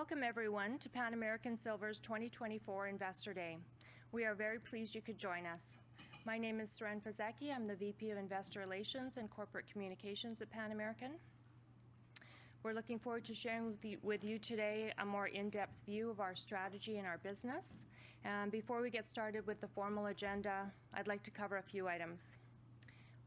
Welcome everyone to Pan American Silver's 2024 Investor Day. We are very pleased you could join us. My name is Siren Fisekci. I'm the VP of Investor Relations and Corporate Communications at Pan American. We're looking forward to sharing with you today a more in-depth view of our strategy and our business. Before we get started with the formal agenda, I'd like to cover a few items.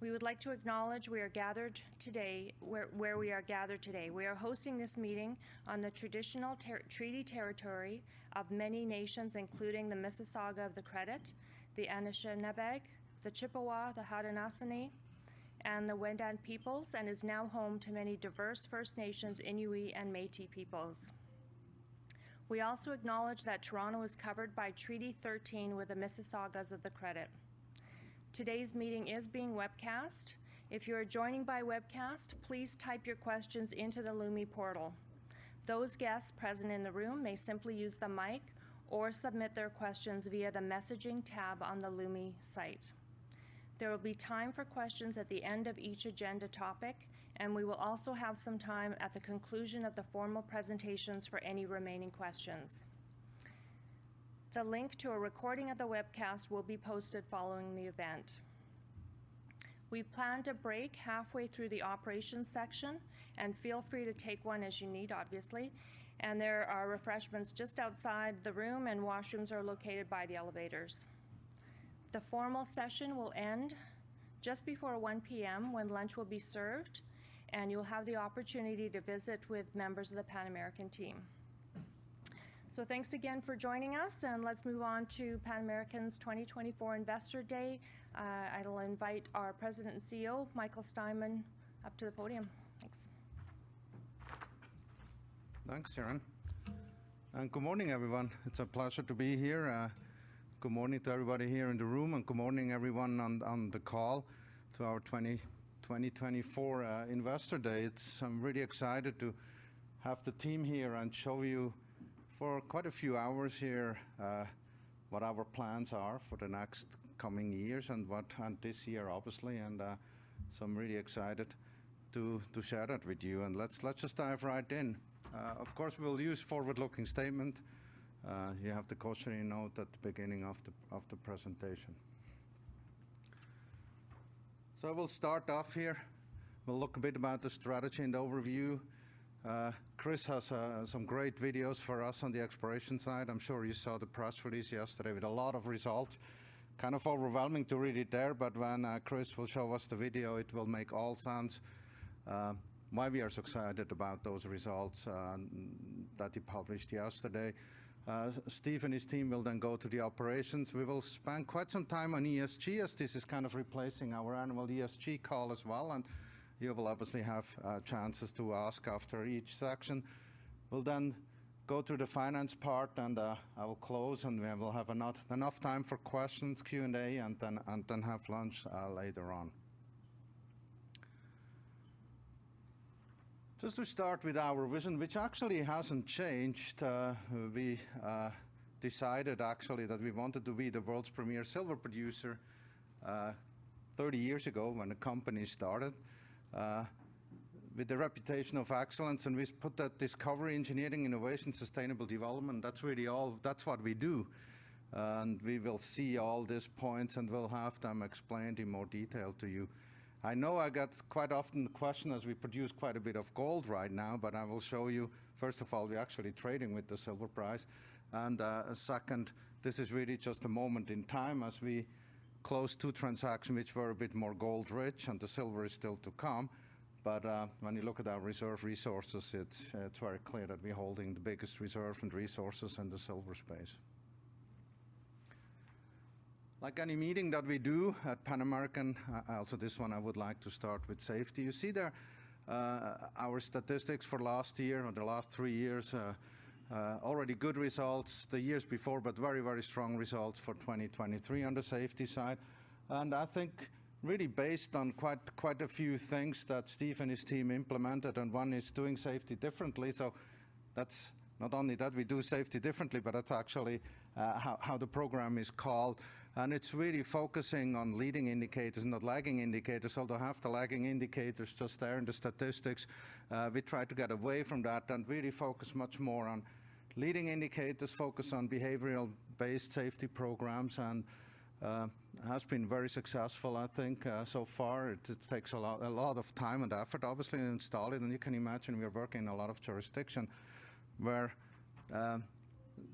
We would like to acknowledge we are gathered today where we are gathered today. We are hosting this meeting on the traditional treaty territory of many nations, including the Mississauga of the Credit, the Anishinaabe, the Chippewa, the Haudenosaunee, and the Wendat peoples, and is now home to many diverse First Nations, Inuit, and Métis peoples. We also acknowledge that Toronto is covered by Treaty 13 with the Mississaugas of the Credit. Today's meeting is being webcast. If you are joining by webcast, please type your questions into the Lumi portal. Those guests present in the room may simply use the mic or submit their questions via the messaging tab on the Lumi site. There will be time for questions at the end of each agenda topic, and we will also have some time at the conclusion of the formal presentations for any remaining questions. The link to a recording of the webcast will be posted following the event. We planned a break halfway through the operations section, and feel free to take one as you need, obviously, and there are refreshments just outside the room, and washrooms are located by the elevators. The formal session will end just before 1:00 P.M., when lunch will be served and you'll have the opportunity to visit with members of the Pan American team. Thanks again for joining us, and let's move on to Pan American's 2024 Investor Day. I will invite our President and CEO, Michael Steinmann, up to the podium. Thanks. Thanks, Siren, and good morning, everyone. It's a pleasure to be here. Good morning to everybody here in the room, and good morning everyone on the call to our 2024 Investor Day. I'm really excited to have the team here and show you for quite a few hours here what our plans are for the next coming years and what and this year, obviously, and so I'm really excited to share that with you. And let's just dive right in. Of course, we'll use forward-looking statement. You have the cautionary note at the beginning of the presentation. So we'll start off here. We'll look a bit about the strategy and overview. Chris has some great videos for us on the exploration side. I'm sure you saw the press release yesterday with a lot of results. Kind of overwhelming to read it there, but when Chris will show us the video, it will make all sense why we are so excited about those results that he published yesterday. Steve and his team will then go to the operations. We will spend quite some time on ESG, as this is kind of replacing our annual ESG call as well, and you will obviously have chances to ask after each section. We'll then go through the finance part and I will close, and we will have enough time for questions, Q&A, and then have lunch later on. Just to start with our vision, which actually hasn't changed, we decided actually that we wanted to be the world's premier silver producer, 30 years ago when the company started, with the reputation of excellence, and we put that discovery, engineering, innovation, sustainable development. That's really all. That's what we do, and we will see all these points, and we'll have them explained in more detail to you. I know I get quite often the question, as we produce quite a bit of gold right now, but I will show you, first of all, we're actually trading with the silver price. And, second, this is really just a moment in time as we closed two transactions, which were a bit more gold rich, and the silver is still to come. But, when you look at our reserve resources, it's, it's very clear that we're holding the biggest reserve and resources in the silver space. Like any meeting that we do at Pan American, also this one, I would like to start with safety. You see there, our statistics for last year or the last three years, already good results the years before, but very, very strong results for 2023 on the safety side. And I think really based on quite, quite a few things that Steve and his team implemented, and one is doing safety differently. So that's not only that we do safety differently, but that's actually, how, how the program is called, and it's really focusing on leading indicators, not lagging indicators, although half the lagging indicators just there in the statistics. We try to get away from that and really focus much more on leading indicators, focus on behavioral-based safety programs, and has been very successful, I think, so far. It takes a lot of time and effort, obviously, to install it, and you can imagine we are working in a lot of jurisdiction where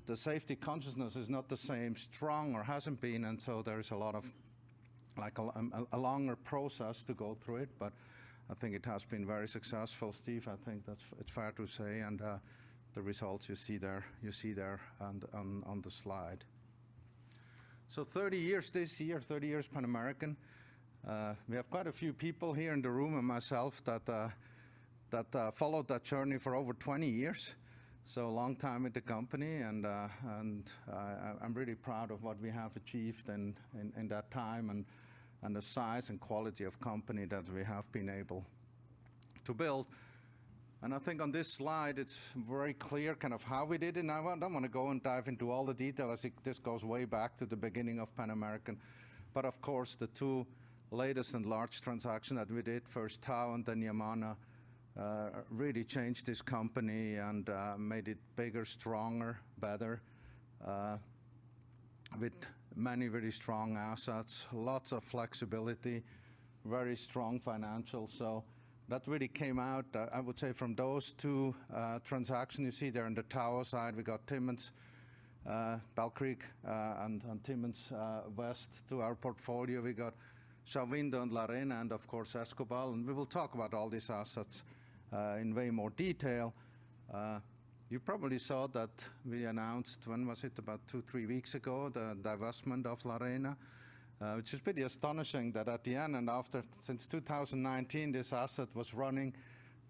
the safety consciousness is not the same, strong or hasn't been, and so there is a lot of, like, a longer process to go through it, but I think it has been very successful. Steve, I think that's it. It's fair to say, and the results you see there on the slide. So 30 years this year, 30 years Pan American. We have quite a few people here in the room and myself that followed that journey for over 20 years. So a long time with the company and I'm really proud of what we have achieved in that time and the size and quality of company that we have been able to build. And I think on this slide, it's very clear kind of how we did it. And I won't—I don't want to go and dive into all the detail, as it, this goes way back to the beginning of Pan American. But of course, the two latest and large transaction that we did, first Tahoe and then Yamana, really changed this company and made it bigger, stronger, better with many very strong assets, lots of flexibility, very strong financial. So that really came out, I would say from those two transactions. You see there on the Tahoe side, we got Timmins, Bell Creek, and Timmins West to our portfolio. We got San Vicente and La Arena, and of course, Escobal, and we will talk about all these assets in way more detail. You probably saw that we announced, when was it? About two-three weeks ago, the divestment of La Arena, which is pretty astonishing that at the end and after, since 2019, this asset was running,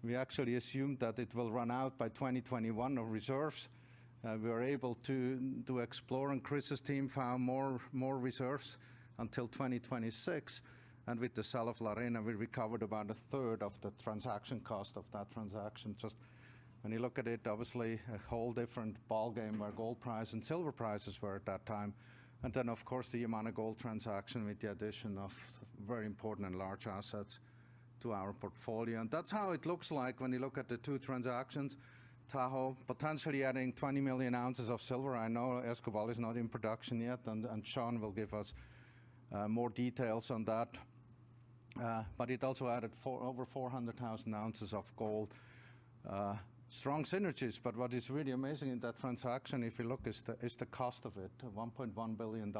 we actually assumed that it will run out by 2021 of reserves. We were able to explore, and Chris's team found more reserves until 2026, and with the sale of La Arena, we recovered about a third of the transaction cost of that transaction. Just when you look at it, obviously, a whole different ballgame, where gold price and silver prices were at that time, and then, of course, the Yamana Gold transaction, with the addition of very important and large assets to our portfolio. And that's how it looks like when you look at the two transactions. Tahoe, potentially adding 20 million oz of silver. I know Escobal is not in production yet, and Sean will give us more details on that. But it also added over 400,000 oz Strong synergies, but what is really amazing in that transaction, if you look, is the cost of it, $1.1 billion,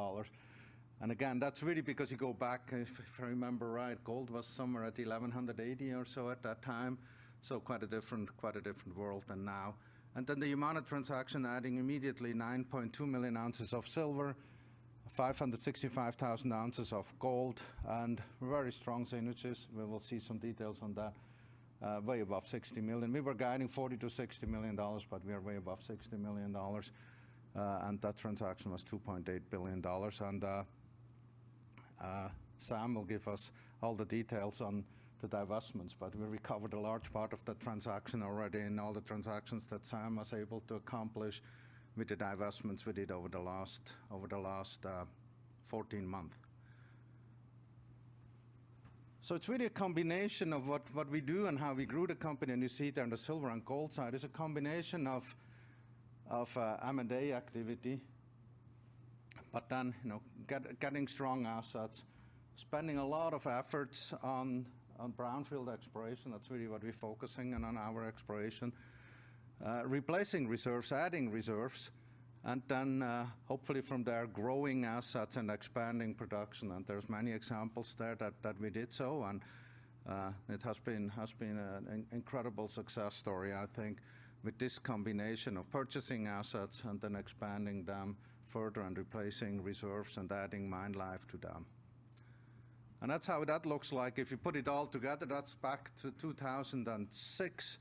and again, that's really because you go back, if I remember right, gold was somewhere at $1,180 or so at that time, so quite a different world than now. And then the Yamana transaction, adding immediately 9.2 million oz of silver, 565,000 oz of gold, and very strong synergies. We will see some details on that, way above $60 million. We were guiding $40 million-$60 million, but we are way above $60 million, and that transaction was $2.8 billion, and Sam will give us all the details on the divestments. But we recovered a large part of that transaction already, and all the transactions that Sam was able to accomplish with the divestments we did over the last, over the last, 14 months. So it's really a combination of what we do and how we grew the company, and you see it there on the silver and gold side. It's a combination of M&A activity, but then, you know, getting strong assets, spending a lot of efforts on brownfield exploration. That's really what we're focusing on our exploration. replacing reserves, adding reserves, and then, hopefully from there, growing assets and expanding production, and there's many examples there that, that we did so, and, it has been, has been an incredible success story, I think, with this combination of purchasing assets and then expanding them further and replacing reserves and adding mine life to them. And that's how that looks like. If you put it all together, that's back to 2006.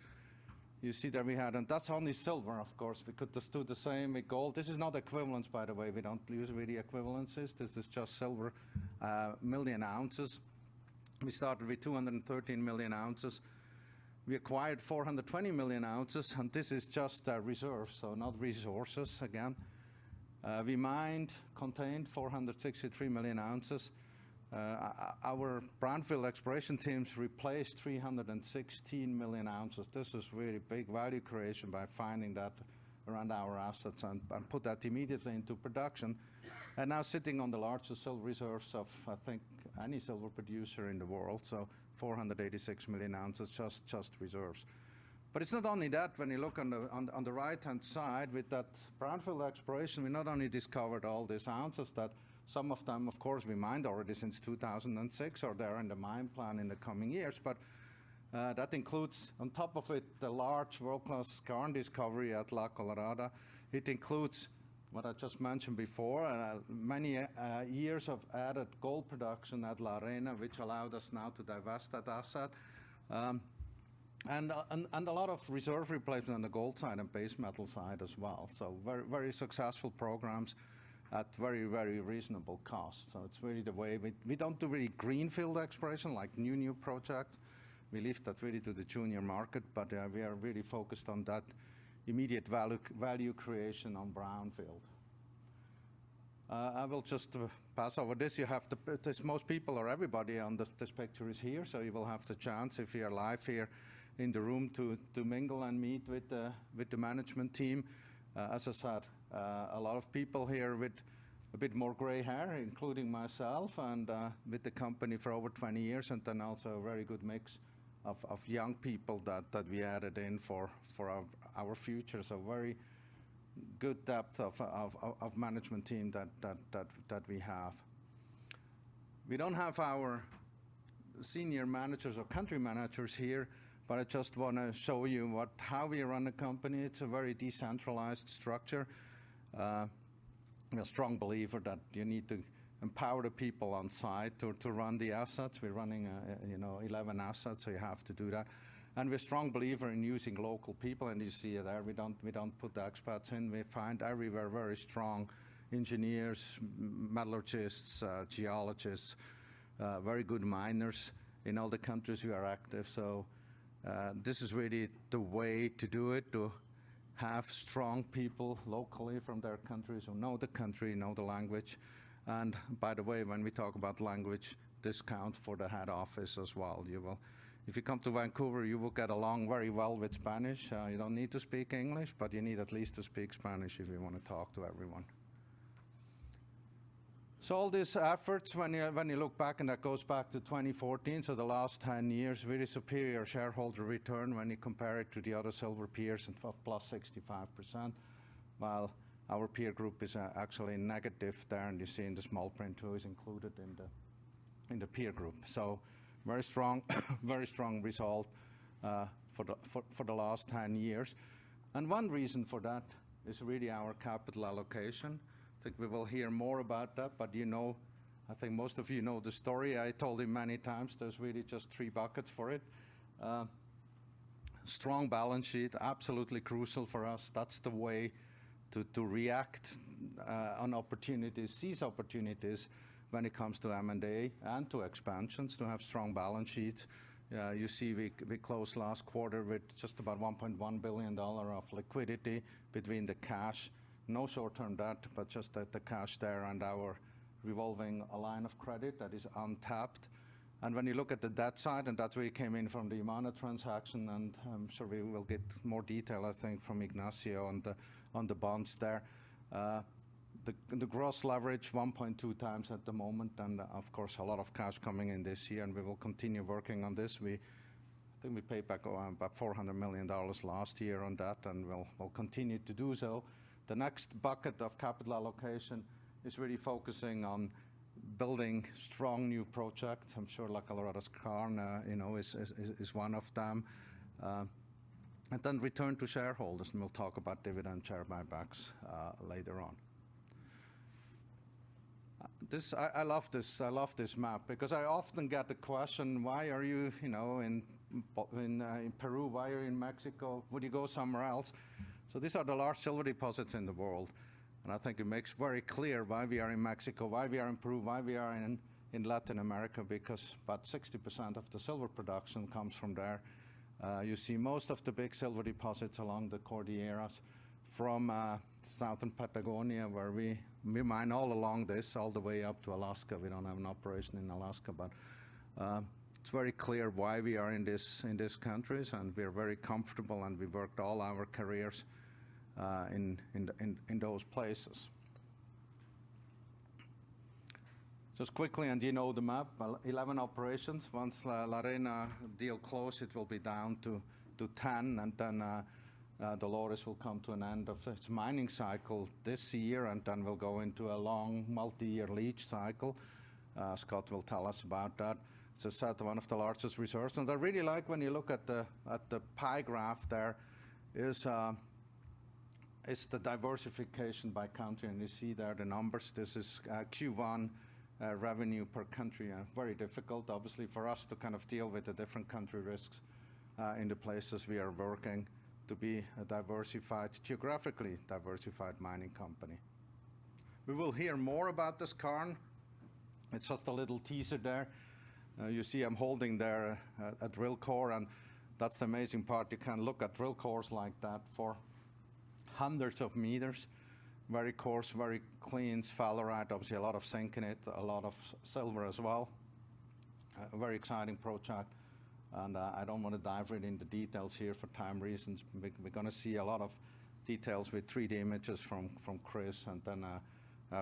You see that we had... And that's only silver, of course. We could do the same with gold. This is not equivalents, by the way. We don't use really equivalents. This is just silver, million ounces. We started with 213 million oz. We acquired 420 million oz, and this is just, reserves, so not resources, again. We mined contained 463 million oz. Our brownfield exploration teams replaced 316 million oz. This is really big value creation by finding that around our assets and put that immediately into production, and now sitting on the largest silver reserves of, I think, any silver producer in the world, so 486 million oz, just reserves. But it's not only that. When you look on the right-hand side, with that brownfield exploration, we not only discovered all these ounces, that some of them, of course, we mined already since 2006 or they're in the mine plan in the coming years, but that includes, on top of it, the large world-class skarn discovery at La Colorada. It includes what I just mentioned before, many years of added gold production at La Arena, which allowed us now to divest that asset, and a lot of reserve replacement on the gold side and base metal side as well, so very successful programs at very, very reasonable cost. So it's really the way... We don't do really greenfield exploration, like new project. We leave that really to the junior market, but we are really focused on that immediate value creation on brownfield. I will just pass over this. You have the most people or everybody on this picture is here, so you will have the chance, if you are live here in the room, to mingle and meet with the management team. As I said, a lot of people here with a bit more gray hair, including myself, and with the company for over 20 years, and then also a very good mix of young people that we added in for our future. So very good depth of management team that we have. We don't have our senior managers or country managers here, but I just wanna show you how we run the company. It's a very decentralized structure. I'm a strong believer that you need to empower the people on site to run the assets. We're running, you know, 11 assets, so you have to do that, and we're strong believer in using local people, and you see it there. We don't put the experts in. We find everywhere very strong engineers, metallurgists, geologists, very good miners in all the countries who are active. So, this is really the way to do it, to have strong people locally from their countries, who know the country, know the language... and by the way, when we talk about language, this counts for the head office as well. You will - if you come to Vancouver, you will get along very well with Spanish. You don't need to speak English, but you need at least to speak Spanish if you want to talk to everyone. So all these efforts, when you, when you look back, and that goes back to 2014, so the last 10 years, really superior shareholder return when you compare it to the other silver peers and of +65%, while our peer group is, actually negative there. You see in the small print, too, is included in the peer group. Very strong, very strong result for the last 10 years. One reason for that is really our capital allocation. I think we will hear more about that, but you know, I think most of you know the story. I told it many times. There's really just three buckets for it. Strong balance sheet, absolutely crucial for us. That's the way to react on opportunities, seize opportunities when it comes to M&A and to expansions, to have strong balance sheets. You see, we closed last quarter with just about $1.1 billion of liquidity between the cash, no short-term debt, but just the cash there and our revolving line of credit that is untapped. And when you look at the debt side, and that really came in from the Yamana transaction, and I'm sure we will get more detail, I think, from Ignacio on the, on the bonds there. The gross leverage 1.2 times at the moment, and of course, a lot of cash coming in this year, and we will continue working on this. I think we paid back around about $400 million last year on that, and we'll continue to do so. The next bucket of capital allocation is really focusing on building strong new projects. I'm sure La Colorada Skarn is one of them. And then return to shareholders, and we'll talk about dividend share buybacks later on. I love this map because I often get the question: "Why are you, you know, in in Peru? Why are you in Mexico? Would you go somewhere else?" So these are the large silver deposits in the world, and I think it makes very clear why we are in Mexico, why we are in Peru, why we are in Latin America, because about 60% of the silver production comes from there. You see most of the big silver deposits along the Cordilleras from southern Patagonia, where we mine all along this, all the way up to Alaska. We don't have an operation in Alaska, but it's very clear why we are in this, in these countries, and we are very comfortable, and we worked all our careers in those places. Just quickly, and you know the map, 11 operations. Once La Arena deal close, it will be down to, to 10, and then, Dolores will come to an end of its mining cycle this year, and then we'll go into a long, multi-year leach cycle. Scott will tell us about that. As I said, one of the largest reserves, and I really like when you look at the, at the pie graph, there is, is the diversification by country, and you see there the numbers. This is, Q1, revenue per country, and very difficult, obviously, for us to kind of deal with the different country risks, in the places we are working to be a diversified, geographically diversified mining company. We will hear more about the Skarn. It's just a little teaser there. You see, I'm holding there a drill core, and that's the amazing part. You can look at drill cores like that for hundreds of meters. Very coarse, very clean sphalerite. Obviously, a lot of zinc in it, a lot of silver as well. A very exciting project, and I don't want to dive really into details here for time reasons. We're gonna see a lot of details with 3D images from Chris, and then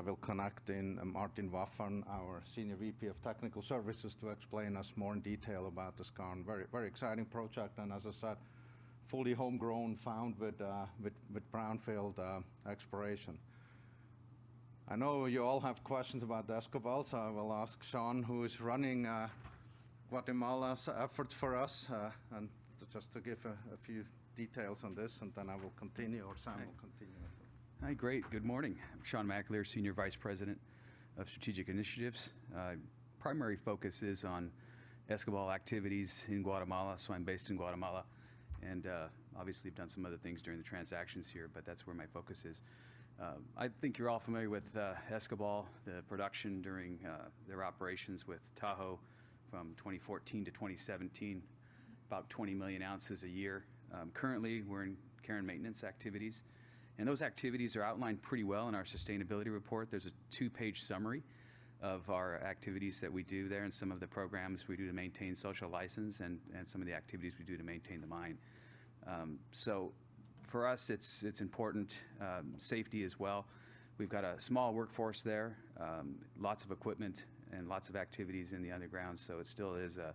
we'll connect in Martin Wafforn, our Senior VP of Technical Services, to explain us more in detail about the Skarn. Very, very exciting project, and as I said, fully homegrown, found with brownfield exploration. I know you all have questions about the Escobal, so I will ask Sean, who is running Guatemala's efforts for us, and just to give a few details on this, and then I will continue or Sean will continue. Hi, great. Good morning. I'm Sean McAleer, Senior Vice President of Strategic Initiatives. My primary focus is on Escobal activities in Guatemala, so I'm based in Guatemala and, obviously, I've done some other things during the transactions here, but that's where my focus is. I think you're all familiar with, Escobal, the production during, their operations with Tahoe from 2014 to 2017, about 20 million oz a year. Currently, we're in care and maintenance activities, and those activities are outlined pretty well in our sustainability report. There's a two-page summary of our activities that we do there and some of the programs we do to maintain social license and, and some of the activities we do to maintain the mine. So for us, it's, it's important, safety as well. We've got a small workforce there, lots of equipment and lots of activities in the underground, so it still is a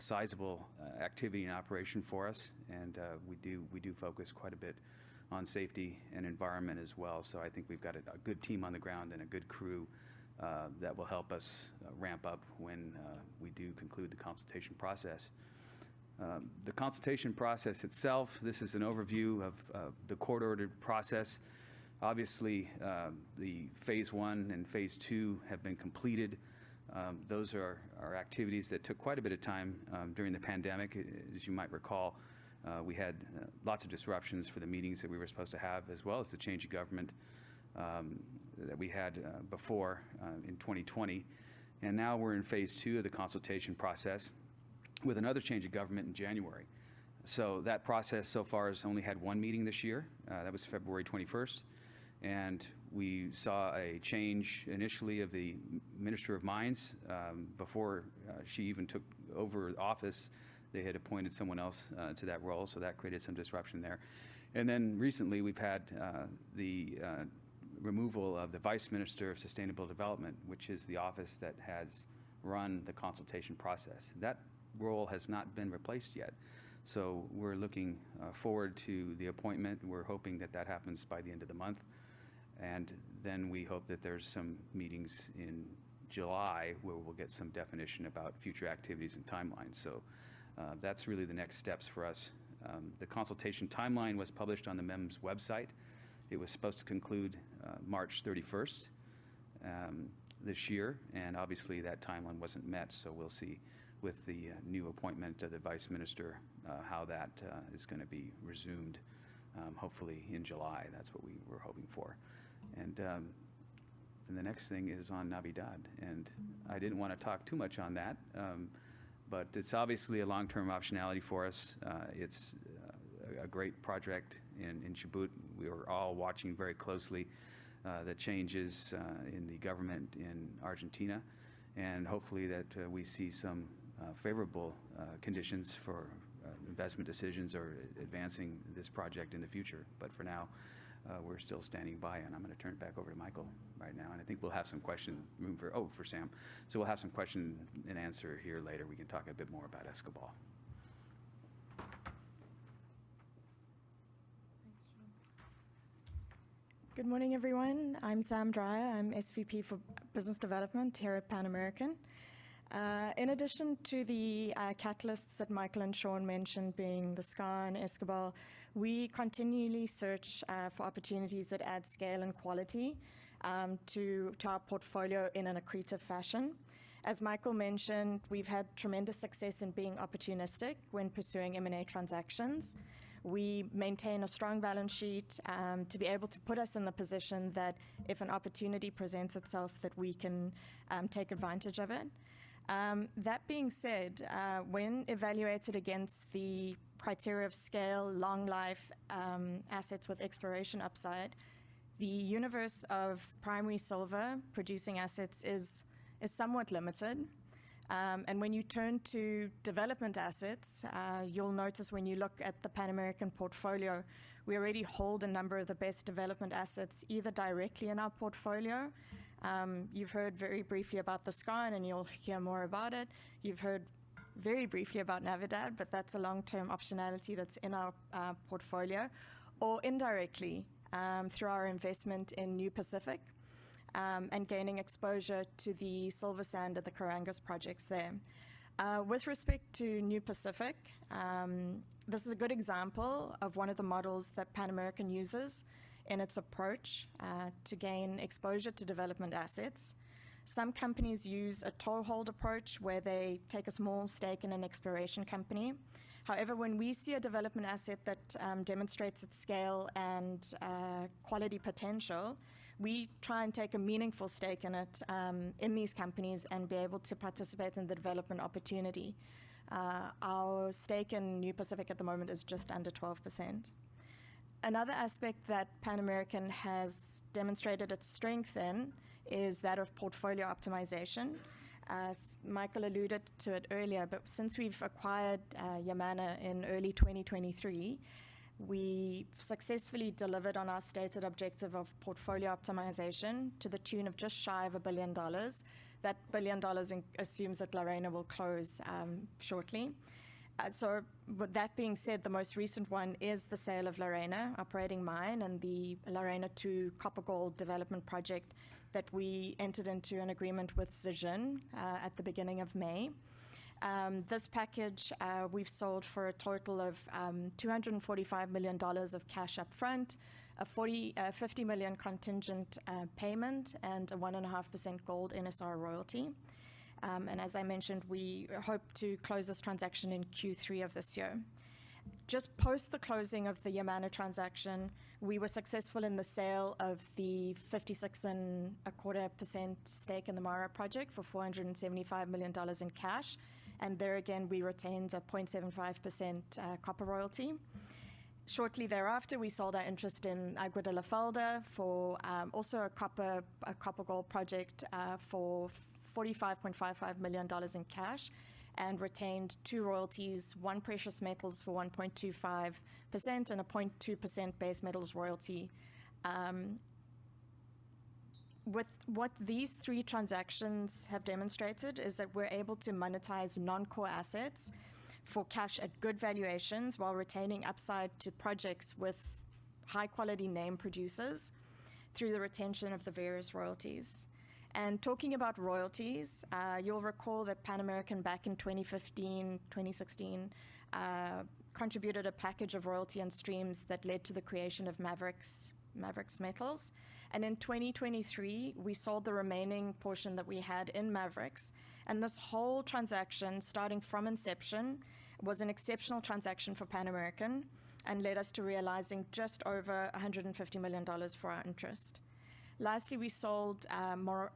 sizable activity and operation for us, and we do focus quite a bit on safety and environment as well. So I think we've got a good team on the ground and a good crew that will help us ramp up when we do conclude the consultation process. The consultation process itself, this is an overview of the court-ordered process. Obviously, the phase one and phase two have been completed. Those are activities that took quite a bit of time during the pandemic. As you might recall, we had lots of disruptions for the meetings that we were supposed to have, as well as the change of government that we had before in 2020, and now we're in phase two of the consultation process with another change of government in January. So that process so far has only had one meeting this year, that was February 21. And we saw a change initially of the Minister of Mines before she even took over office, they had appointed someone else to that role, so that created some disruption there. And then recently, we've had the removal of the Vice Minister of Sustainable Development, which is the office that has run the consultation process. That role has not been replaced yet, so we're looking forward to the appointment. We're hoping that that happens by the end of the month, and then we hope that there's some meetings in July, where we'll get some definition about future activities and timelines. So, that's really the next steps for us. The consultation timeline was published on the MEM's website. It was supposed to conclude March 31st this year, and obviously, that timeline wasn't met, so we'll see with the new appointment of the vice minister how that is gonna be resumed, hopefully in July. That's what we were hoping for. And the next thing is on Navidad, and I didn't wanna talk too much on that, but it's obviously a long-term optionality for us. It's a great project in Chubut. We are all watching very closely the changes in the government in Argentina, and hopefully that we see some favorable conditions for investment decisions or advancing this project in the future. But for now, we're still standing by, and I'm gonna turn it back over to Michael right now, and I think we'll have some question room for - Oh, for Sam. So we'll have some question and answer here later. We can talk a bit more about Escobal. Thanks, Sean. Good morning, everyone. I'm Sam Drier. I'm SVP for Business Development here at Pan American Silver. In addition to the catalysts that Michael and Sean mentioned, being the Skarn Escobal, we continually search for opportunities that add scale and quality to our portfolio in an accretive fashion. As Michael mentioned, we've had tremendous success in being opportunistic when pursuing M&A transactions. We maintain a strong balance sheet to be able to put us in the position that if an opportunity presents itself, that we can take advantage of it. That being said, when evaluated against the criteria of scale, long life assets with exploration upside, the universe of primary silver-producing assets is somewhat limited. And when you turn to development assets, you'll notice when you look at the Pan American portfolio, we already hold a number of the best development assets, either directly in our portfolio, you've heard very briefly about the Skarn, and you'll hear more about it. You've heard very briefly about Navidad, but that's a long-term optionality that's in our portfolio, or indirectly, through our investment in New Pacific, and gaining exposure to the Silver Sand at the Carangas projects there. With respect to New Pacific, this is a good example of one of the models that Pan American uses in its approach to gain exposure to development assets. Some companies use a toehold approach, where they take a small stake in an exploration company. However, when we see a development asset that demonstrates its scale and quality potential, we try and take a meaningful stake in it in these companies and be able to participate in the development opportunity. Our stake in New Pacific at the moment is just under 12%. Another aspect that Pan American has demonstrated its strength in is that of portfolio optimization. As Michael alluded to it earlier, but since we've acquired Yamana in early 2023, we successfully delivered on our stated objective of portfolio optimization to the tune of just shy of $1 billion. That $1 billion assumes that Lorena will close shortly. So with that being said, the most recent one is the sale of Lorena operating mine and the Lorena-II copper gold development project that we entered into an agreement with Zijin at the beginning of May. This package, we've sold for a total of $245 million of cash up front, a $45 million contingent payment, and a 1.5% gold NSR royalty. And as I mentioned, we hope to close this transaction in Q3 of this year. Just post the closing of the Yamana transaction, we were successful in the sale of the 56.25% stake in the Mara project for $475 million in cash, and there again, we retained a 0.75% copper royalty. Shortly thereafter, we sold our interest in Agua de la Falda for also a copper gold project for $45.55 million in cash and retained two royalties, one precious metals for 1.25% and a 0.2% base metals royalty. What these three transactions have demonstrated is that we're able to monetize non-core assets for cash at good valuations while retaining upside to projects with high-quality name producers through the retention of the various royalties. And talking about royalties, you'll recall that Pan American, back in 2015, 2016, contributed a package of royalty and streams that led to the creation of Maverix Metals. And in 2023, we sold the remaining portion that we had in Maverix, and this whole transaction, starting from inception-... was an exceptional transaction for Pan American and led us to realizing just over $150 million for our interest. Lastly, we sold, more,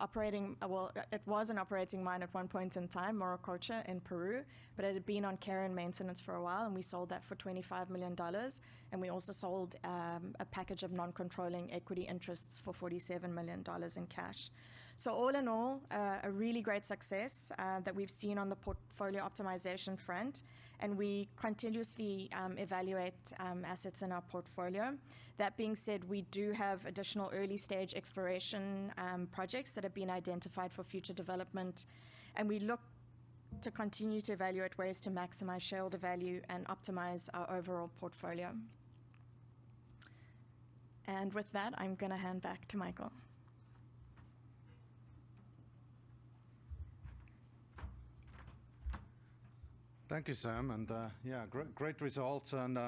operating, well, it was an operating mine at one point in time, Morococha in Peru, but it had been on care and maintenance for a while, and we sold that for $25 million. And we also sold, a package of non-controlling equity interests for $47 million in cash. So all in all, a really great success, that we've seen on the portfolio optimization front, and we continuously, evaluate, assets in our portfolio. That being said, we do have additional early-stage exploration, projects that have been identified for future development, and we look to continue to evaluate ways to maximize shareholder value and optimize our overall portfolio. With that, I'm gonna hand back to Michael. Thank you, Sam, and yeah, great, great results and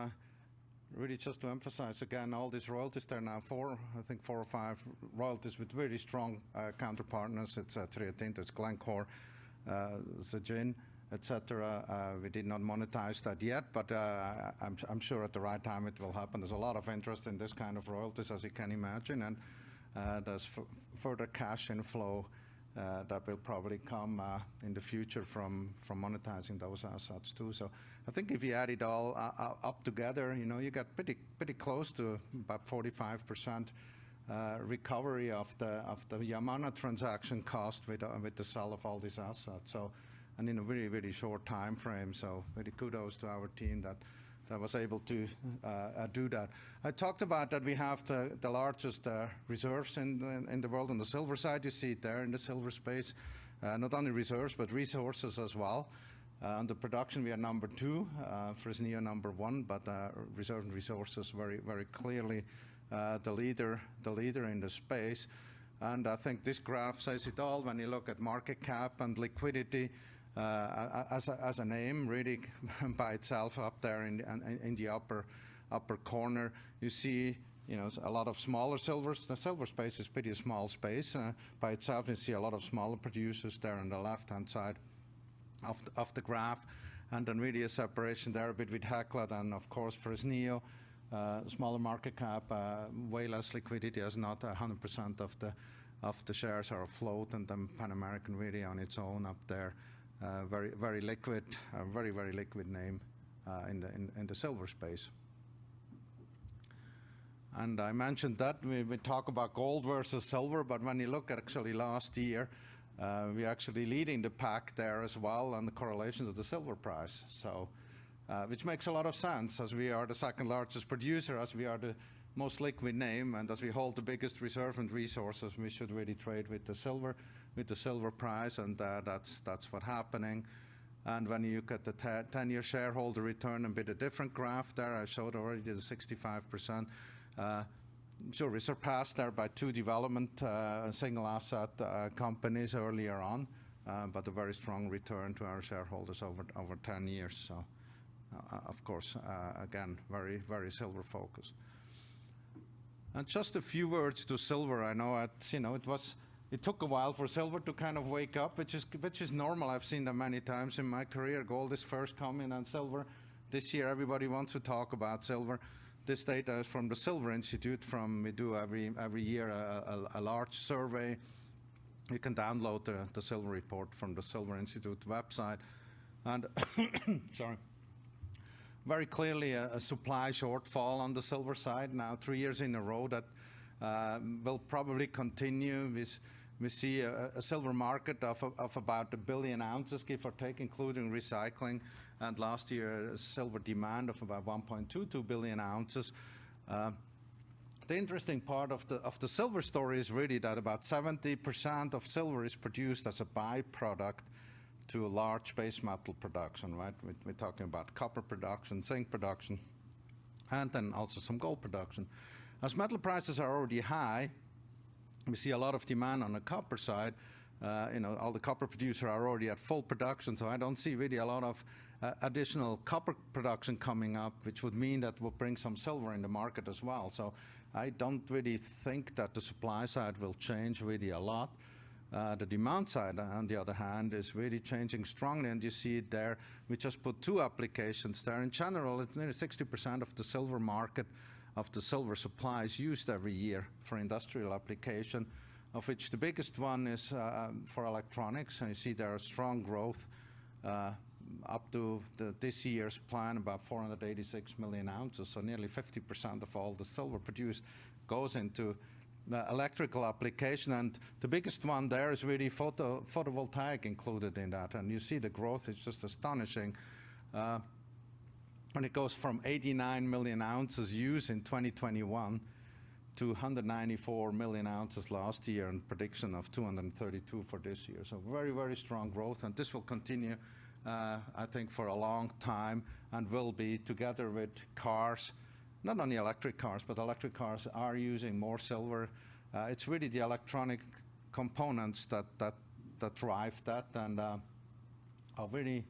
really just to emphasize again, all these royalties, there are now four, I think four or five royalties with really strong counterparties. It's Rio Tinto, it's Glencore, Zijin, etc. We did not monetize that yet, but I'm sure at the right time it will happen. There's a lot of interest in this kind of royalties, as you can imagine, and there's further cash inflow that will probably come in the future from monetizing those assets too. So I think if you add it all up together, you know, you get pretty, pretty close to about 45% recovery of the Yamana transaction cost with the sale of all these assets. And in a very, very short timeframe. So really kudos to our team that was able to do that. I talked about that we have the largest reserves in the world on the silver side. You see it there in the silver space, not only reserves, but resources as well. And the production, we are number two, Fresnillo number one, but reserve and resources very, very clearly the leader, the leader in the space. And I think this graph says it all. When you look at market cap and liquidity, as a name, really by itself up there in the upper corner, you see, you know, a lot of smaller silvers. The silver space is pretty small space by itself. You see a lot of smaller producers there on the left-hand side of the graph, and then really a separation there a bit with Hecla and, of course, Fresnillo. Smaller market cap, way less liquidity. There's not 100% of the shares are afloat, and then Pan American really on its own up there. Very, very liquid, a very, very liquid name, in the silver space. And I mentioned that when we talk about gold versus silver, but when you look at actually last year, we're actually leading the pack there as well, and the correlation of the silver price. So, which makes a lot of sense, as we are the second-largest producer, as we are the most liquid name, and as we hold the biggest reserve and resources, we should really trade with the silver, with the silver price, and, that's, that's what's happening. And when you look at the 10-year shareholder return, a bit of different graph there, I showed already the 65%. So we surpassed there by two development, single asset, companies earlier on, but a very strong return to our shareholders over, over 10 years. So of course, again, very, very silver-focused. And just a few words to silver. I know at... You know, it was, it took a while for silver to kind of wake up, which is, which is normal. I've seen that many times in my career. Gold is first come in, and silver, this year, everybody wants to talk about silver. This data is from the Silver Institute. We do every year a large survey. You can download the silver report from the Silver Institute website. And sorry. Very clearly a supply shortfall on the silver side now three years in a row that will probably continue. We see a silver market of about 1 billion oz, give or take, including recycling, and last year, a silver demand of about 1.22 billion oz. The interesting part of the silver story is really that about 70% of silver is produced as a by-product to a large base metal production, right? We're talking about copper production, zinc production, and then also some gold production. As metal prices are already high, we see a lot of demand on the copper side. You know, all the copper producers are already at full production, so I don't see really a lot of additional copper production coming up, which would mean that will bring some silver in the market as well. So I don't really think that the supply side will change really a lot. The demand side, on the other hand, is really changing strongly, and you see it there. We just put two applications there. In general, it's nearly 60% of the silver market, of the silver supply is used every year for industrial applications, of which the biggest one is for electronics, and you see there a strong growth up to this year's plan, about 486 million oz. So nearly 50% of all the silver produced goes into the electrical application, and the biggest one there is really photovoltaic included in that, and you see the growth is just astonishing. And it goes from 89 million oz used in 2021 to 194 million oz last year, and prediction of 232 for this year. So very, very strong growth, and this will continue, I think, for a long time and will be together with cars, not only electric cars, but electric cars are using more silver. It's really the electronic components that, that, that drive that, and a really,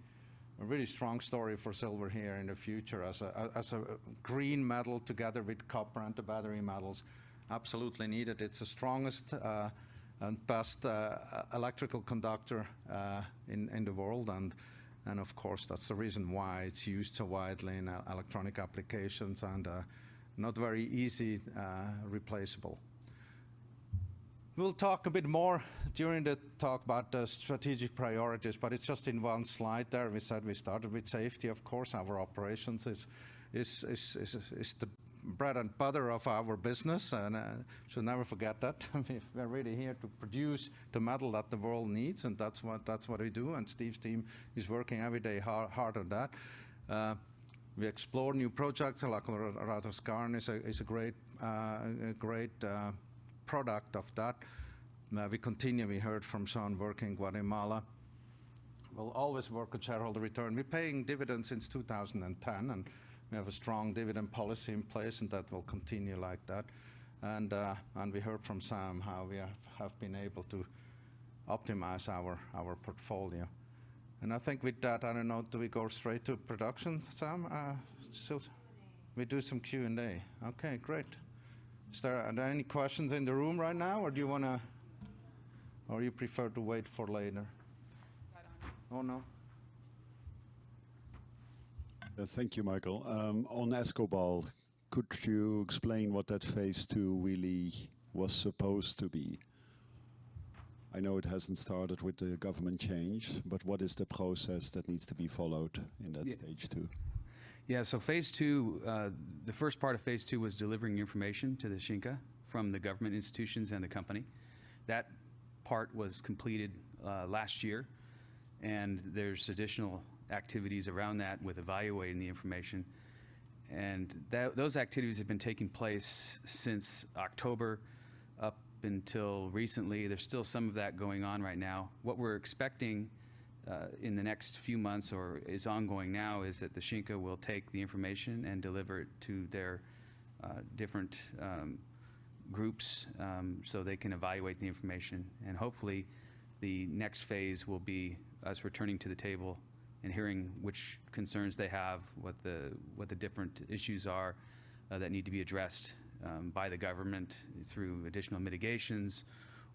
a really strong story for silver here in the future as a, as a, green metal together with copper and the battery metals. Absolutely needed. It's the strongest and best electrical conductor in the world, and of course, that's the reason why it's used so widely in electronic applications and not very easy replaceable. We'll talk a bit more during the talk about the strategic priorities, but it's just in one slide there. We said we started with safety. Of course, our operations is the bread and butter of our business, and so never forget that. We're really here to produce the metal that the world needs, and that's what we do, and Steve's team is working every day hard on that. We explore new projects, like La Colorada Skarn is a great product of that. We continue, we heard from Sean, work in Guatemala. We'll always work with shareholder return. We're paying dividends since 2010, and we have a strong dividend policy in place, and that will continue like that. And we heard from Sam how we have been able to optimize our portfolio. And I think with that, I don't know, do we go straight to production, Sam? Q&A. We do some Q&A. Okay, great. Is there... Are there any questions in the room right now, or do you wanna... Or you prefer to wait for later? I don't know. Oh, no. Thank you, Michael. On Escobal, could you explain what that phase two really was supposed to be? I know it hasn't started with the government change, but what is the process that needs to be followed in that- Yeah... stage two? Yeah, so phase two, the first part of phase two was delivering information to the SHINKA from the government institutions and the company. That part was completed last year, and there's additional activities around that with evaluating the information, and those activities have been taking place since October, up until recently. There's still some of that going on right now. What we're expecting in the next few months or is ongoing now, is that the SHINKA will take the information and deliver it to their different groups, so they can evaluate the information. And hopefully, the next phase will be us returning to the table and hearing which concerns they have, what the different issues are, that need to be addressed by the government through additional mitigations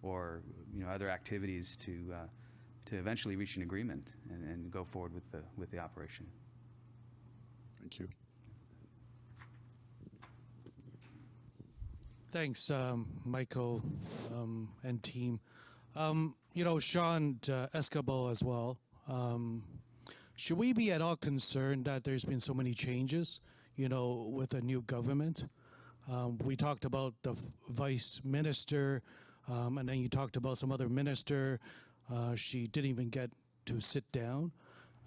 or, you know, other activities to eventually reach an agreement and go forward with the operation. Thank you. Thanks, Michael, and team. You know, Sean, to Escobal as well, should we be at all concerned that there's been so many changes, you know, with the new government? We talked about the vice minister, and then you talked about some other minister, she didn't even get to sit down.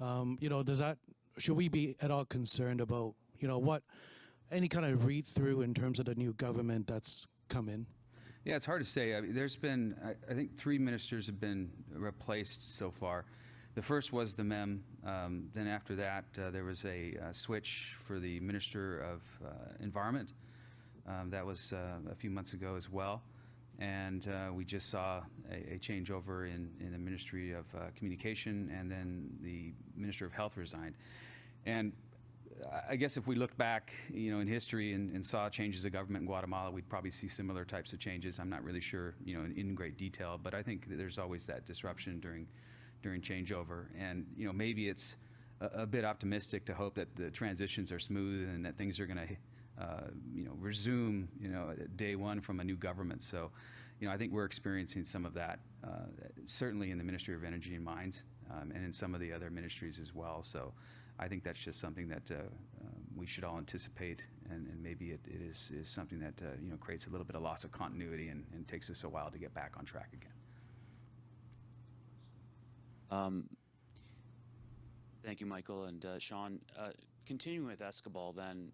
You know, does that—Should we be at all concerned about, you know, what... Any kind of read-through in terms of the new government that's come in? Yeah, it's hard to say. I mean, there's been, I think three ministers have been replaced so far. The first was the MEM, then after that, there was a switch for the Minister of Environment. That was a few months ago as well, and we just saw a changeover in the Ministry of Communication, and then the Minister of Health resigned. I guess if we look back, you know, in history and saw changes of government in Guatemala, we'd probably see similar types of changes. I'm not really sure, you know, in great detail, but I think there's always that disruption during changeover. And, you know, maybe it's a bit optimistic to hope that the transitions are smooth and that things are gonna, you know, resume, you know, at day one from a new government. So, you know, I think we're experiencing some of that, certainly in the Ministry of Energy and Mines, and in some of the other ministries as well. So I think that's just something that we should all anticipate, and maybe it is something that, you know, creates a little bit of loss of continuity and takes us a while to get back on track again. Thank you, Michael and Sean. Continuing with Escobal then,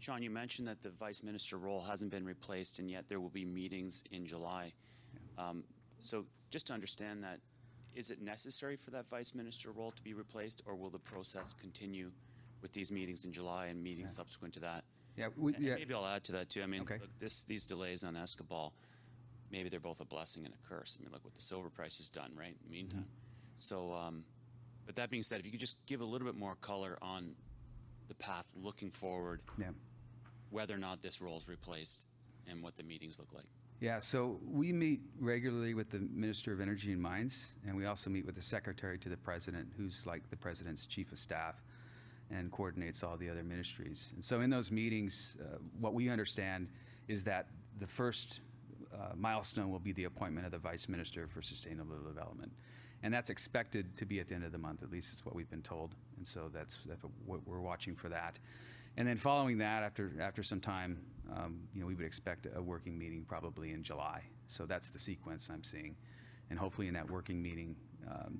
Sean, you mentioned that the vice minister role hasn't been replaced, and yet there will be meetings in July. So just to understand that, is it necessary for that vice minister role to be replaced, or will the process continue with these meetings in July and meetings- Yeah... subsequent to that? Yeah, we, yeah- Maybe I'll add to that, too. Okay. I mean, with this—these delays on Escobal, maybe they're both a blessing and a curse. I mean, look what the silver price has done, right, in the meantime. Mm-hmm. But that being said, if you could just give a little bit more color on the path looking forward- Yeah... whether or not this role is replaced and what the meetings look like. Yeah. So we meet regularly with the Minister of Energy and Mines, and we also meet with the Secretary to the President, who's like the president's chief of staff and coordinates all the other ministries. And so in those meetings, what we understand is that the first milestone will be the appointment of the vice minister for sustainable development, and that's expected to be at the end of the month, at least that's what we've been told, and so that's, that... We're, we're watching for that. And then following that, after some time, you know, we would expect a working meeting probably in July. So that's the sequence I'm seeing. And hopefully, in that working meeting,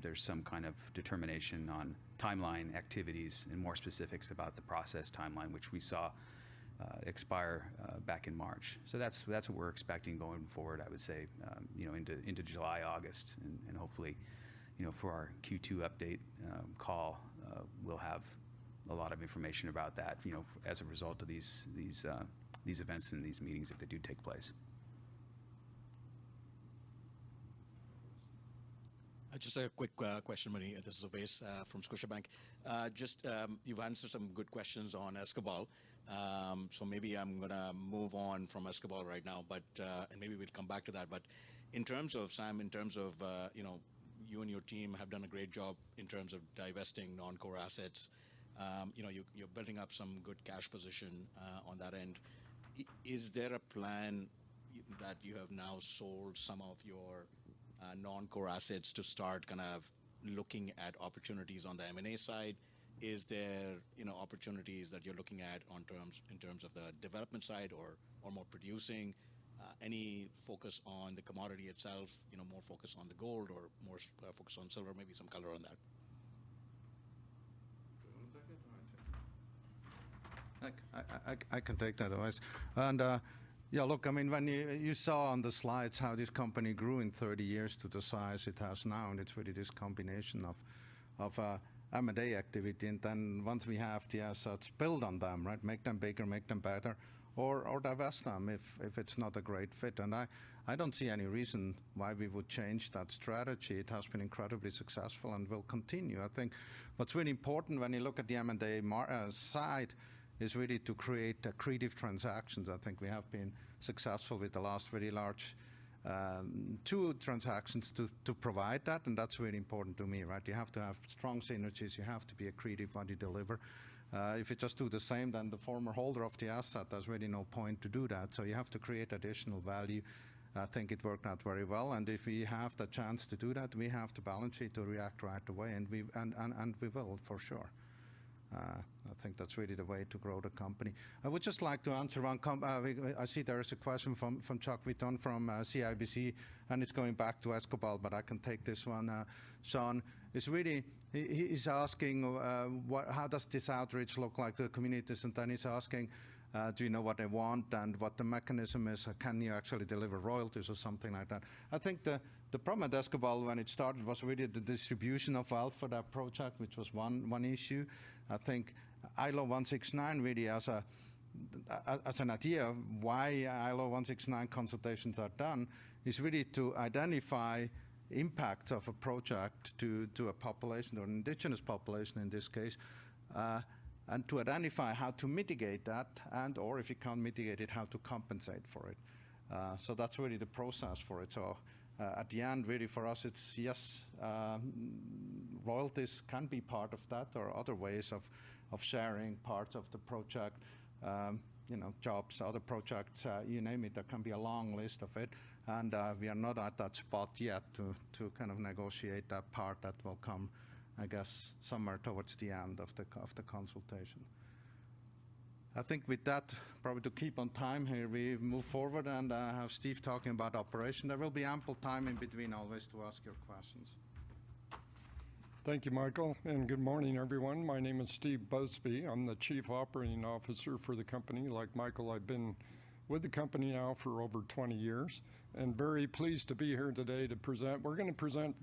there's some kind of determination on timeline, activities, and more specifics about the process timeline, which we saw expire back in March. So that's what we're expecting going forward, I would say, you know, into July, August. And hopefully, you know, for our Q2 update call, we'll have a lot of information about that, you know, as a result of these events and these meetings, if they do take place.... Just a quick question, Marie. This is Ovais from Scotiabank. Just, you've answered some good questions on Escobal, so maybe I'm gonna move on from Escobal right now, but, and maybe we'll come back to that. But in terms of, Sam, in terms of, you know, you and your team have done a great job in terms of divesting non-core assets, you know, you're building up some good cash position on that end. Is there a plan that you have now sold some of your non-core assets to start kind of looking at opportunities on the M&A side? Is there, you know, opportunities that you're looking at on terms, in terms of the development side or, or more producing, any focus on the commodity itself, you know, more focused on the gold or more, focused on silver? Maybe some color on that. Do you wanna take it? All right, sure. I can take that, Ovais. And, yeah, look, I mean, when you saw on the slides how this company grew in 30 years to the size it has now, and it's really this combination of M&A activity, and then once we have the assets, build on them, right? Make them bigger, make them better, or divest them if it's not a great fit, and I don't see any reason why we would change that strategy. It has been incredibly successful and will continue. I think what's really important when you look at the M&A side is really to create creative transactions. I think we have been successful with the last very large two transactions to provide that, and that's really important to me, right? You have to have strong synergies, you have to be creative when you deliver. If you just do the same, then the former holder of the asset, there's really no point to do that, so you have to create additional value. I think it worked out very well, and if we have the chance to do that, we have to balance it, to react right away, and we will for sure. I think that's really the way to grow the company. I would just like to answer one. I see there is a question from Cosmos Chiu from CIBC, and it's going back to Escobal, but I can take this one, Sean. It's really. He is asking, what how does this outreach look like to the community? Then he's asking, do you know what they want and what the mechanism is? Can you actually deliver royalties or something like that? I think the problem at Escobal when it started was really the distribution of wealth for that project, which was one issue. I think ILO 169 really as an idea of why ILO 169 consultations are done, is really to identify impacts of a project to a population or an indigenous population in this case, and to identify how to mitigate that and or if you can't mitigate it, how to compensate for it. So that's really the process for it. So, at the end, really for us, it's yes, royalties can be part of that or other ways of sharing parts of the project, you know, jobs, other projects, you name it, there can be a long list of it, and we are not at that spot yet to kind of negotiate that part. That will come, I guess, somewhere towards the end of the consultation. I think with that, probably to keep on time here, we move forward, and have Steve talking about operation. There will be ample time in between always to ask your questions. Thank you, Michael, and good morning, everyone. My name is Steve Busby. I'm the Chief Operating Officer for the company. Like Michael, I've been with the company now for over 20 years, and very pleased to be here today to present. We're gonna present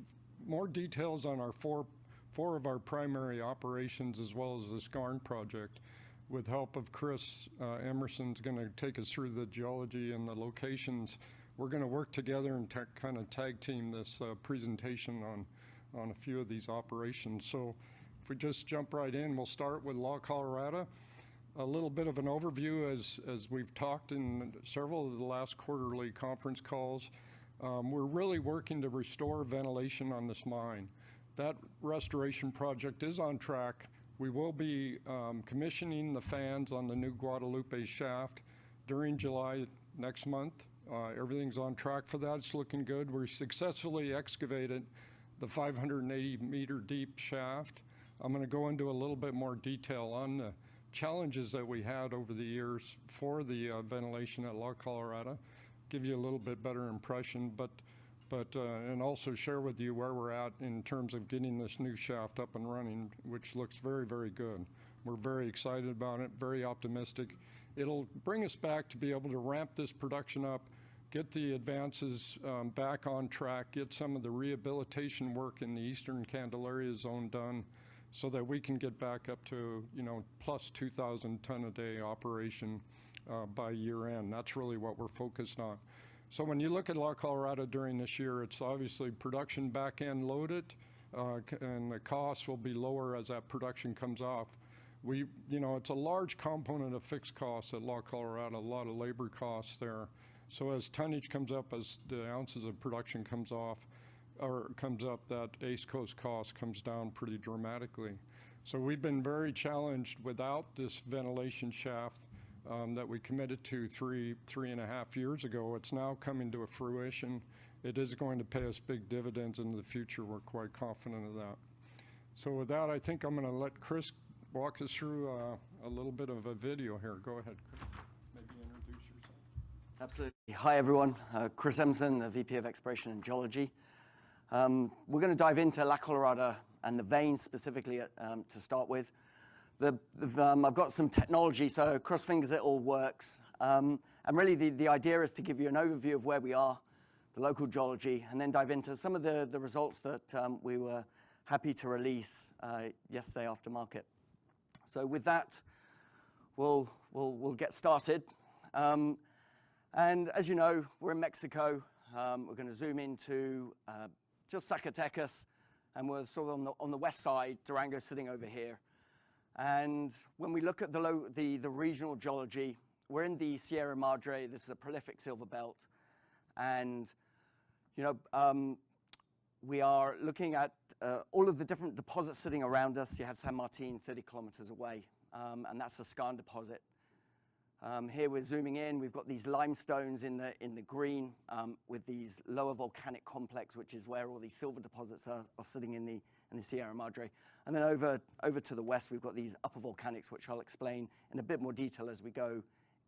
more details on our four, four of our primary operations, as well as the Skarn project. With help of Chris Emerson's gonna take us through the geology and the locations. We're gonna work together and tag, kind of tag team this presentation on, on a few of these operations. So if we just jump right in, we'll start with La Colorada. A little bit of an overview as we've talked in several of the last quarterly conference calls, we're really working to restore ventilation on this mine. That restoration project is on track. We will be commissioning the fans on the new Guadalupe shaft during July next month. Everything's on track for that. It's looking good. We successfully excavated the 580 m deep shaft. I'm gonna go into a little bit more detail on the challenges that we had over the years for the ventilation at La Colorada, give you a little bit better impression, and also share with you where we're at in terms of getting this new shaft up and running, which looks very, very good. We're very excited about it, very optimistic. It'll bring us back to be able to ramp this production up, get the advances back on track, get some of the rehabilitation work in the Eastern Candelaria zone done, so that we can get back up to, you know, plus 2,000 tons a day operation by year-end. That's really what we're focused on. So when you look at La Colorada during this year, it's obviously production back end loaded, and the costs will be lower as that production comes off. You know, it's a large component of fixed costs at La Colorada, a lot of labor costs there. So as tonnage comes up, as the ounces of production comes off or comes up, that AISC cost comes down pretty dramatically. So we've been very challenged without this ventilation shaft, that we committed to 3.5 years ago. It's now coming to fruition. It is going to pay us big dividends in the future. We're quite confident of that. So with that, I think I'm gonna let Chris walk us through a little bit of a video here. Go ahead, Chris. Maybe introduce yourself. Absolutely. Hi, everyone, Chris Emerson, the VP of Exploration and Geology. We're gonna dive into La Colorada and the vein specifically at, to start with. I've got some technology, so cross fingers it all works. And really, the idea is to give you an overview of where we are, the local geology, and then dive into some of the results that we were happy to release yesterday after market. So with that, we'll get started. And as you know, we're in Mexico, we're gonna zoom into just Zacatecas, and we're sort of on the west side, Durango is sitting over here. When we look at the regional geology, we're in the Sierra Madre, this is a prolific silver belt, and, you know, we are looking at all of the different deposits sitting around us. You have San Martín, 30 km away, and that's a skarn deposit. Here we're zooming in, we've got these limestones in the green with these lower volcanic complex, which is where all these silver deposits are sitting in the Sierra Madre. Then over to the west, we've got these upper volcanics, which I'll explain in a bit more detail as we go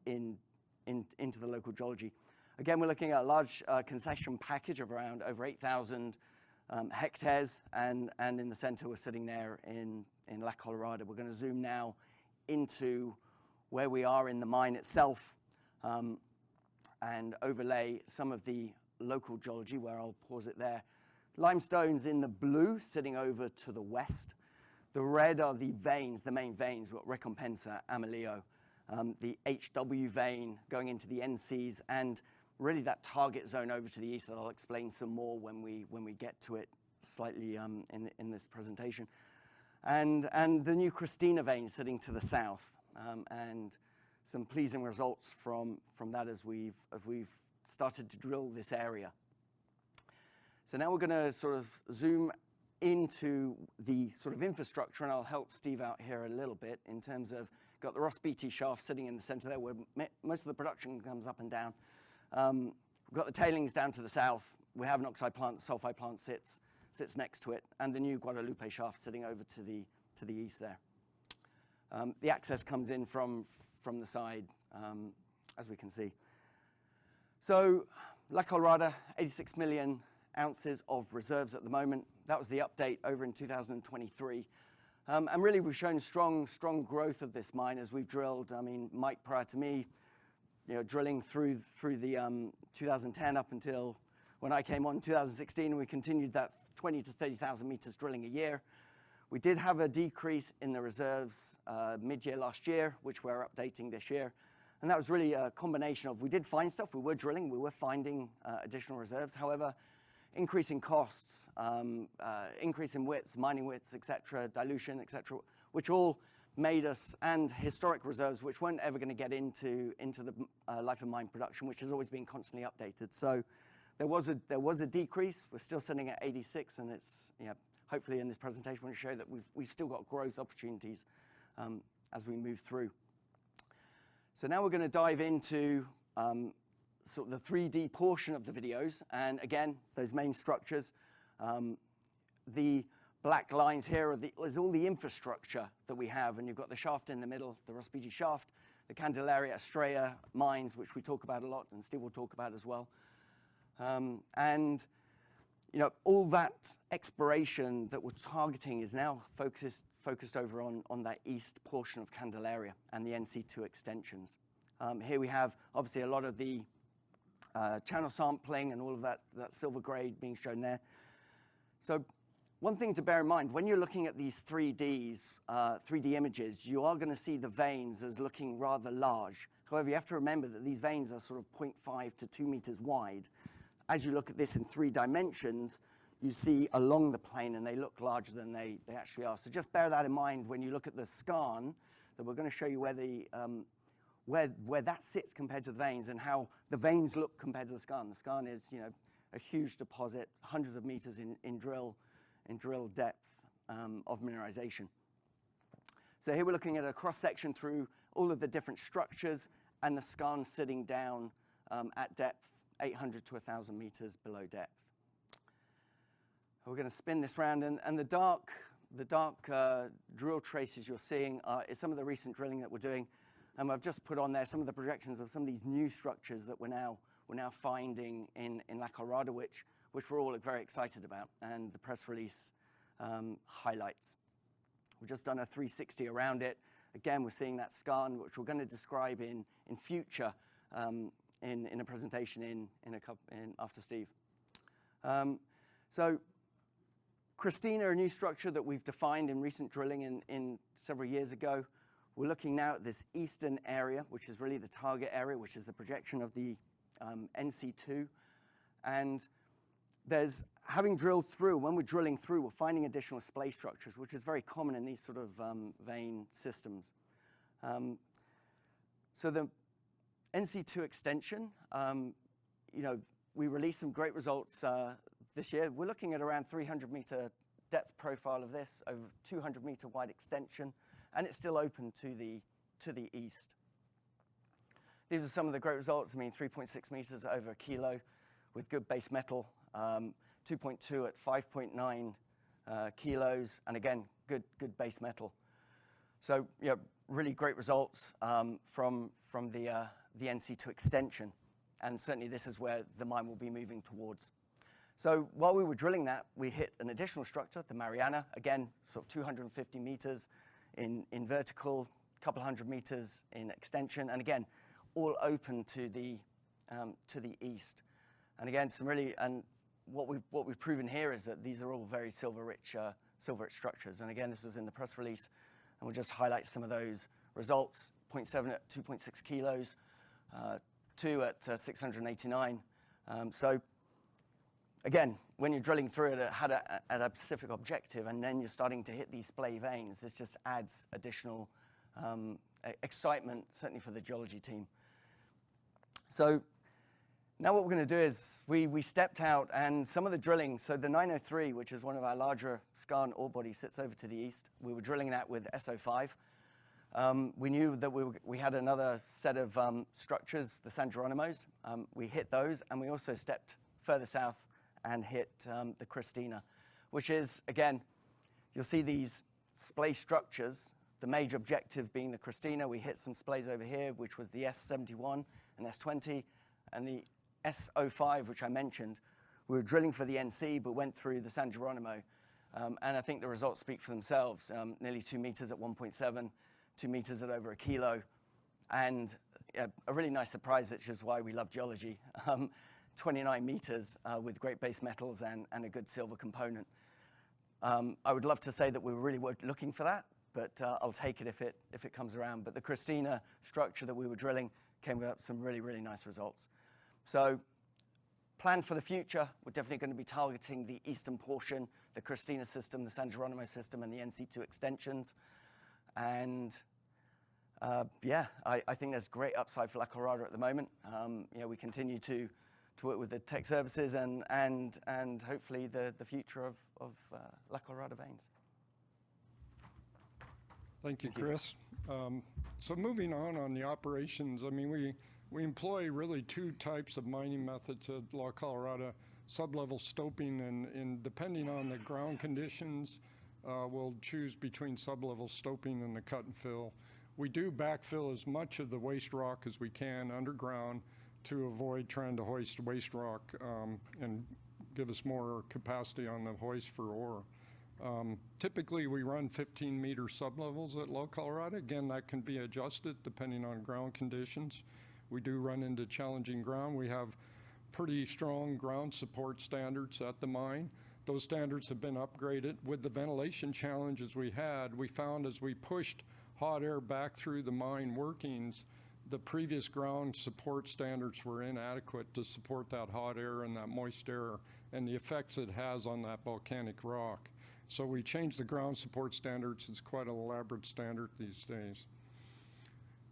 into the local geology. Again, we're looking at a large concession package of around over 8,000 hectares, and in the center, we're sitting there in La Colorada. We're gonna zoom now into where we are in the mine itself, and overlay some of the local geology, where I'll pause it there. Limestones in the blue, sitting over to the west. The red are the veins, the main veins, we've got Recompensa, Amalio, the HW vein going into the NCs, and really that target zone over to the east, and I'll explain some more when we get to it slightly, in this presentation. And the new Christina vein sitting to the south, and some pleasing results from that as we've started to drill this area. So now we're gonna sort of zoom into the sort of infrastructure, and I'll help Steve out here a little bit in terms of... Got the Ross Beaty shaft sitting in the center there, where most of the production comes up and down. We've got the tailings down to the south. We have an oxide plant, sulfide plant sits next to it, and the new Guadalupe shaft sitting over to the east there. The access comes in from the side, as we can see. So La Colorada, 86 million oz of reserves at the moment. That was the update over in 2023. And really, we've shown strong growth of this mine as we've drilled. I mean, Mike, prior to me, you know, drilling through the 2010 up until when I came on in 2016, and we continued that 20,000 to 30,000 m drilling a year. We did have a decrease in the reserves mid-year last year, which we're updating this year, and that was really a combination of we did find stuff, we were drilling, we were finding additional reserves. However, increasing costs, increase in widths, mining widths, etc., dilution, etc., which all made us and historic reserves, which weren't ever gonna get into the life of mine production, which has always been constantly updated. So there was a decrease. We're still sitting at 86, and it's, you know, hopefully in this presentation, we'll show that we've still got growth opportunities as we move through. So now we're gonna dive into sort of the 3D portion of the videos, and again, those main structures. The black lines here are the infrastructure that we have, and you've got the shaft in the middle, the Ross Beaty shaft, the Candelaria Estrella mines, which we talk about a lot and Steve will talk about as well. And, you know, all that exploration that we're targeting is now focused over on that east portion of Candelaria and the NC2 extensions. Here we have obviously a lot of the channel sampling and all of that, that silver grade being shown there. So one thing to bear in mind, when you're looking at these 3Ds, 3D images, you are gonna see the veins as looking rather large. However, you have to remember that these veins are sort of 0.5-2 m wide. As you look at this in three dimensions, you see along the plane, and they look larger than they, they actually are. So just bear that in mind when you look at the skarn, that we're gonna show you where that sits compared to the veins and how the veins look compared to the skarn. The skarn is, you know, a huge deposit, hundreds of meters in drill depth of mineralization. So here we're looking at a cross-section through all of the different structures and the skarn sitting down at depth, 800-1,000 m below depth. We're gonna spin this round, and the dark drill traces you're seeing is some of the recent drilling that we're doing, and I've just put on there some of the projections of some of these new structures that we're now finding in La Colorada, which we're all very excited about, and the press release highlights. We've just done a 360 around it. Again, we're seeing that skarn, which we're gonna describe in future in a presentation after Steve. So Christina, a new structure that we've defined in recent drilling several years ago. We're looking now at this eastern area, which is really the target area, which is the projection of the NC2. There's having drilled through, when we're drilling through, we're finding additional splay structures, which is very common in these sort of vein systems. So the NC2 extension, you know, we released some great results this year. We're looking at around 300 m depth profile of this, over 200 m wide extension, and it's still open to the east. These are some of the great results. I mean, 3.6 m over 1,000 with good base metal. 2.2 at 5.9 kg, and again, good base metal. So, yeah, really great results from the NC2 extension, and certainly, this is where the mine will be moving towards. So while we were drilling that, we hit an additional structure, the Mariana, again, sort of 250 me in vertical, couple hundred meters in extension, and again, all open to the to the east. And again, some really, and what we've, what we've proven here is that these are all very silver-rich silver-rich structures. And again, this was in the press release, and we'll just highlight some of those results: 0.7 at 2.6 kg, two at 689. So again, when you're drilling through it at a specific objective, and then you're starting to hit these splay veins, this just adds additional excitement, certainly for the geology team. So now what we're gonna do is we stepped out, and some of the drilling. So the 903, which is one of our larger skarn ore body, sits over to the east. We were drilling that with SO5. We knew that we had another set of structures, the San Geronimo's. We hit those, and we also stepped further south and hit the Christina, which is... Again, you'll see these splay structures, the major objective being the Christina. We hit some splays over here, which was the S71 and S20, and the SO5, which I mentioned. We were drilling for the NC, but went through the San Geronimo. And I think the results speak for themselves, nearly 2 m at 1.7, 2 m at over a kilo, and a really nice surprise, which is why we love geology, 29 m with great base metals and a good silver component. I would love to say that we were really looking for that, but I'll take it if it comes around. But the Christina structure that we were drilling came with up some really, really nice results. So plan for the future, we're definitely gonna be targeting the eastern portion, the Christina system, the San Geronimo system, and the NC2 extensions. And I think there's great upside for La Colorada at the moment. You know, we continue to work with the tech services and hopefully the future of La Colorada veins. Thank you, Chris. Thank you. So moving on to the operations, I mean, we employ really two types of mining methods at La Colorada, sub-level stoping and depending on the ground conditions, we'll choose between sub-level stoping and the cut and fill. We do backfill as much of the waste rock as we can underground to avoid trying to hoist waste rock and give us more capacity on the hoist for ore. Typically, we run 15 m sub-levels at La Colorada. Again, that can be adjusted depending on ground conditions. We do run into challenging ground. We have pretty strong ground support standards at the mine. Those standards have been upgraded. With the ventilation challenges we had, we found as we pushed hot air back through the mine workings, the previous ground support standards were inadequate to support that hot air and that moist air, and the effects it has on that volcanic rock. So we changed the ground support standards. It's quite an elaborate standard these days.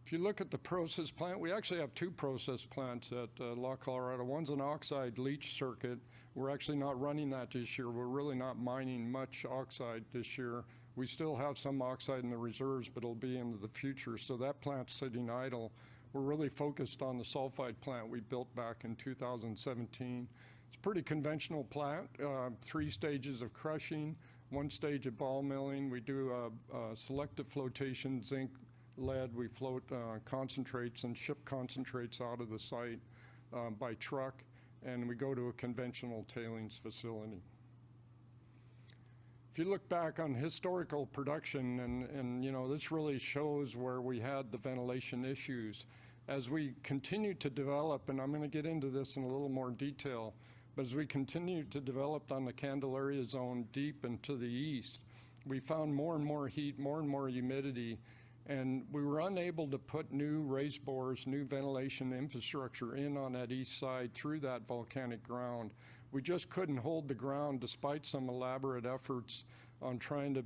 If you look at the process plant, we actually have two process plants at La Colorada. One's an oxide leach circuit. We're actually not running that this year. We're really not mining much oxide this year. We still have some oxide in the reserves, but it'll be into the future. So that plant's sitting idle. We're really focused on the sulfide plant we built back in 2017. It's a pretty conventional plant, three stages of crushing, one stage of ball milling. We do a selective flotation, zinc, lead. We float concentrates and ship concentrates out of the site by truck, and we go to a conventional tailings facility. If you look back on historical production and you know, this really shows where we had the ventilation issues. As we continued to develop, and I'm gonna get into this in a little more detail, but as we continued to develop on the Candelaria zone, deep and to the east, we found more and more heat, more and more humidity, and we were unable to put new raise bores, new ventilation infrastructure in on that east side through that volcanic ground. We just couldn't hold the ground despite some elaborate efforts on trying to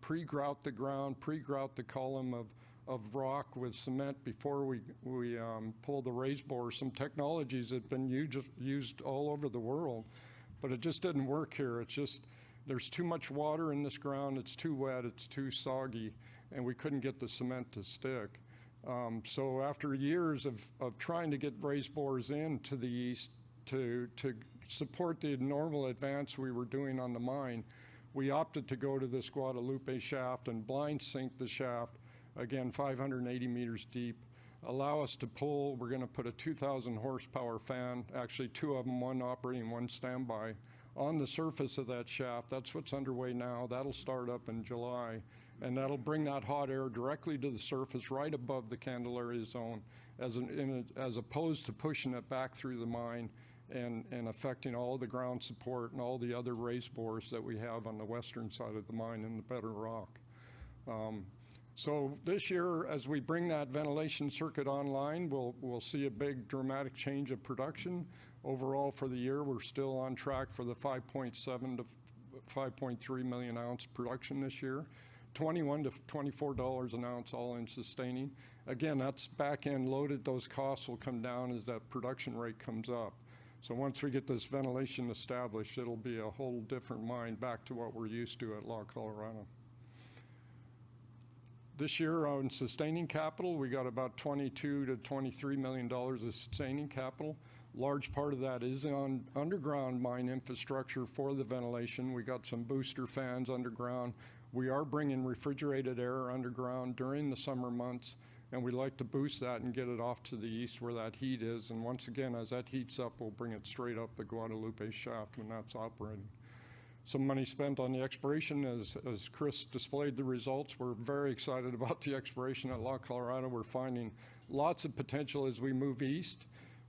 pre-grout the ground, pre-grout the column of rock with cement before we pulled the raise bore. Some technologies have been just used all over the world, but it just didn't work here. It's just... There's too much water in this ground, it's too wet, it's too soggy, and we couldn't get the cement to stick. So after years of trying to get raise bores in to the east to support the normal advance we were doing on the mine, we opted to go to this Guadalupe shaft and blind sink the shaft, again, 580 m deep. Allow us to pull, we're gonna put a 2,000 horsepower fan, actually, two of them, one operating, one standby, on the surface of that shaft. That's what's underway now. That'll start up in July, and that'll bring that hot air directly to the surface right above the Candelaria zone, as opposed to pushing it back through the mine and affecting all the ground support and all the other raise bores that we have on the western side of the mine in the better rock. So this year, as we bring that ventilation circuit online, we'll see a big dramatic change of production. Overall, for the year, we're still on track for the 5.7-5.3 million ounce production this year, $21-$24 an ounce, all-in sustaining. Again, that's back-end loaded. Those costs will come down as that production rate comes up. So once we get this ventilation established, it'll be a whole different mine back to what we're used to at La Colorada. This year, on sustaining capital, we got about $22 million-$23 million of sustaining capital. Large part of that is on underground mine infrastructure for the ventilation. We got some booster fans underground. We are bringing refrigerated air underground during the summer months, and we like to boost that and get it off to the east, where that heat is. And once again, as that heats up, we'll bring it straight up the Guadalupe shaft when that's operating. Some money spent on the exploration, as Chris displayed the results. We're very excited about the exploration at La Colorada. We're finding lots of potential as we move east.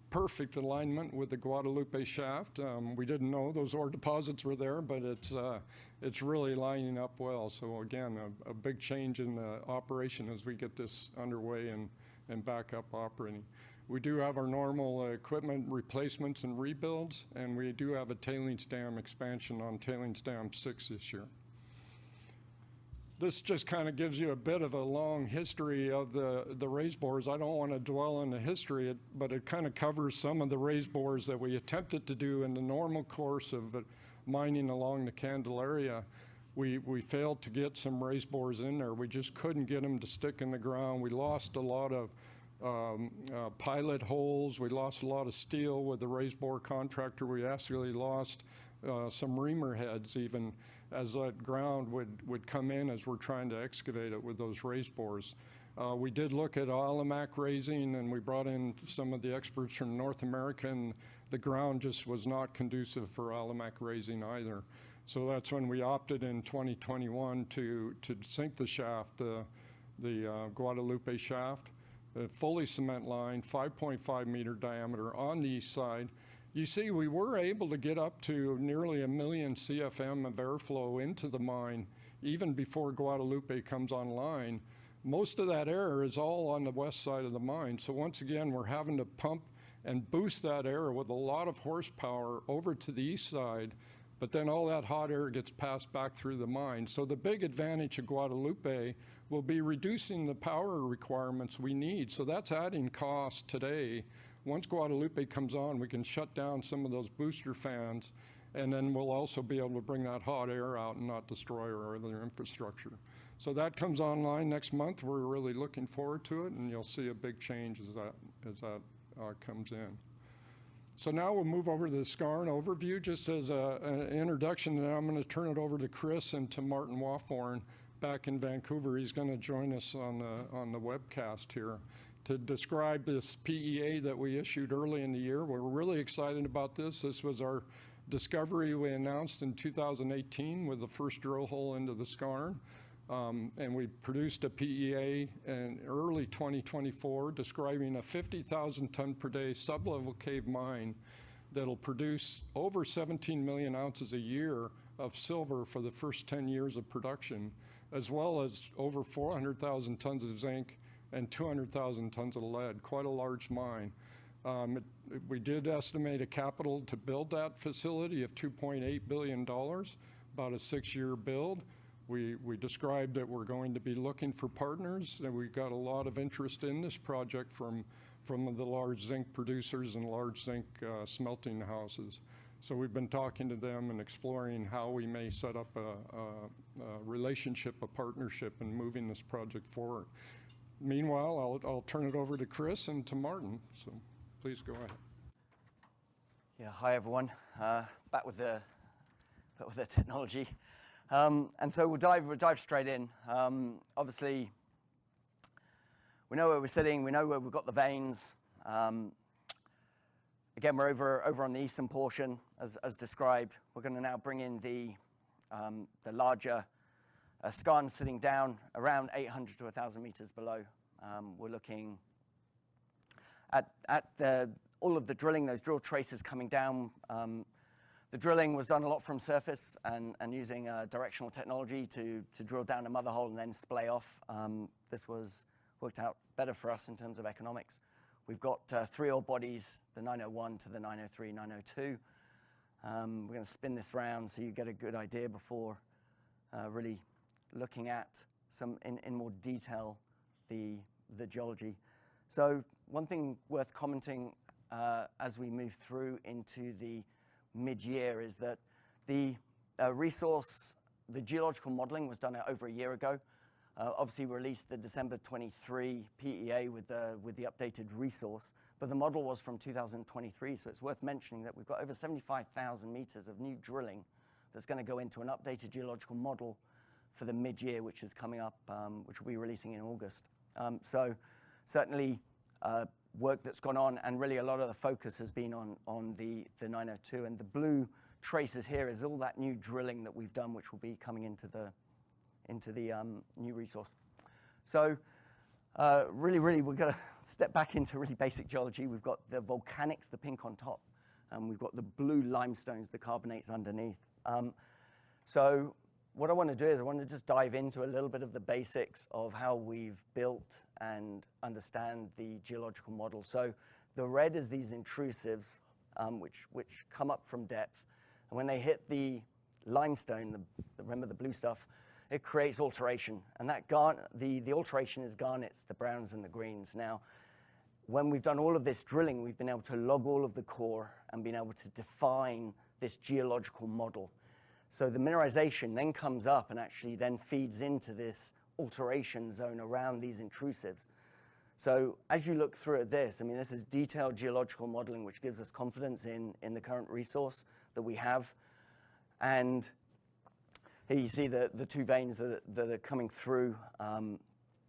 Perfect alignment with the Guadalupe shaft. We didn't know those ore deposits were there, but it's really lining up well. So again, a big change in the operation as we get this underway and back up operating. We do have our normal equipment replacements and rebuilds, and we do have a tailings dam expansion on tailings dam six this year. This just kind of gives you a bit of a long history of the raiseborers. I don't wanna dwell on the history, but it kind of covers some of the raiseborers that we attempted to do in the normal course of mining along the Candelaria. We failed to get some raiseborers in there. We just couldn't get 'em to stick in the ground. We lost a lot of pilot holes, we lost a lot of steel with the raiseborer contractor. We absolutely lost some reamer heads even as that ground would, swould come in as we're trying to excavate it with those raiseborers. We did look at Alimak raising, and we brought in some of the experts from North America, and the ground just was not conducive for Alimak raising either. So that's when we opted in 2021 to sink the shaft, the Guadalupe shaft, a fully cement-lined 5.5 m diameter on the east side. You see, we were able to get up to nearly 1 million CFM of airflow into the mine, even before Guadalupe comes online. Most of that air is all on the west side of the mine. So once again, we're having to pump and boost that air with a lot of horsepower over to the east side, but then all that hot air gets passed back through the mine. So the big advantage of Guadalupe will be reducing the power requirements we need, so that's adding cost today. Once Guadalupe comes on, we can shut down some of those booster fans, and then we'll also be able to bring that hot air out and not destroy our other infrastructure. So that comes online next month. We're really looking forward to it, and you'll see a big change as that comes in. So now we'll move over to the skarn overview, just as an introduction, and I'm gonna turn it over to Chris and to Martin Wafforn back in Vancouver. He's gonna join us on the, on the webcast here to describe this PEA that we issued early in the year. We're really excited about this. This was our discovery we announced in 2018 with the first drill hole into the skarn, and we produced a PEA in early 2024, describing a 50,000 tons per day sub-level cave mine that'll produce over 17 million oz a year of silver for the first 10 years of production, as well as over 400,000 tons of zinc and 200,000 tons of lead, quite a large mine. We did estimate a capital to build that facility of $2.8 billion, about a six year build. We described that we're going to be looking for partners, and we've got a lot of interest in this project from the large zinc producers and large zinc smelting houses. So we've been talking to them and exploring how we may set up a relationship, a partnership, in moving this project forward. Meanwhile, I'll turn it over to Chris and to Martin, so please go ahead. Yeah, hi, everyone. Back with the technology. So we'll dive straight in. Obviously, we know where we're sitting, we know where we've got the veins. Again, we're over on the eastern portion as described. We're gonna now bring in the larger skarn sitting down around 800-1,000 m below. We're looking at... All of the drilling, those drill traces coming down, the drilling was done a lot from surface and using directional technology to drill down a mother hole and then splay off. This was worked out better for us in terms of economics. We've got three ore bodies, the 901 to the 903, 902. We're gonna spin this round so you get a good idea before really looking at some in more detail, the geology. So one thing worth commenting as we move through into the mid-year is that the resource, the geological modeling was done over a year ago. Obviously, we released the December 2023 PEA with the updated resource, but the model was from 2023, so it's worth mentioning that we've got over 75,000 m of new drilling that's gonna go into an updated geological model for the mid-year, which is coming up, which we'll be releasing in August. So certainly, work that's gone on, and really a lot of the focus has been on the 902, and the blue traces here is all that new drilling that we've done, which will be coming into the new resource. So really, we've gotta step back into really basic geology. We've got the volcanics, the pink on top, and we've got the blue limestones, the carbonates underneath. So what I wanna do is I want to just dive into a little bit of the basics of how we've built and understand the geological model. So the red is these intrusives, which come up from depth, and when they hit the limestone, the—remember, the blue stuff, it creates alteration, and that garnet... The, the alteration is garnets, the browns and the greens. Now, when we've done all of this drilling, we've been able to log all of the core and been able to define this geological model. So the mineralization then comes up and actually then feeds into this alteration zone around these intrusives. So as you look through this, I mean, this is detailed geological modeling, which gives us confidence in the current resource that we have. Here you see the two veins that are coming through,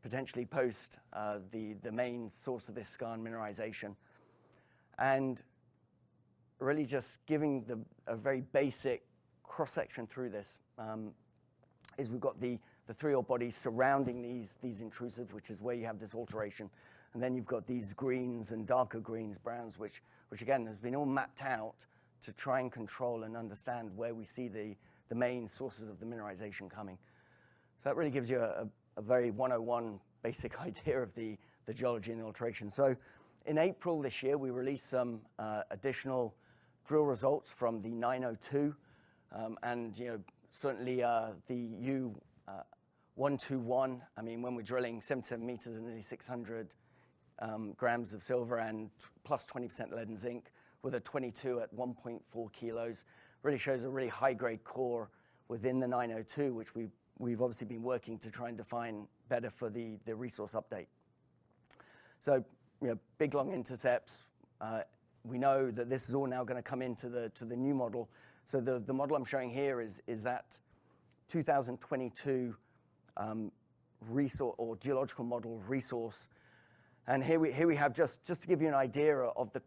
potentially post the main source of this skarn mineralization. Really just giving a very basic cross-section through this is we've got the three ore bodies surrounding these intrusive, which is where you have this alteration, and then you've got these greens and darker greens, browns, which again has been all mapped out to try and control and understand where we see the main sources of the mineralization coming. So that really gives you a very 101 basic idea of the geology and the alteration. So in April this year, we released some additional drill results from the 902, and, you know, certainly, the U121, I mean, when we're drilling 77 m and nearly 600 grams of silver and +20% lead and zinc, with a 22 at 1.4 kilos, really shows a really high-grade core within the 902, which we've, we've obviously been working to try and define better for the, the resource update. So, you know, big, long intercepts. We know that this is all now gonna come into the, to the new model. So the, the model I'm showing here is, is that 2022 resource or geological model resource. And here we, here we have... Just to give you an idea of the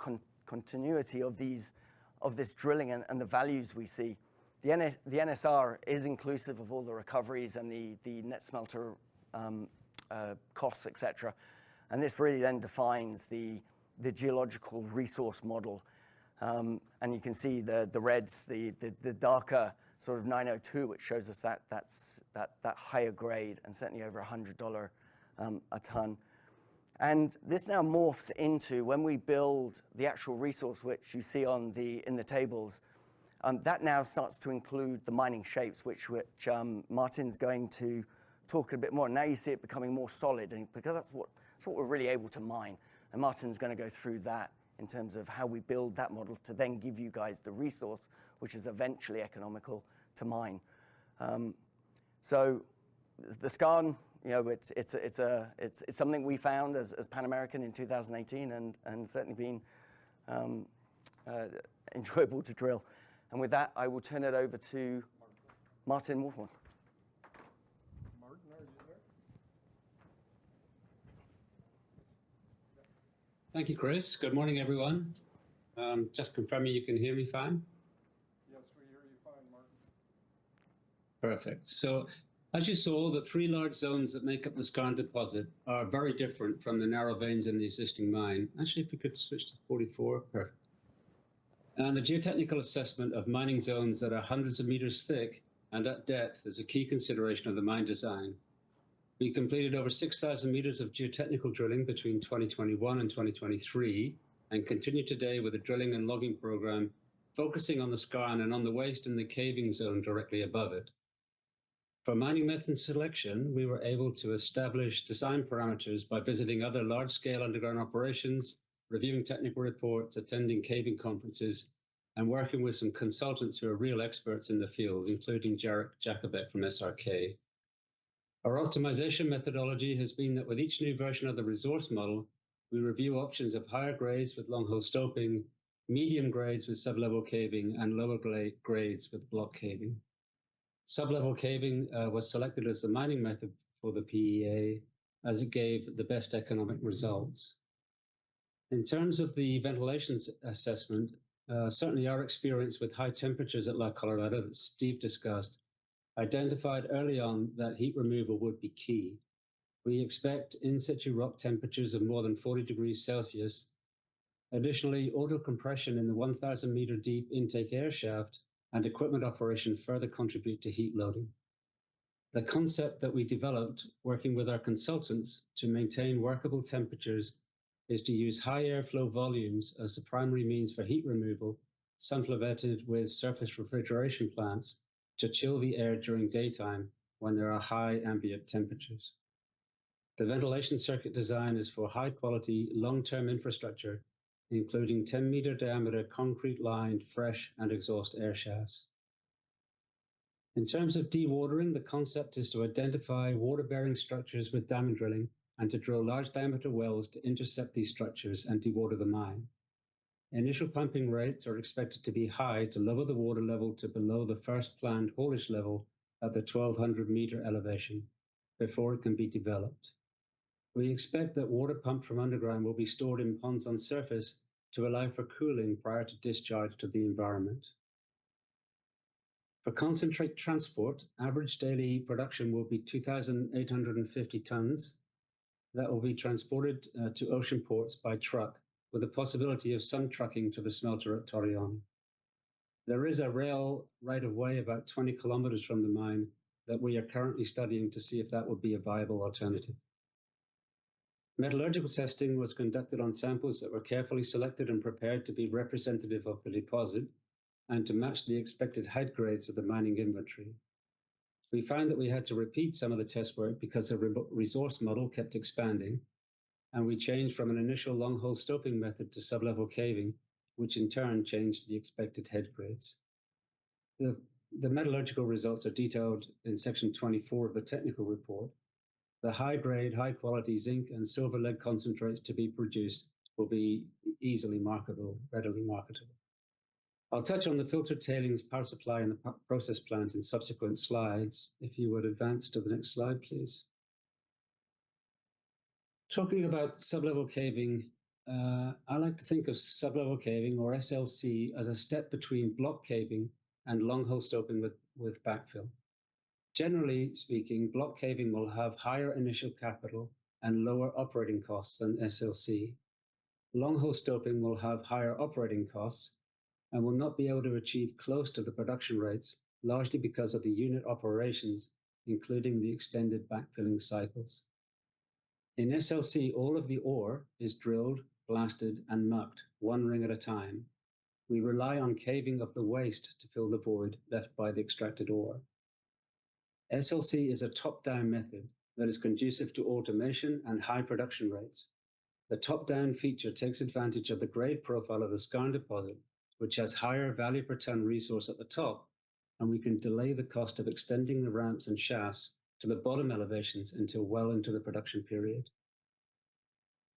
continuity of this drilling and the values we see. The NSR is inclusive of all the recoveries and the net smelter costs, etc., and this really then defines the geological resource model. And you can see the reds, the darker sort of 902, which shows us that that's higher grade and certainly over $100 a tons. And this now morphs into when we build the actual resource, which you see in the tables, that now starts to include the mining shapes, which Martin's going to talk a bit more. Now you see it becoming more solid, and because that's what, that's what we're really able to mine, and Martin's gonna go through that in terms of how we build that model to then give you guys the resource, which is eventually economical to mine. So the skarn, you know, it's something we found as Pan American in 2018 and certainly been enjoyable to drill. And with that, I will turn it over to Martin Wafforn. Martin, are you there? Thank you, Chris. Good morning, everyone. Just confirming you can hear me fine? Yes, we hear you fine, Martin. Perfect. So as you saw, the three large zones that make up the skarn deposit are very different from the narrow veins in the existing mine. Actually, if you could switch to 44. Perfect. And the geotechnical assessment of mining zones that are hundreds of meters thick and at depth is a key consideration of the mine design. We completed over 6,000 m of geotechnical drilling between 2021 and 2023 and continue today with a drilling and logging program, focusing on the skarn and on the waste in the caving zone directly above it. For mining method selection, we were able to establish design parameters by visiting other large-scale underground operations, reviewing technical reports, attending caving conferences, and working with some consultants who are real experts in the field, including Jarek Jakubec from SRK. Our optimization methodology has been that with each new version of the resource model, we review options of higher grades with longhole stoping, medium grades with sub-level caving, and lower grades with block caving. Sub-level caving was selected as the mining method for the PEA, as it gave the best economic results. In terms of the ventilation assessment, certainly our experience with high temperatures at La Colorada, that Steve discussed, identified early on that heat removal would be key. We expect in situ rock temperatures of more than 40 degrees Celsius. Additionally, auto compression in the 1,000 m deep intake air shaft and equipment operation further contribute to heat loading. The concept that we developed, working with our consultants to maintain workable temperatures, is to use high airflow volumes as the primary means for heat removal, supplemented with surface refrigeration plants to chill the air during daytime when there are high ambient temperatures. The ventilation circuit design is for high-quality, long-term infrastructure, including 10 m diameter, concrete-lined, fresh and exhaust air shafts. In terms of dewatering, the concept is to identify water-bearing structures with diamond drilling and to drill large-diameter wells to intercept these structures and dewater the mine. Initial pumping rates are expected to be high to lower the water level to below the first planned ore level at the 1,200 m elevation before it can be developed. We expect that water pumped from underground will be stored in ponds on surface to allow for cooling prior to discharge to the environment. For concentrate transport, average daily production will be 2,850 tons. That will be transported to ocean ports by truck, with the possibility of some trucking to the smelter at Torreón. There is a rail right of way about 20 km from the mine that we are currently studying to see if that would be a viable alternative. Metallurgical testing was conducted on samples that were carefully selected and prepared to be representative of the deposit and to match the expected head grades of the mining inventory. We found that we had to repeat some of the test work because the resource model kept expanding, and we changed from an initial longhole stoping method to sub-level caving, which in turn changed the expected head grades. The metallurgical results are detailed in section 24 of the technical report.... The high-grade, high-quality zinc and silver-lead concentrates to be produced will be easily marketable, readily marketable. I'll touch on the filter tailings, power supply, and the process plant in subsequent slides. If you would advance to the next slide, please. Talking about sub-level caving, I like to think of sub-level caving, or SLC, as a step between block caving and longhole stoping with, with backfill. Generally speaking, block caving will have higher initial capital and lower operating costs than SLC. Longhole stoping will have higher operating costs and will not be able to achieve close to the production rates, largely because of the unit operations, including the extended backfilling cycles. In SLC, all of the ore is drilled, blasted, and mucked one ring at a time. We rely on caving of the waste to fill the void left by the extracted ore. SLC is a top-down method that is conducive to automation and high production rates. The top-down feature takes advantage of the grade profile of the skarn deposit, which has higher value per ton resource at the top, and we can delay the cost of extending the ramps and shafts to the bottom elevations until well into the production period.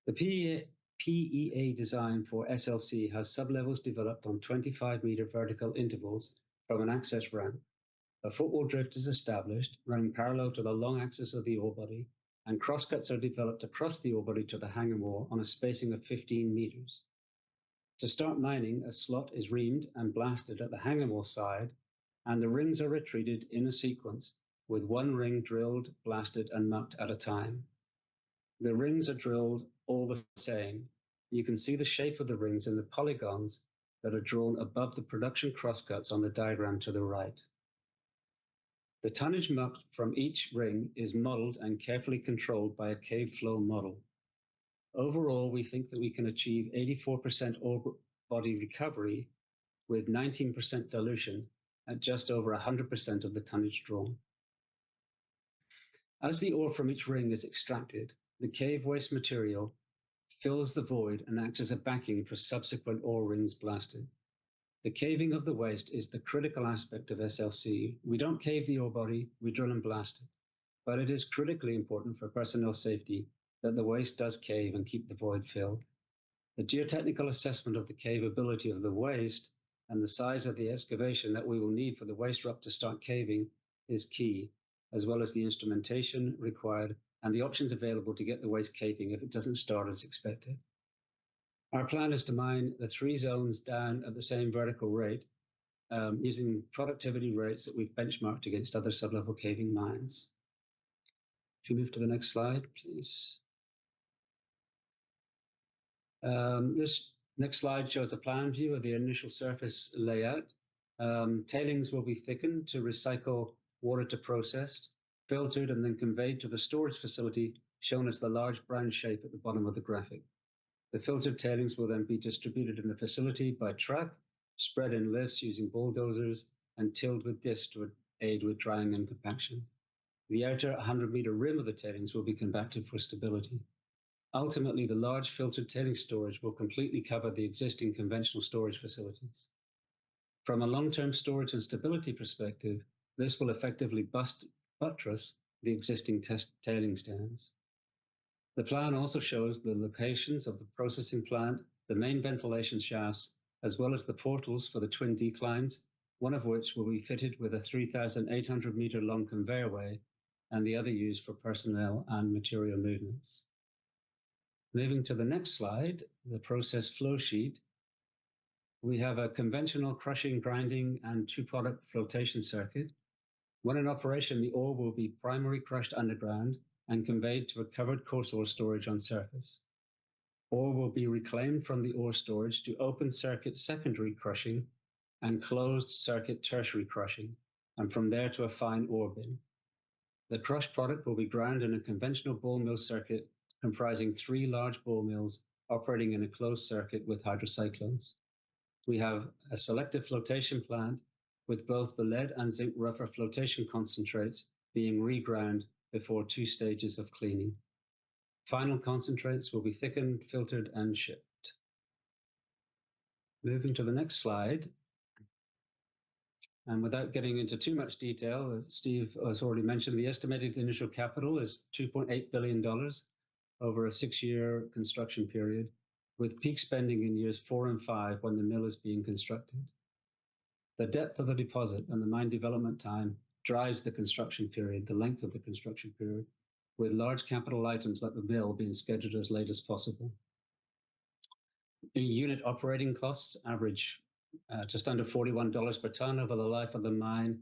The PE, PEA design for SLC has sub-levels developed on 25 m vertical intervals from an access ramp. A footwall drift is established, running parallel to the long axis of the ore body, and crosscuts are developed across the ore body to the hanging wall on a spacing of 15 m. To start mining, a slot is reamed and blasted at the hanging wall side, and the rings are retreated in a sequence, with one ring drilled, blasted, and mucked at a time. The rings are drilled all the same. You can see the shape of the rings in the polygons that are drawn above the production crosscuts on the diagram to the right. The tonnage mucked from each ring is modeled and carefully controlled by a cave flow model. Overall, we think that we can achieve 84% ore body recovery, with 19% dilution at just over 100% of the tonnage drawn. As the ore from each ring is extracted, the cave waste material fills the void and acts as a backing for subsequent ore rings blasted. The caving of the waste is the critical aspect of SLC. We don't cave the ore body, we drill and blast it, but it is critically important for personnel safety that the waste does cave and keep the void filled. The geotechnical assessment of the cave ability of the waste and the size of the excavation that we will need for the waste rock to start caving is key, as well as the instrumentation required and the options available to get the waste caving if it doesn't start as expected. Our plan is to mine the three zones down at the same vertical rate, using productivity rates that we've benchmarked against other sub-level caving mines. If you move to the next slide, please. This next slide shows a plan view of the initial surface layout. Tailings will be thickened to recycle water, then processed, filtered, and then conveyed to the storage facility, shown as the large brown shape at the bottom of the graphic. The filtered tailings will then be distributed in the facility by truck, spread in lifts using bulldozers, and tilled with discs to aid with drying and compaction. The outer 100 m rim of the tailings will be compacted for stability. Ultimately, the large filtered tailings storage will completely cover the existing conventional storage facilities. From a long-term storage and stability perspective, this will effectively buttress the existing test tailings dams. The plan also shows the locations of the processing plant, the main ventilation shafts, as well as the portals for the twin declines, one of which will be fitted with a 3,800 m long conveyor way, and the other used for personnel and material movements. Moving to the next slide, the process flow sheet, we have a conventional crushing, grinding, and two-product flotation circuit. When in operation, the ore will be primary crushed underground and conveyed to a covered coarse ore storage on surface. Ore will be reclaimed from the ore storage to open circuit secondary crushing and closed circuit tertiary crushing, and from there to a fine ore bin. The crushed product will be ground in a conventional ball mill circuit, comprising three large ball mills operating in a closed circuit with hydrocyclones. We have a selective flotation plant, with both the lead and zinc rougher flotation concentrates being reground before two stages of cleaning. Final concentrates will be thickened, filtered, and shipped. Moving to the next slide, and without getting into too much detail, as Steve has already mentioned, the estimated initial capital is $2.8 billion over a six-year construction period, with peak spending in years four and five when the mill is being constructed. The depth of the deposit and the mine development time drives the construction period, the length of the construction period, with large capital items, like the mill, being scheduled as late as possible. The unit operating costs average just under $41 per tons over the life of the mine,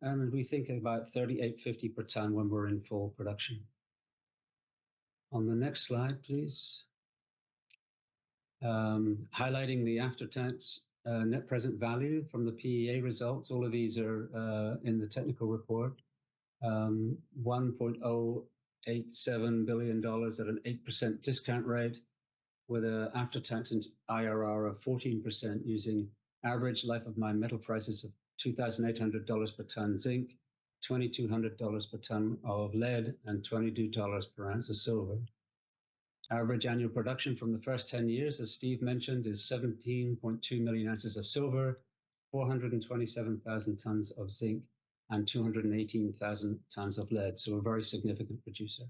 and we think about $38.50 per tons when we're in full production. On the next slide, please. Highlighting the after-tax net present value from the PEA results, all of these are in the technical report. $1.087 billion at an 8% discount rate, with a after-tax IRR of 14%, using average life-of-mine metal prices of $2,800 per tons zinc, $2,200 per tons of lead, and $22 per ounce of silver. Our average annual production from the first ten years, as Steve mentioned, is 17.2 million oz of silver, 427,000 tons of zinc, and 218,000 tons of lead, so a very significant producer.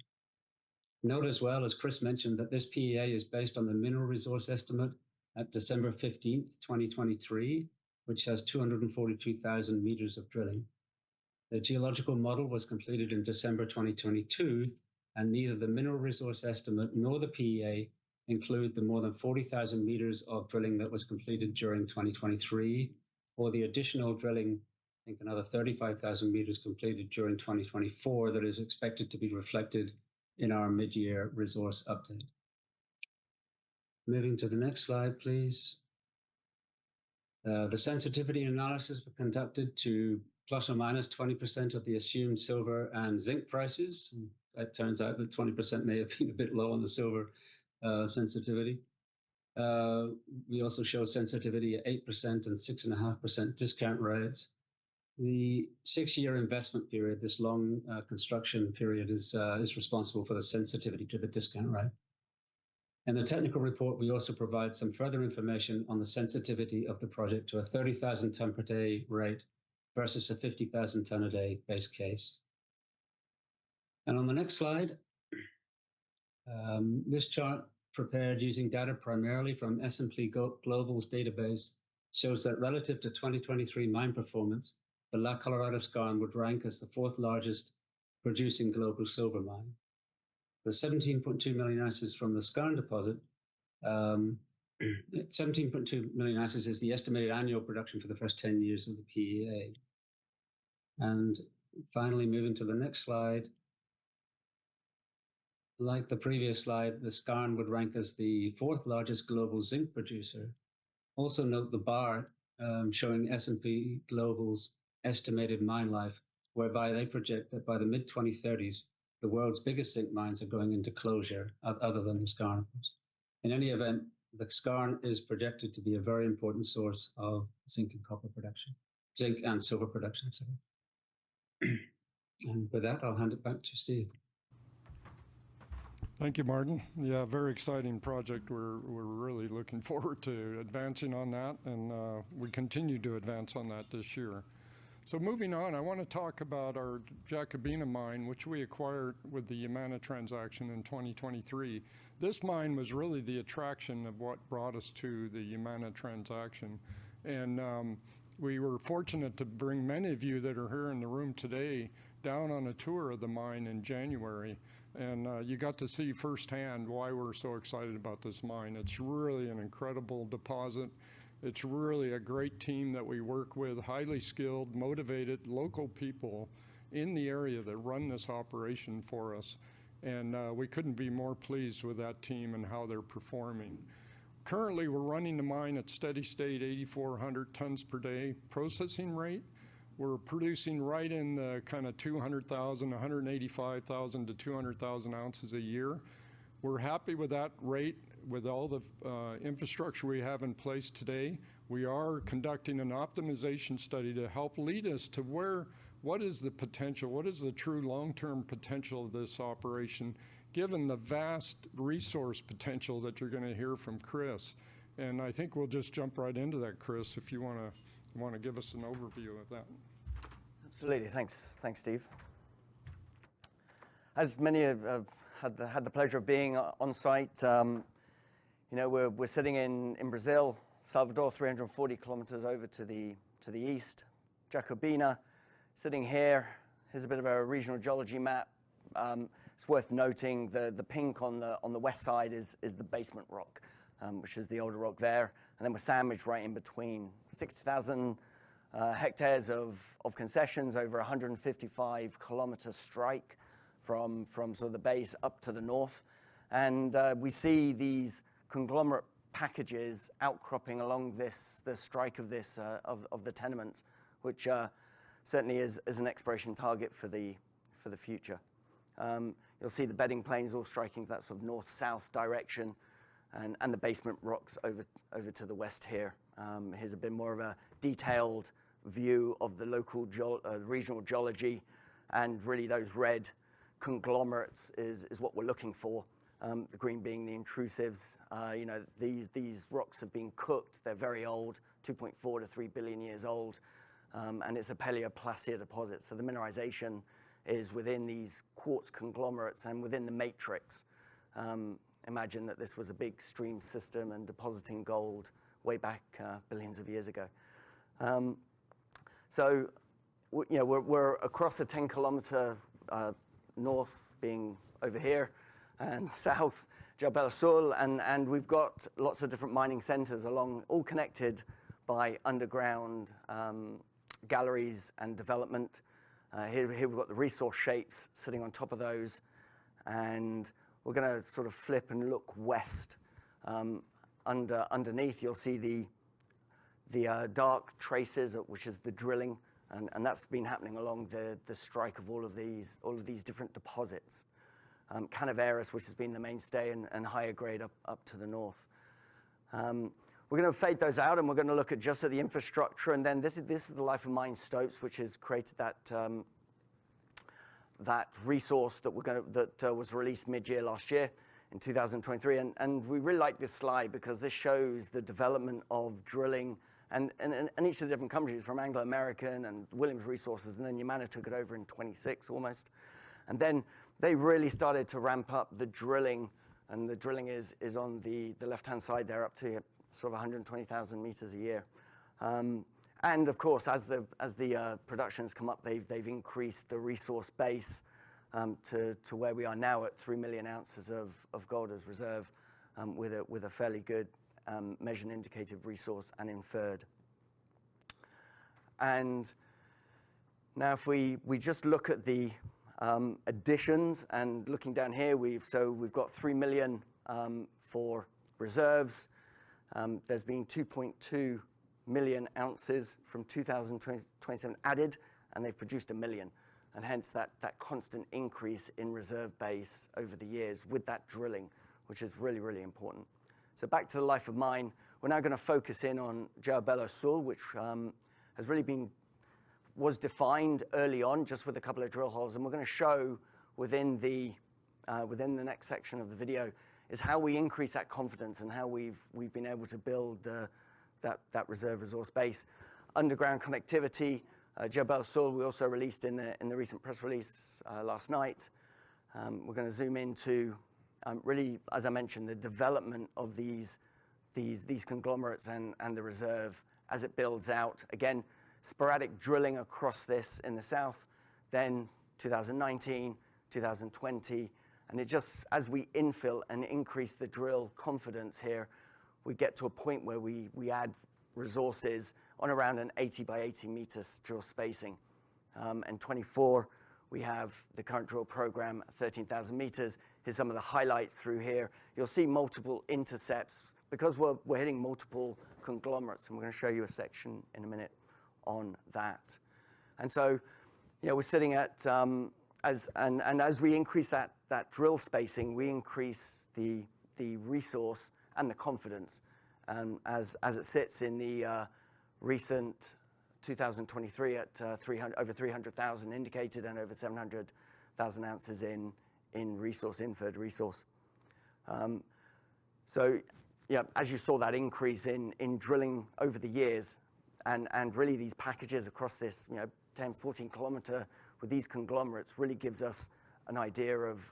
Note as well, as Chris mentioned, that this PEA is based on the mineral resource estimate at December 15th, 2023, which has 242,000 m of drilling. The geological model was completed in December 2022, and neither the mineral resource estimate nor the PEA include the more than 40,000 m of drilling that was completed during 2023, or the additional drilling, I think another 35,000 m completed during 2024, that is expected to be reflected in our mid-year resource update. Moving to the next slide, please. The sensitivity analysis were conducted to ±20% of the assumed silver and zinc prices. It turns out that 20% may have been a bit low on the silver sensitivity. We also show sensitivity at 8% and 6.5% discount rates. The six-year investment period, this long construction period is responsible for the sensitivity to the discount rate. In the technical report, we also provide some further information on the sensitivity of the project to a 30,000 tons per day rate versus a 50,000 tons per day base case. And on the next slide, this chart, prepared using data primarily from S&P Global's database, shows that relative to 2023 mine performance, the La Colorada Skarn would rank as the fourth largest producing global silver mine. The 17.2 million oz from the skarn deposit, 17.2 million oz is the estimated annual production for the first 10 years of the PEA. And finally, moving to the next slide. Like the previous slide, the skarn would rank as the fourth largest global zinc producer. Also, note the bar showing S&P Global's estimated mine life, whereby they project that by the mid-2030s, the world's biggest zinc mines are going into closure, other than the skarn mines. In any event, the skarn is projected to be a very important source of zinc and copper production... zinc and silver production, sorry. And with that, I'll hand it back to Steve. Thank you, Martin. Yeah, a very exciting project. We're really looking forward to advancing on that, and we continue to advance on that this year. So moving on, I wanna talk about our Jacobina mine, which we acquired with the Yamana transaction in 2023. This mine was really the attraction of what brought us to the Yamana transaction, and we were fortunate to bring many of you that are here in the room today, down on a tour of the mine in January, and you got to see firsthand why we're so excited about this mine. It's really an incredible deposit. It's really a great team that we work with, highly skilled, motivated, local people in the area that run this operation for us, and we couldn't be more pleased with that team and how they're performing. Currently, we're running the mine at steady state, 8,400 tons per day processing rate. We're producing right in the kinda 200,000, 185,000 to 200,000 oz a year. We're happy with that rate, with all the infrastructure we have in place today. We are conducting an optimization study to help lead us to where—what is the potential, what is the true long-term potential of this operation, given the vast resource potential that you're gonna hear from Chris. And I think we'll just jump right into that, Chris, if you wanna, wanna give us an overview of that. Absolutely. Thanks. Thanks, Steve. As many have had the pleasure of being on site, you know, we're sitting in Brazil, Salvador, 340 km over to the east, Jacobina. Sitting here, here's a bit of a regional geology map. It's worth noting the pink on the west side is the basement rock, which is the older rock there, and then we're sandwiched right in between 60,000 hectares of concessions, over a 155 km strike from sort of the base up to the north. We see these conglomerate packages outcropping along the strike of the tenements, which certainly is an exploration target for the future. You'll see the bedding planes all striking that sort of north-south direction and the basement rocks over to the west here. Here's a bit more of a detailed view of the regional geology, and really, those red conglomerates is what we're looking for, the green being the intrusives. You know, these rocks have been cooked. They're very old, 2.4-3 billion years old, and it's a paleoplacer deposit, so the mineralization is within these quartz conglomerates and within the matrix. Imagine that this was a big stream system and depositing gold way back, billions of years ago. So you know, we're across a 10 km, north being over here, and south, Jabal Sul, and we've got lots of different mining centers along, all connected by underground galleries and development. Here we've got the resource shapes sitting on top of those, and we're gonna sort of flip and look west. Underneath, you'll see the dark traces, which is the drilling, and that's been happening along the strike of all of these different deposits. Canavieiras, which has been the mainstay and higher grade up to the north. We're gonna fade those out, and we're gonna look at just the infrastructure, and then this is the life of mine stopes, which has created that. That resource that we're gonna that was released mid-year last year in 2023, and we really like this slide because this shows the development of drilling and each of the different companies from Anglo American and Williams Resources, and then Yamana took it over in 2016 almost. Then they really started to ramp up the drilling, and the drilling is on the left-hand side there, up to sort of 120,000 m a year. And of course, as the production's come up, they've increased the resource base to where we are now at 3 million oz of gold as reserve, with a fairly good measured indicated resource and inferred. And now if we just look at the additions, and looking down here, so we've got 3 million for reserves. There's been 2.2 million oz from 2020-2027 added, and they've produced 1 million, and hence that constant increase in reserve base over the years with that drilling, which is really, really important. So back to the life of mine. We're now gonna focus in on Jacobina Sul, which has really been was defined early on just with a couple of drill holes, and we're gonna show within the next section of the video is how we increase that confidence and how we've been able to build that reserve resource base. Underground connectivity, Jacobina Sul, we also released in the recent press release last night. We're gonna zoom into, really, as I mentioned, the development of these, these, these conglomerates and, and the reserve as it builds out. Again, sporadic drilling across this in the south, then 2019, 2020, and it just as we infill and increase the drill confidence here, we get to a point where we, we add resources on around an 80-by-80 m drill spacing. In 2024, we have the current drill program, 13,000 m. Here's some of the highlights through here. You'll see multiple intercepts because we're, we're hitting multiple conglomerates, and we're gonna show you a section in a minute on that. And so, you know, we're sitting at, as we increase that drill spacing, we increase the resource and the confidence, as it sits in the recent 2023 at over 300,000 indicated and over 700,000 oz in inferred resource. So yeah, as you saw that increase in drilling over the years, and really these packages across this, you know, 10-14 km with these conglomerates, really gives us an idea of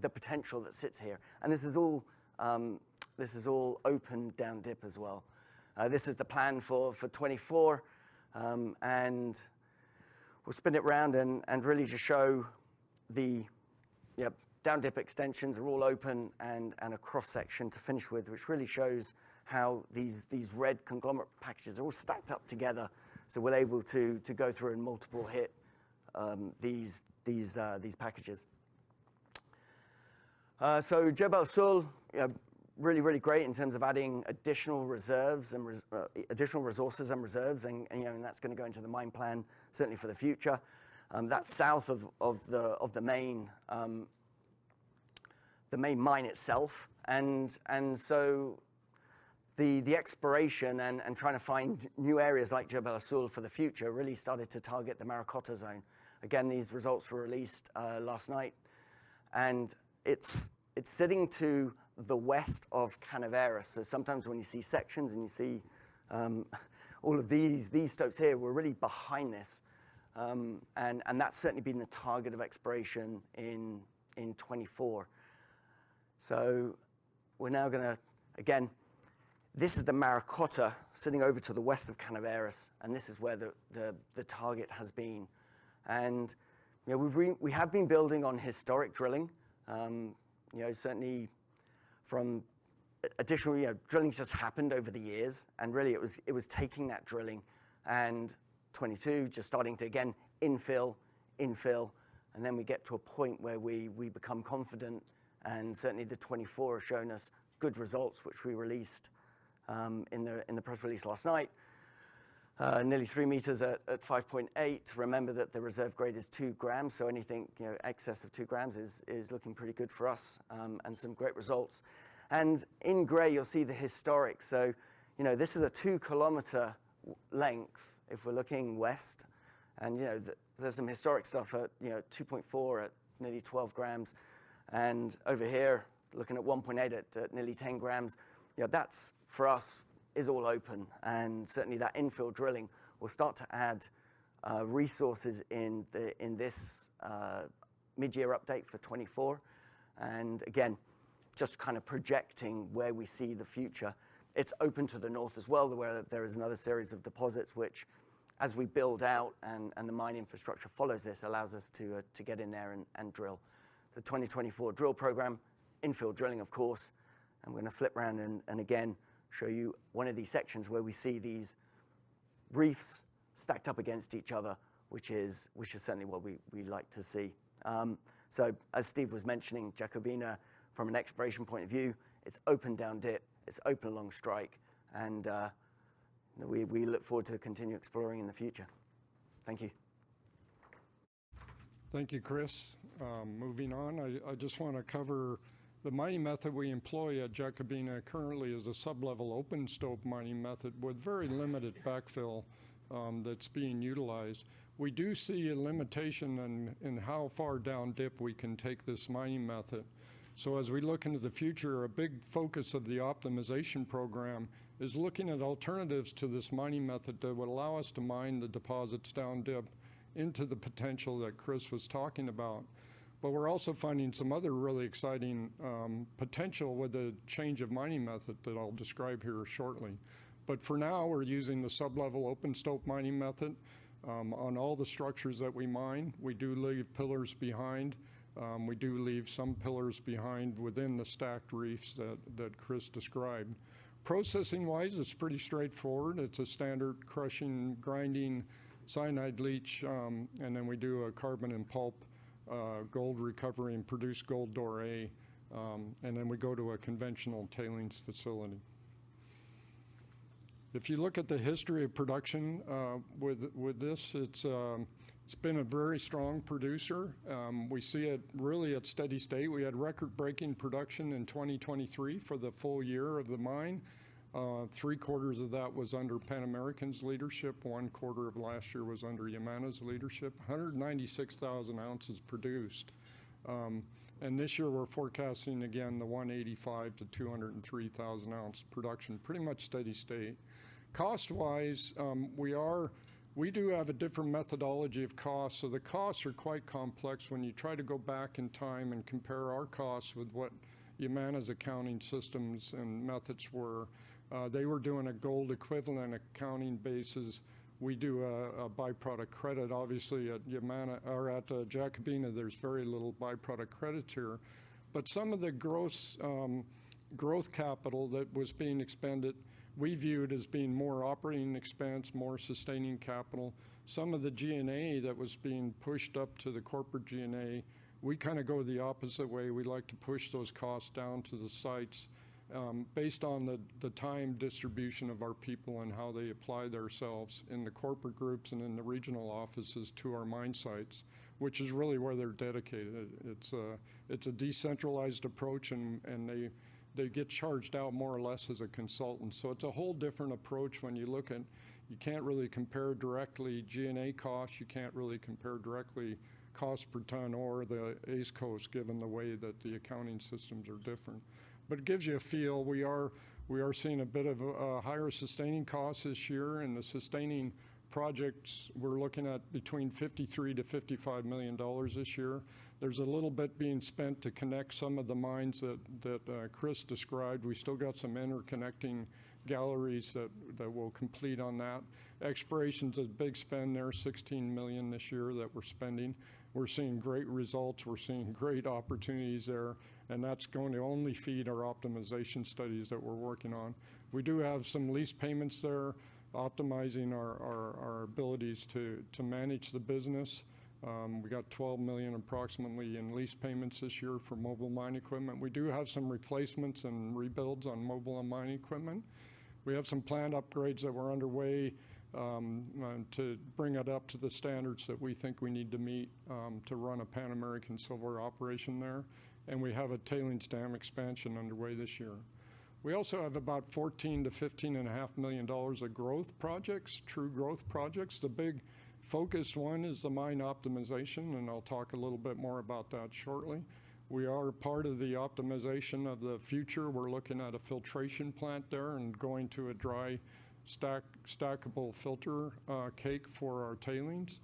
the potential that sits here, and this is all open down dip as well. This is the plan for 2024, and we'll spin it round and really just show the, you know, down dip extensions are all open and a cross-section to finish with, which really shows how these, these red conglomerate packages are all stacked up together. So we're able to go through and multiple hit these, these packages. So João Belo Sul, yeah, really, really great in terms of adding additional reserves and additional resources and reserves, and, you know, that's gonna go into the mine plan, certainly for the future. That's south of the main mine itself, and so the exploration and trying to find new areas like João Belo Sul for the future really started to target the Maracota zone. Again, these results were released last night, and it's sitting to the west of Canaveris. So sometimes when you see sections and you see all of these stopes here, we're really behind this, and that's certainly been the target of exploration in 2024. So we're now gonna... Again, this is the Maracota sitting over to the west of Canaveris, and this is where the target has been. You know, we have been building on historic drilling, you know, certainly from additional, you know, drilling's just happened over the years, and really it was taking that drilling, and 2022 just starting to again infill, and then we get to a point where we become confident, and certainly the 2024 have shown us good results, which we released in the press release last night. Nearly 3 m at 5.8. Remember that the reserve grade is 2 g, so anything, you know, excess of 2 g is looking pretty good for us, and some great results. And in gray, you'll see the historic. So, you know, this is a 2 km length if we're looking west, and, you know, the, there's some historic stuff at, you know, 2.4 at nearly 12 g, and over here, looking at 1.8 at nearly 10 g. You know, that's, for us, is all open, and certainly that infill drilling will start to add resources in the, in this, mid-year update for 2024. And again, just kind of projecting where we see the future. It's open to the north as well, where there is another series of deposits, which as we build out and the mine infrastructure follows this, allows us to get in there and drill. The 2024 drill program, infill drilling, of course, and we're gonna flip around and, and again, show you one of these sections where we see these reefs stacked up against each other, which is, which is certainly what we, we like to see. So as Steve was mentioning, Jacobina, from an exploration point of view, it's open down dip, it's open along strike, and we, we look forward to continue exploring in the future. Thank you.... Thank you, Chris. Moving on, I just wanna cover the mining method we employ at Jacobina currently is a sub-level open stope mining method with very limited backfill, that's being utilized. We do see a limitation in how far down dip we can take this mining method. So as we look into the future, a big focus of the optimization program is looking at alternatives to this mining method that would allow us to mine the deposits down dip into the potential that Chris was talking about. But we're also finding some other really exciting potential with the change of mining method that I'll describe here shortly. But for now, we're using the sub-level open stope mining method on all the structures that we mine. We do leave pillars behind. We do leave some pillars behind within the stacked reefs that Chris described. Processing-wise, it's pretty straightforward. It's a standard crushing, grinding, cyanide leach, and then we do a carbon and pulp, gold recovery and produce gold doré, and then we go to a conventional tailings facility. If you look at the history of production with this, it's been a very strong producer. We see it really at steady state. We had record-breaking production in 2023 for the full year of the mine. Three quarters of that was under Pan American's leadership. One quarter of last year was under Yamana's leadership. 196,000 oz produced. And this year we're forecasting again the 185,000-203,000 ounce production, pretty much steady state. Cost-wise, we do have a different methodology of cost, so the costs are quite complex when you try to go back in time and compare our costs with what Yamana's accounting systems and methods were. They were doing a gold equivalent accounting basis. We do a byproduct credit. Obviously, at Yamana or at Jacobina, there's very little byproduct credit here. But some of the gross growth capital that was being expended, we viewed as being more operating expense, more sustaining capital. Some of the G&A that was being pushed up to the corporate G&A, we kinda go the opposite way. We like to push those costs down to the sites, based on the time distribution of our people and how they apply themselves in the corporate groups and in the regional offices to our mine sites, which is really where they're dedicated. It's a decentralized approach, and they get charged out more or less as a consultant. So it's a whole different approach when you look at... You can't really compare directly G&A costs. You can't really compare directly cost per tons or the AISC costs, given the way that the accounting systems are different. But it gives you a feel. We are seeing a bit of a higher sustaining cost this year, and the sustaining projects, we're looking at between $53 million-$55 million this year. There's a little bit being spent to connect some of the mines that Chris described. We still got some interconnecting galleries that we'll complete on that. Exploration's a big spend there, $16 million this year that we're spending. We're seeing great results, we're seeing great opportunities there, and that's going to only feed our optimization studies that we're working on. We do have some lease payments there, optimizing our abilities to manage the business. We got approximately $12 million in lease payments this year for mobile mining equipment. We do have some replacements and rebuilds on mobile and mining equipment. We have some planned upgrades that were underway, and to bring it up to the standards that we think we need to meet, to run a Pan American Silver operation there, and we have a tailings dam expansion underway this year. We also have about $14 million-$15.5 million of growth projects, true growth projects. The big focus one is the mine optimization, and I'll talk a little bit more about that shortly. We are part of the optimization of the future. We're looking at a filtration plant there and going to a dry stackable filter cake for our tailings.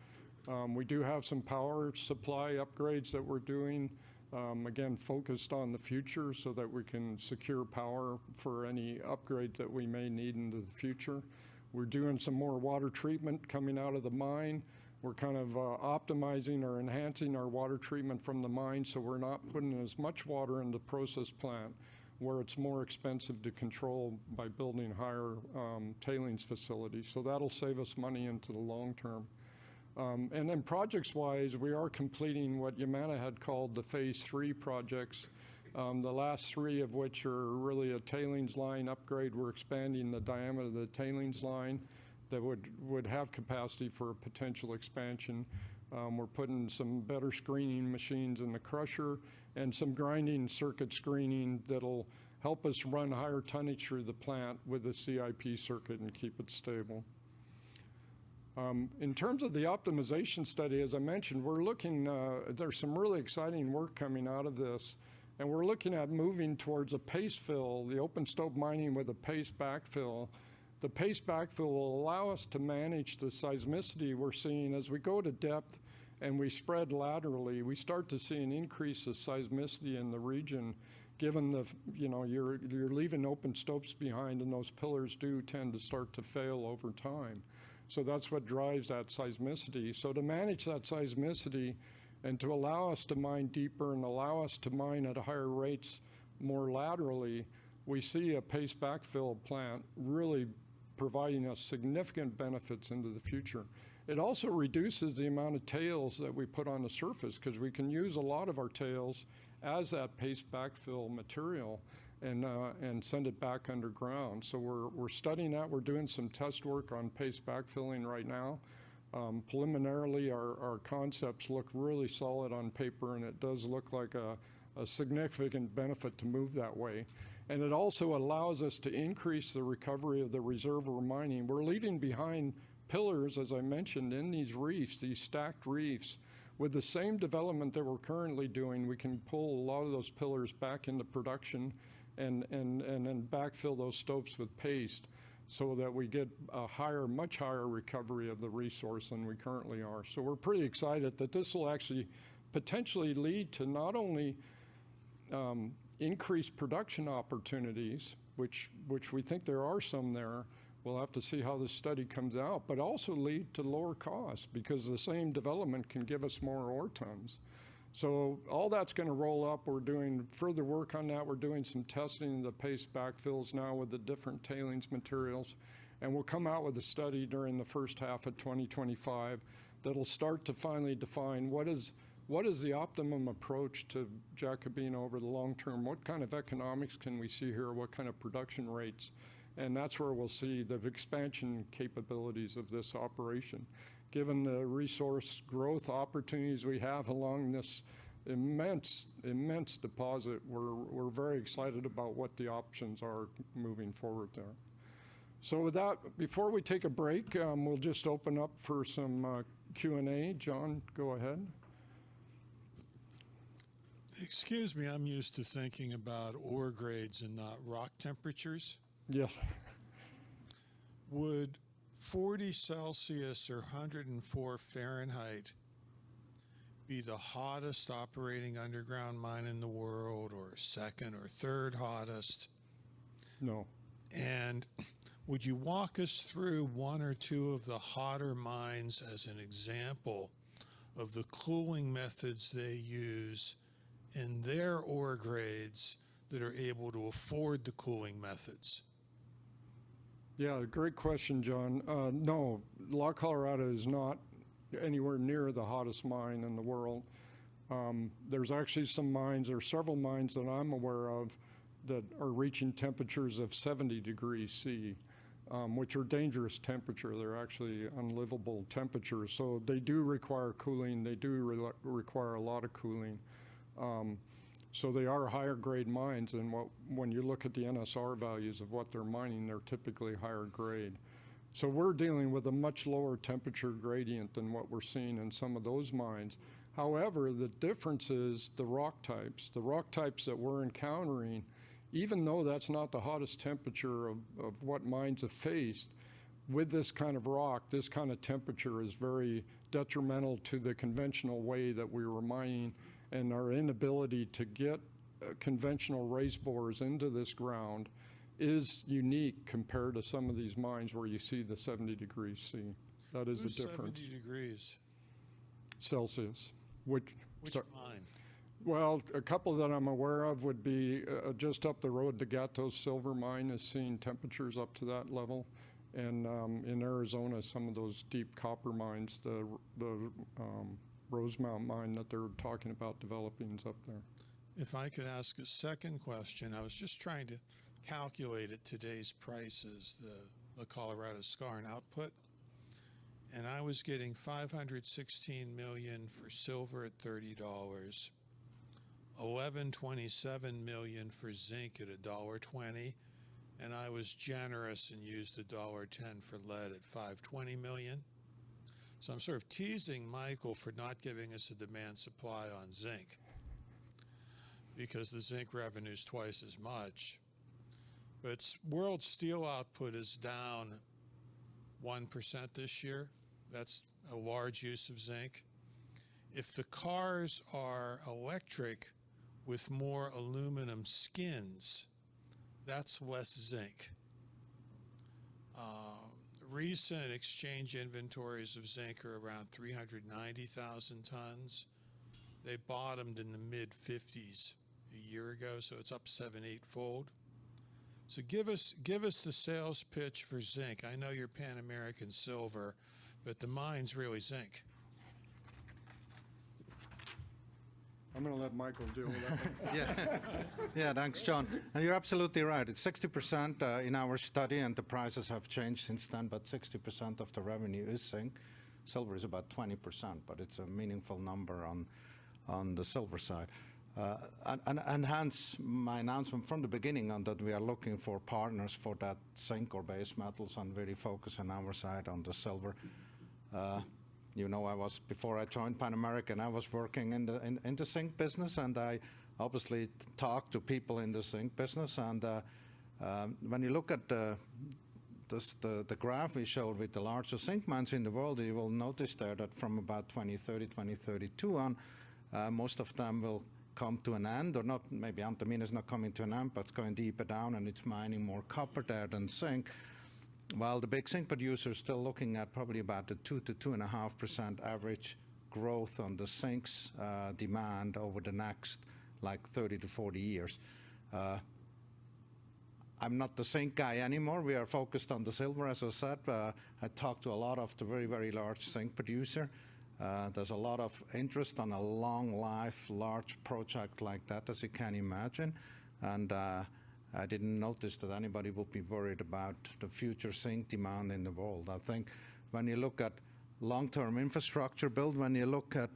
We do have some power supply upgrades that we're doing, again, focused on the future so that we can secure power for any upgrade that we may need into the future. We're doing some more water treatment coming out of the mine. We're kind of optimizing or enhancing our water treatment from the mine, so we're not putting as much water in the process plant, where it's more expensive to control by building higher tailings facilities. So that'll save us money into the long term. And then projects-wise, we are completing what Yamana had called the phase three projects, the last three of which are really a tailings line upgrade. We're expanding the diameter of the tailings line that would have capacity for a potential expansion. We're putting some better screening machines in the crusher and some grinding circuit screening that'll help us run higher tonnage through the plant with the CIP circuit and keep it stable. In terms of the optimization study, as I mentioned, we're looking. There's some really exciting work coming out of this, and we're looking at moving towards a paste fill, the open stope mining with a paste backfill. The paste backfill will allow us to manage the seismicity we're seeing. As we go to depth and we spread laterally, we start to see an increase of seismicity in the region, given the, you know, you're leaving open stopes behind, and those pillars do tend to start to fail over time. So that's what drives that seismicity. So to manage that seismicity and to allow us to mine deeper and allow us to mine at higher rates more laterally, we see a paste backfill plant really providing us significant benefits into the future. It also reduces the amount of tails that we put on the surface, 'cause we can use a lot of our tails as that paste backfill material and send it back underground. So we're studying that. We're doing some test work on paste backfilling right now. Preliminarily, our concepts look really solid on paper, and it does look like a significant benefit to move that way. And it also allows us to increase the recovery of the reserve overmining. We're leaving behind pillars, as I mentioned, in these reefs, these stacked reefs. With the same development that we're currently doing, we can pull a lot of those pillars back into production and then backfill those stopes with paste so that we get a higher, much higher recovery of the resource than we currently are. So we're pretty excited that this will actually potentially lead to not only increased production opportunities, which we think there are some there, we'll have to see how the study comes out, but also lead to lower cost, because the same development can give us more ore tons. So all that's gonna roll up. We're doing further work on that. We're doing some testing the paste backfills now with the different tailings materials, and we'll come out with a study during the first half of 2025 that'll start to finally define what is, what is the optimum approach to Jacobina over the long term? What kind of economics can we see here? What kind of production rates? And that's where we'll see the expansion capabilities of this operation. Given the resource growth opportunities we have along this immense, immense deposit, we're, we're very excited about what the options are moving forward there. So with that, before we take a break, we'll just open up for some Q&A. John, go ahead. Excuse me, I'm used to thinking about ore grades and not rock temperatures. Yes. Would 40 degrees Celsius or 104 degrees Fahrenheit be the hottest operating underground mine in the world, or second or third hottest? No. Would you walk us through one or two of the hotter mines as an example of the cooling methods they use and their ore grades that are able to afford the cooling methods? Yeah, great question, John. No, La Colorada is not anywhere near the hottest mine in the world. There's actually some mines or several mines that I'm aware of, that are reaching temperatures of 70 degrees Celsius, which are dangerous temperature. They're actually unlivable temperatures, so they do require cooling. They do require a lot of cooling. So they are higher grade mines, and when you look at the NSR values of what they're mining, they're typically higher grade. So we're dealing with a much lower temperature gradient than what we're seeing in some of those mines. However, the difference is the rock types. The rock types that we're encountering, even though that's not the hottest temperature of, of what mines have faced, with this kind of rock, this kind of temperature is very detrimental to the conventional way that we were mining, and our inability to get conventional raise bores into this ground is unique compared to some of these mines where you see the 70 degrees Celsius. That is the difference. Who's 70 degrees? Celsius, which- Which mine? Well, a couple that I'm aware of would be just up the road, the Gatos Silver Mine is seeing temperatures up to that level, and in Arizona, some of those deep copper mines, the Rosemont mine that they're talking about developing is up there. If I could ask a second question. I was just trying to calculate at today's prices, the La Colorada Skarn output, and I was getting $516 million for silver at $30, $1,127 million for zinc at $1.20, and I was generous and used $1.10 for lead at $520 million. So I'm sort of teasing Michael for not giving us a demand supply on zinc, because the zinc revenue's twice as much. But world steel output is down 1% this year. That's a large use of zinc. If the cars are electric with more aluminum skins, that's less zinc. Recent exchange inventories of zinc are around 390,000 tons. They bottomed in the mid-50s a year ago, so it's up seven-eight-fold. So give us, give us the sales pitch for zinc. I know you're Pan American Silver, but the mine's really zinc. I'm gonna let Michael do that one. Yeah. Yeah, thanks, John. And you're absolutely right. It's 60% in our study, and the prices have changed since then, but 60% of the revenue is zinc. Silver is about 20%, but it's a meaningful number on the silver side. And hence, my announcement from the beginning on that we are looking for partners for that zinc or base metals and really focus on our side on the silver. You know, I was before I joined Pan American, I was working in the zinc business, and I obviously talked to people in the zinc business. When you look at the graph we showed with the largest zinc mines in the world, you will notice there that from about 2030, 2032 on, most of them will come to an end, or not, maybe Antamina is not coming to an end, but it's going deeper down, and it's mining more copper there than zinc. Well, the big zinc producer is still looking at probably about a 2%-2.5% average growth on the zinc's demand over the next, like, 30-40 years. I'm not the zinc guy anymore. We are focused on the silver, as I said. I talked to a lot of the very, very large zinc producer. There's a lot of interest on a long life, large project like that, as you can imagine, and, I didn't notice that anybody would be worried about the future zinc demand in the world. I think when you look at long-term infrastructure build, when you look at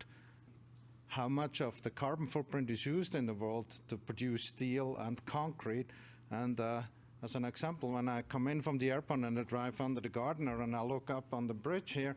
how much of the carbon footprint is used in the world to produce steel and concrete, and, as an example, when I come in from the airport and I drive under the Gardiner, and I look up on the bridge here,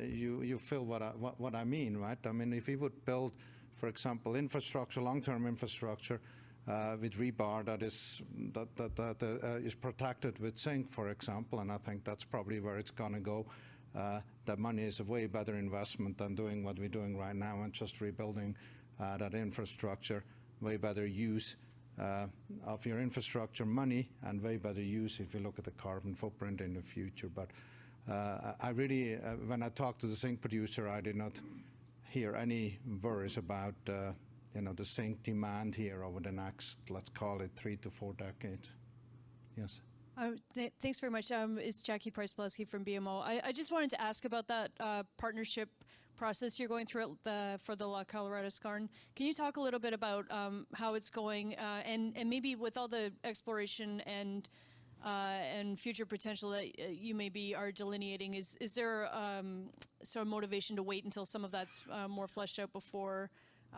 you feel what I mean, right? I mean, if you would build, for example, infrastructure, long-term infrastructure, with rebar that is protected with zinc, for example, and I think that's probably where it's gonna go, that money is a way better investment than doing what we're doing right now and just rebuilding that infrastructure. Way better use of your infrastructure money and way better use if you look at the carbon footprint in the future. But I really, when I talked to the zinc producer, I did not hear any worries about, you know, the zinc demand here over the next, let's call it, three to four decades. Yes? Thanks very much. It's Jackie Przybylowski from BMO. I just wanted to ask about that partnership process you're going through at the for the La Colorada Skarn. Can you talk a little bit about how it's going? And maybe with all the exploration and future potential that you maybe are delineating, is there sort of motivation to wait until some of that's more fleshed out before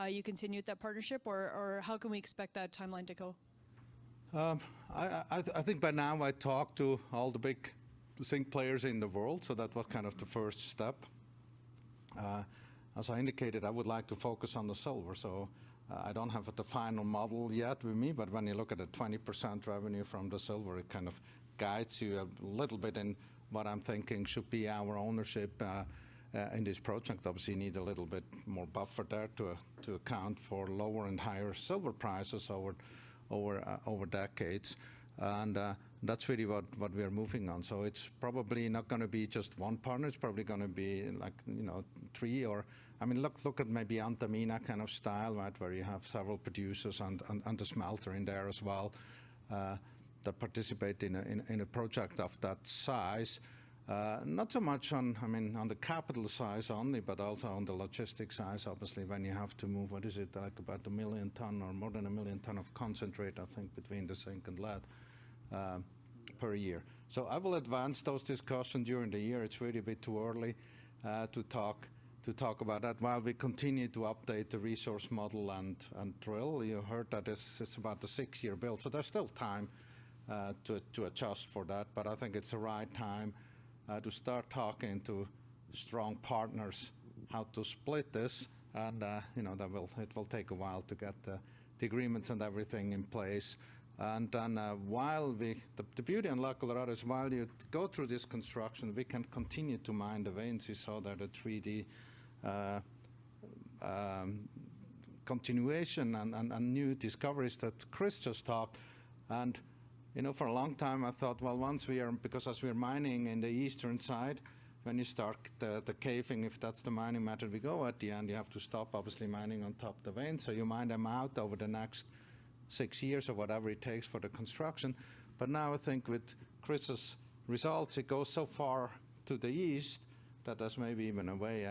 you continue with that partnership, or how can we expect that timeline to go? I think by now I talked to all the big zinc players in the world, so that was kind of the first step. As I indicated, I would like to focus on the silver, so I don't have the final model yet with me, but when you look at the 20% revenue from the silver, it kind of guides you a little bit in what I'm thinking should be our ownership in this project. Obviously, you need a little bit more buffer there to account for lower and higher silver prices over decades, and that's really what we are moving on. So it's probably not gonna be just one partner. It's probably gonna be, like, you know, three or... I mean, look, look at maybe Antamina kind of style, right? Where you have several producers and a smelter in there as well, that participate in a project of that size. Not so much on, I mean, on the capital size only, but also on the logistics side. Obviously, when you have to move, what is it? Like, about 1 million tons or more than 1 million tons of concentrate, I think, between the zinc and lead, per year. So I will advance those discussions during the year. It's really a bit too early to talk about that while we continue to update the resource model and drill. You heard that this is about a six year build, so there's still time to adjust for that. But I think it's the right time to start talking to strong partners how to split this, and, you know, that it will take a while to get the agreements and everything in place. And then, while the... The beauty in La Colorada is, while you go through this construction, we can continue to mine the veins. You saw that the 3D continuation and new discoveries that Chris just talked. And, you know, for a long time I thought, well, once we are—because as we are mining in the eastern side, when you start the caving, if that's the mining method we go, at the end, you have to stop, obviously, mining on top of the vein, so you mine them out over the next six years or whatever it takes for the construction. But now I think with Chris's results, it goes so far to the east that there's maybe even a way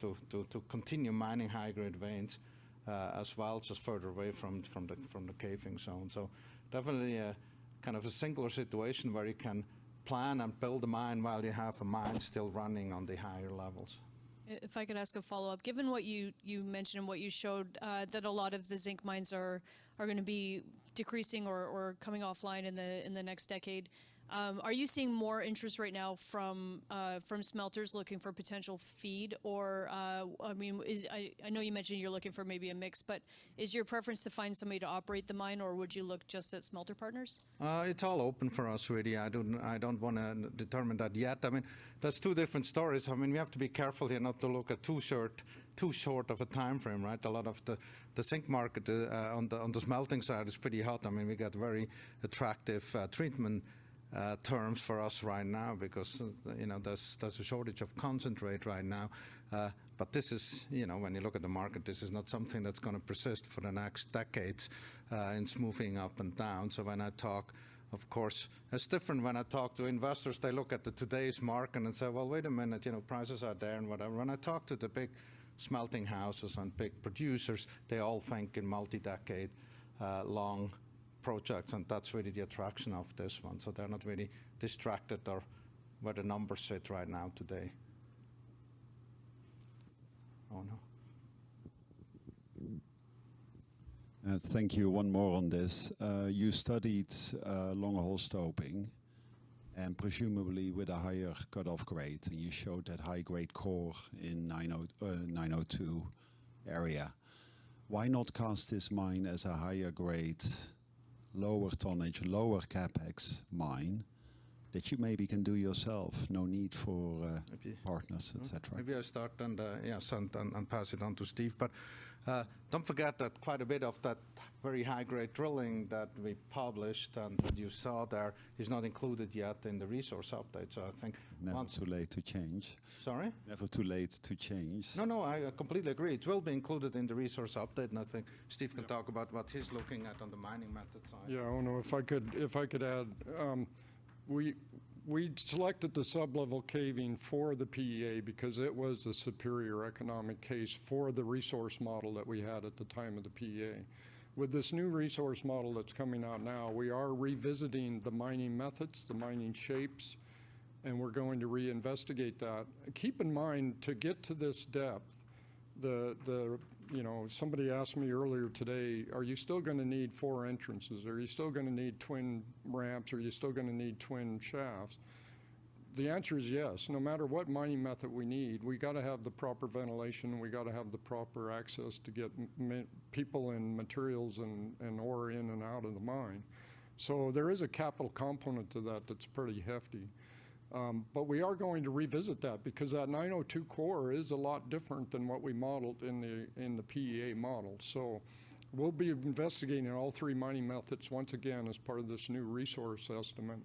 to continue mining high-grade veins as well, just further away from the caving zone. So definitely a kind of a singular situation where you can plan and build a mine while you have a mine still running on the higher levels. If I could ask a follow-up. Given what you mentioned and what you showed, that a lot of the zinc mines are gonna be decreasing or coming offline in the next decade, are you seeing more interest right now from smelters looking for potential feed or... I mean, I know you mentioned you're looking for maybe a mix, but is your preference to find somebody to operate the mine, or would you look just at smelter partners? It's all open for us, really. I don't wanna determine that yet. I mean, that's two different stories. I mean, we have to be careful here not to look at too short, too short of a timeframe, right? A lot of the zinc market on the smelting side is pretty hot. I mean, we got very attractive treatment terms for us right now because, you know, there's a shortage of concentrate right now. But this is, you know, when you look at the market, this is not something that's gonna persist for the next decades. It's moving up and down. So when I talk, of course, it's different when I talk to investors. They look at today's market and say, "Well, wait a minute, you know, prices are there," and whatever. When I talk to the big smelting houses and big producers, they all think in multi-decade, long projects, and that's really the attraction of this one. So they're not really distracted or where the numbers sit right now today. Oh, no. Thank you. One more on this. You studied longhole stoping, and presumably with a higher cut-off grade, and you showed that high-grade core in 902.... area, why not cast this mine as a higher grade, lower tonnage, lower CapEx mine that you maybe can do yourself? No need for, Maybe- partners, etc. Mm-hmm. Maybe I start on the, yeah, so and pass it on to Steve. But don't forget that quite a bit of that very high grade drilling that we published and that you saw there is not included yet in the resource update. So I think one- Never too late to change. Sorry? Never too late to change. No, no, I completely agree. It will be included in the resource update, and I think Steve- Yeah... can talk about what he's looking at on the mining method side. Yeah, I don't know if I could add. We selected the sub-level caving for the PEA because it was the superior economic case for the resource model that we had at the time of the PEA. With this new resource model that's coming out now, we are revisiting the mining methods, the mining shapes, and we're going to reinvestigate that. Keep in mind, to get to this depth, the... You know, somebody asked me earlier today: "Are you still gonna need four entrances? Are you still gonna need twin ramps? Are you still gonna need twin shafts?" The answer is yes. No matter what mining method we need, we've gotta have the proper ventilation, and we've gotta have the proper access to get people and materials and ore in and out of the mine. There is a capital component to that that's pretty hefty. We are going to revisit that because that 902 core is a lot different than what we modeled in the PEA model. We'll be investigating all three mining methods once again as part of this new resource estimate.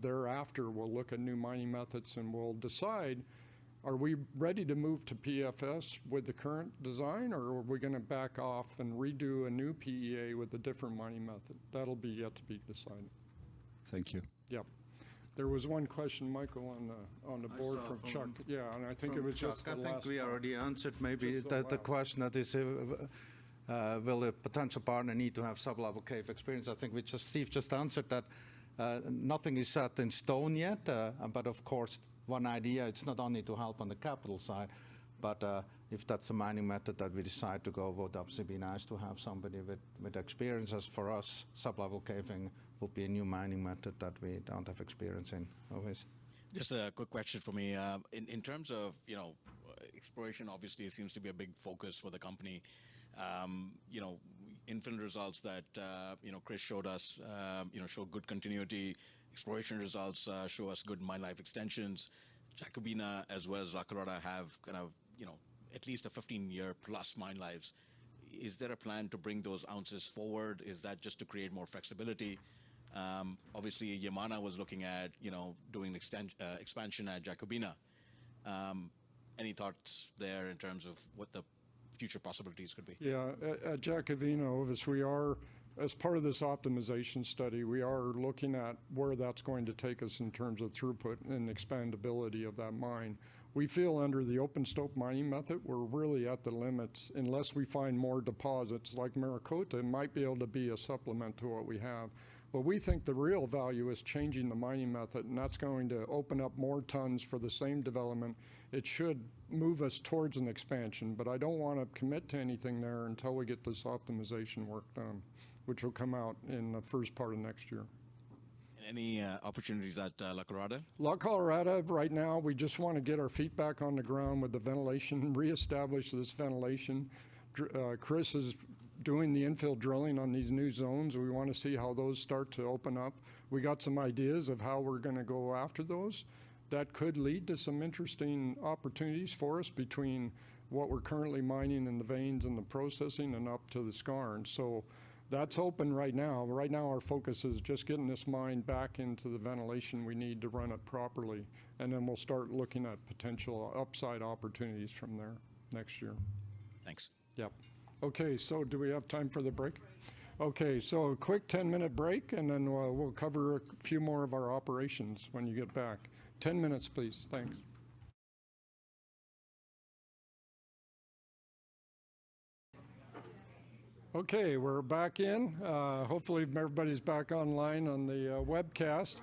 Thereafter, we'll look at new mining methods, and we'll decide, are we ready to move to PFS with the current design, or are we gonna back off and redo a new PEA with a different mining method? That'll be yet to be decided. Thank you. Yep. There was one question, Michael, on the board- I saw from- from Chuck. Yeah, I think it was just the last- From Chuck. I think we already answered maybe- Just a while- The question is, will a potential partner need to have sub-level cave experience? I think we just Steve just answered that. Nothing is set in stone yet, but of course, one idea, it's not only to help on the capital side, but if that's the mining method that we decide to go with, obviously, it'd be nice to have somebody with experience. As for us, sub-level caving will be a new mining method that we don't have experience in. Ovais? Just a quick question from me. In, in terms of, you know, exploration, obviously seems to be a big focus for the company. You know, infill results that, you know, Chris showed us, you know, show good continuity, exploration results, show us good mine life extensions. Jacobina as well as La Colorada have kind of, you know, at least a 15-year-plus mine lives. Is there a plan to bring those ounces forward? Is that just to create more flexibility? Obviously, Yamana was looking at, you know, doing expansion at Jacobina. Any thoughts there in terms of what the future possibilities could be? Yeah. At Jacobina, Ovais, we are as part of this optimization study looking at where that's going to take us in terms of throughput and expandability of that mine. We feel under the open stope mining method, we're really at the limits, unless we find more deposits like Maricota, it might be able to be a supplement to what we have. But we think the real value is changing the mining method, and that's going to open up more tons for the same development. It should move us towards an expansion, but I don't wanna commit to anything there until we get this optimization work done, which will come out in the first part of next year. Any opportunities at La Colorada? La Colorada, right now, we just wanna get our feet back on the ground with the ventilation, reestablish this ventilation. Chris is doing the infill drilling on these new zones, and we wanna see how those start to open up. We got some ideas of how we're gonna go after those. That could lead to some interesting opportunities for us between what we're currently mining in the veins and the processing and up to the skarn. So that's open right now. But right now, our focus is just getting this mine back into the ventilation we need to run it properly, and then we'll start looking at potential upside opportunities from there next year. Thanks. Yep. Okay, so do we have time for the break? Right. Okay, so a quick 10-minute break, and then we'll cover a few more of our operations when you get back. 10 minutes, please. Thanks. Okay, we're back in. Hopefully, everybody's back online on the webcast.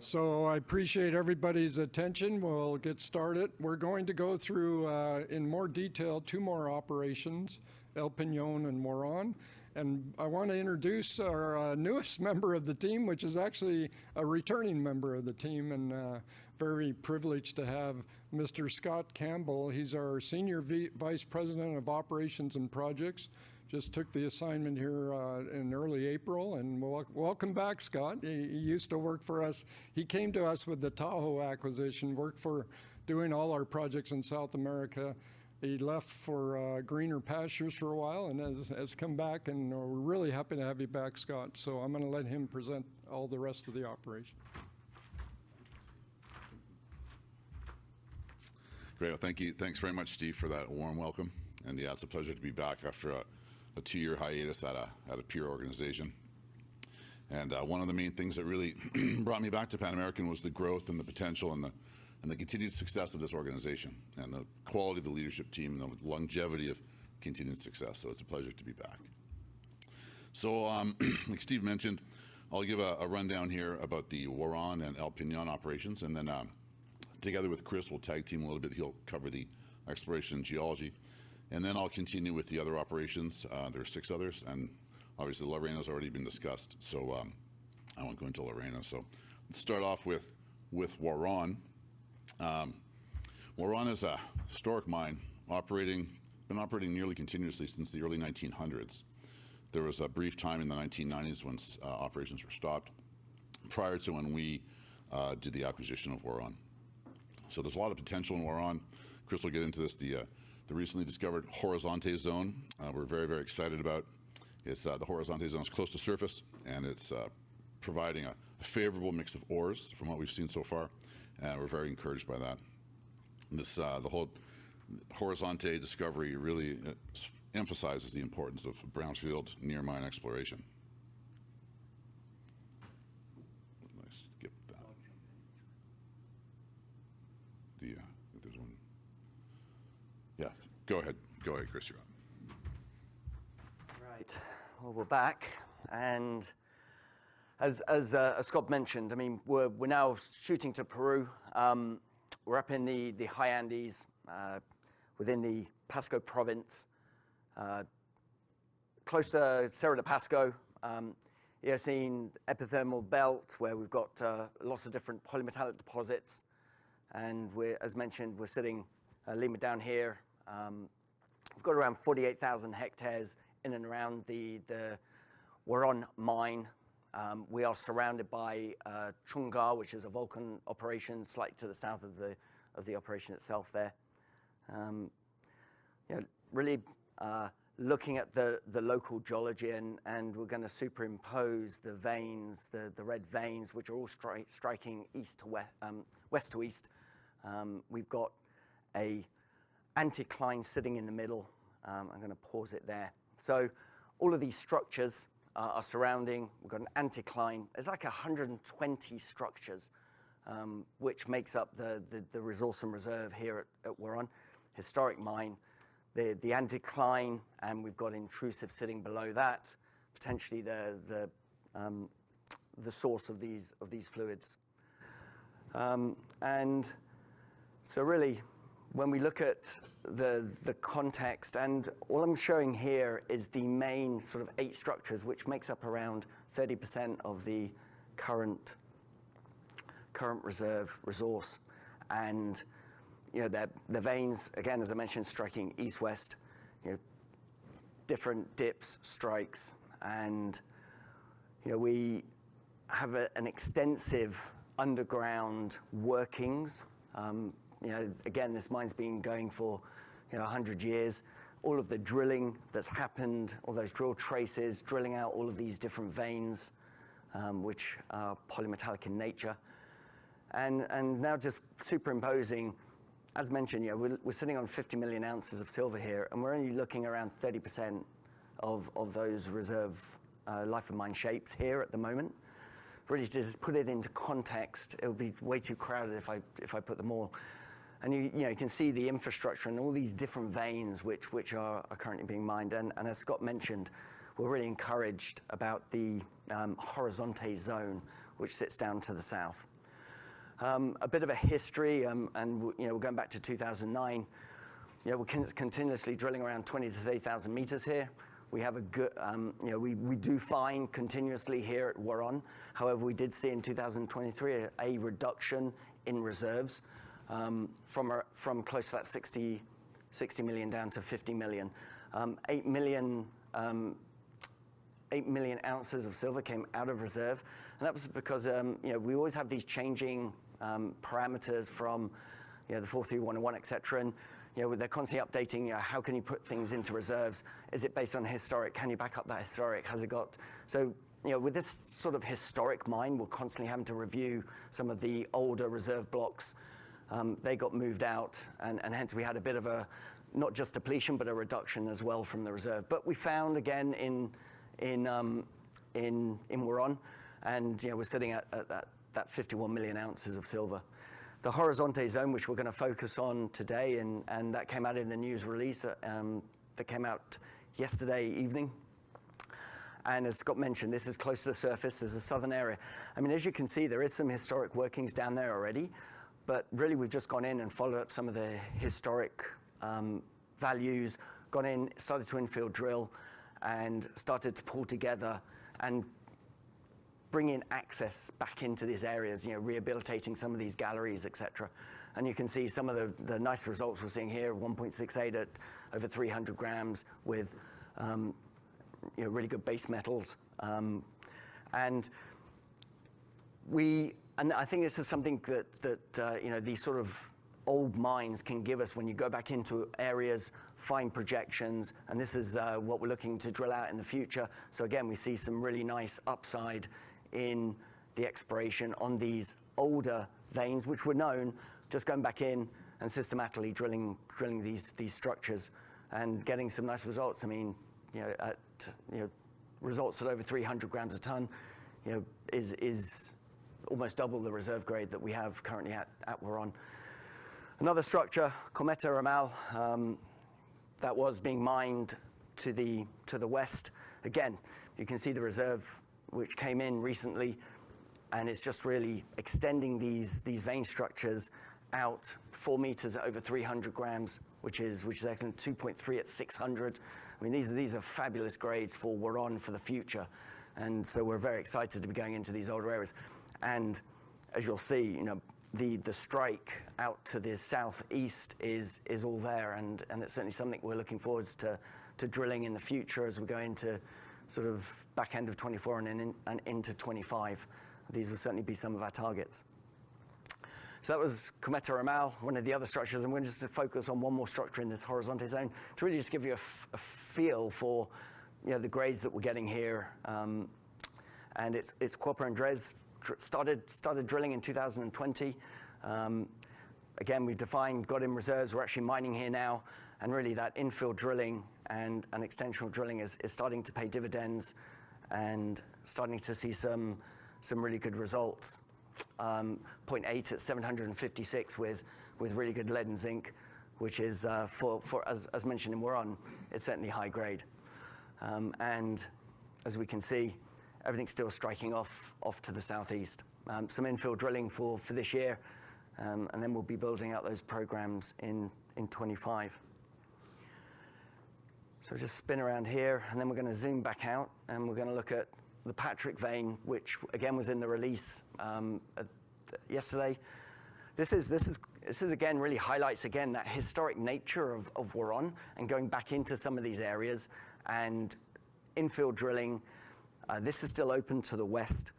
So I appreciate everybody's attention. We'll get started. We're going to go through, in more detail, two more operations, El Peñon and Huarón. And I wanna introduce our newest member of the team, which is actually a returning member of the team, and very privileged to have Mr. Scott Campbell. He's our Senior Vice President of Operations and Projects. Just took the assignment here, in early April, and welcome back, Scott. He used to work for us. He came to us with the Tahoe acquisition, worked for doing all our projects in South America. He left for greener pastures for a while, and has come back, and we're really happy to have you back, Scott. So I'm gonna let him present all the rest of the operations. Great. Well, thank you. Thanks very much, Steve, for that warm welcome, and yeah, it's a pleasure to be back after a two year hiatus at a peer organization. And one of the main things that really brought me back to Pan American was the growth and the potential and the continued success of this organization, and the quality of the leadership team, and the longevity of continued success, so it's a pleasure to be back. So, like Steve mentioned, I'll give a rundown here about the Huarón and El Peñon operations, and then, together with Chris, we'll tag team a little bit. He'll cover the exploration and geology, and then I'll continue with the other operations. There are six others, and obviously, La Arena has already been discussed, so... I won't go into Lorena, so let's start off with Huarón. Huarón is a historic mine operating, been operating nearly continuously since the early 1900s. There was a brief time in the 1990s when operations were stopped prior to when we did the acquisition of Huarón. So there's a lot of potential in Huarón. Chris will get into this, the recently discovered Horizonte zone, we're very, very excited about. It's the Horizonte zone is close to surface, and it's providing a favorable mix of ores from what we've seen so far, and we're very encouraged by that. This, the whole Horizonte discovery really emphasizes the importance of brownfield near mine exploration. Let's skip that. The... I think there's one. Yeah, go ahead. Go ahead, Chris, you're up. Right. Well, we're back, and as Scott mentioned, I mean, we're now shooting to Peru. We're up in the high Andes within the Pasco province close to Cerro de Pasco, Eocene epithermal belt, where we've got lots of different polymetallic deposits. And we're, as mentioned, we're sitting Lima down here. We've got around 48,000 hectares in and around the Huarón mine. We are surrounded by Chungar, which is a Volcan operation, slightly to the south of the operation itself there. You know, really looking at the local geology and we're gonna superimpose the veins, the red veins, which are all striking west to east. We've got an anticline sitting in the middle. I'm gonna pause it there. So all of these structures are surrounding... we've got an anticline. There's like 120 structures, which makes up the resource and reserve here at Huarón. Historic mine, the anticline, and we've got intrusive sitting below that, potentially the source of these fluids. And so really, when we look at the context, and all I'm showing here is the main sort of eight structures, which makes up around 30% of the current reserve resource. And, you know, the veins, again, as I mentioned, striking east-west, you know, different dips, strikes, and, you know, we have an extensive underground workings. You know, again, this mine's been going for, you know, 100 years. All of the drilling that's happened, all those drill traces, drilling out all of these different veins, which are polymetallic in nature. And now just superimposing, as mentioned, you know, we're sitting on 50 million oz of silver here, and we're only looking around 30% of those reserve life of mine shapes here at the moment. Really just put it into context, it would be way too crowded if I put them all. And you know, you can see the infrastructure and all these different veins, which are currently being mined. And as Scott mentioned, we're really encouraged about the Horizonte zone, which sits down to the south. A bit of a history, and you know, we're going back to 2009. You know, we're continuously drilling around 20,000-30,000 m here. We have a good, you know, we, we do find continuously here at Huarón. However, we did see in 2023 a reduction in reserves, from our, from close to about 60 million down to 50 million. 8 million oz of silver came out of reserve, and that was because, you know, we always have these changing parameters from, you know, the 43-101, etc. And, you know, they're constantly updating, you know, how can you put things into reserves? Is it based on historic? Can you back up that historic? Has it got... So, you know, with this sort of historic mine, we're constantly having to review some of the older reserve blocks. They got moved out, and hence, we had a bit of a, not just depletion, but a reduction as well from the reserve. But we found again in Huarón, and you know, we're sitting at that 51 million oz of silver. The Horizonte zone, which we're gonna focus on today, and that came out in the news release that came out yesterday evening. And as Scott mentioned, this is close to the surface, this is a southern area. I mean, as you can see, there is some historic workings down there already, but really, we've just gone in and followed up some of the historic values, gone in, started to infill drill, and started to pull together and bring in access back into these areas, you know, rehabilitating some of these galleries, etc. And you can see some of the nice results we're seeing here, 1.68 at over 300 g with, you know, really good base metals. And we and I think this is something that, you know, these sort of old mines can give us when you go back into areas, find projections, and this is what we're looking to drill out in the future. So again, we see some really nice upside in the exploration on these older veins, which were known, just going back in and systematically drilling these structures and getting some nice results. I mean, you know, results at over 300 g a tons, you know, is almost double the reserve grade that we have currently at Huarón. Another structure, Cometa Ramal, that was being mined to the west. Again, you can see the reserve which came in recently, and it's just really extending these vein structures out four meters at over 300 g, which is excellent, 2.3 at 600. I mean, these are fabulous grades for Huarón for the future, and so we're very excited to be going into these older areas. And as you'll see, you know, the strike out to the southeast is all there, and it's certainly something we're looking forward to drilling in the future as we go into sort of back end of 2024 and then in and into 2025. These will certainly be some of our targets. That was Cometa Ramal, one of the other structures, and we're just gonna focus on one more structure in this Horizonte zone to really just give you a feel for, you know, the grades that we're getting here. And it's Cuerpo Andres, started drilling in 2020. Again, we defined, got in reserves. We're actually mining here now, and really, that infill drilling and extensional drilling is starting to pay dividends and starting to see some really good results. 0.8 at 756 with really good lead and zinc, which is, as mentioned in Huarón, certainly high grade. And as we can see, everything's still striking off to the southeast. Some infill drilling for this year, and then we'll be building out those programs in 2025. So just spin around here, and then we're gonna zoom back out, and we're gonna look at the Patrick vein, which again, was in the release yesterday. This again really highlights that historic nature of Huarón and going back into some of these areas and infill drilling. This is still open to the west.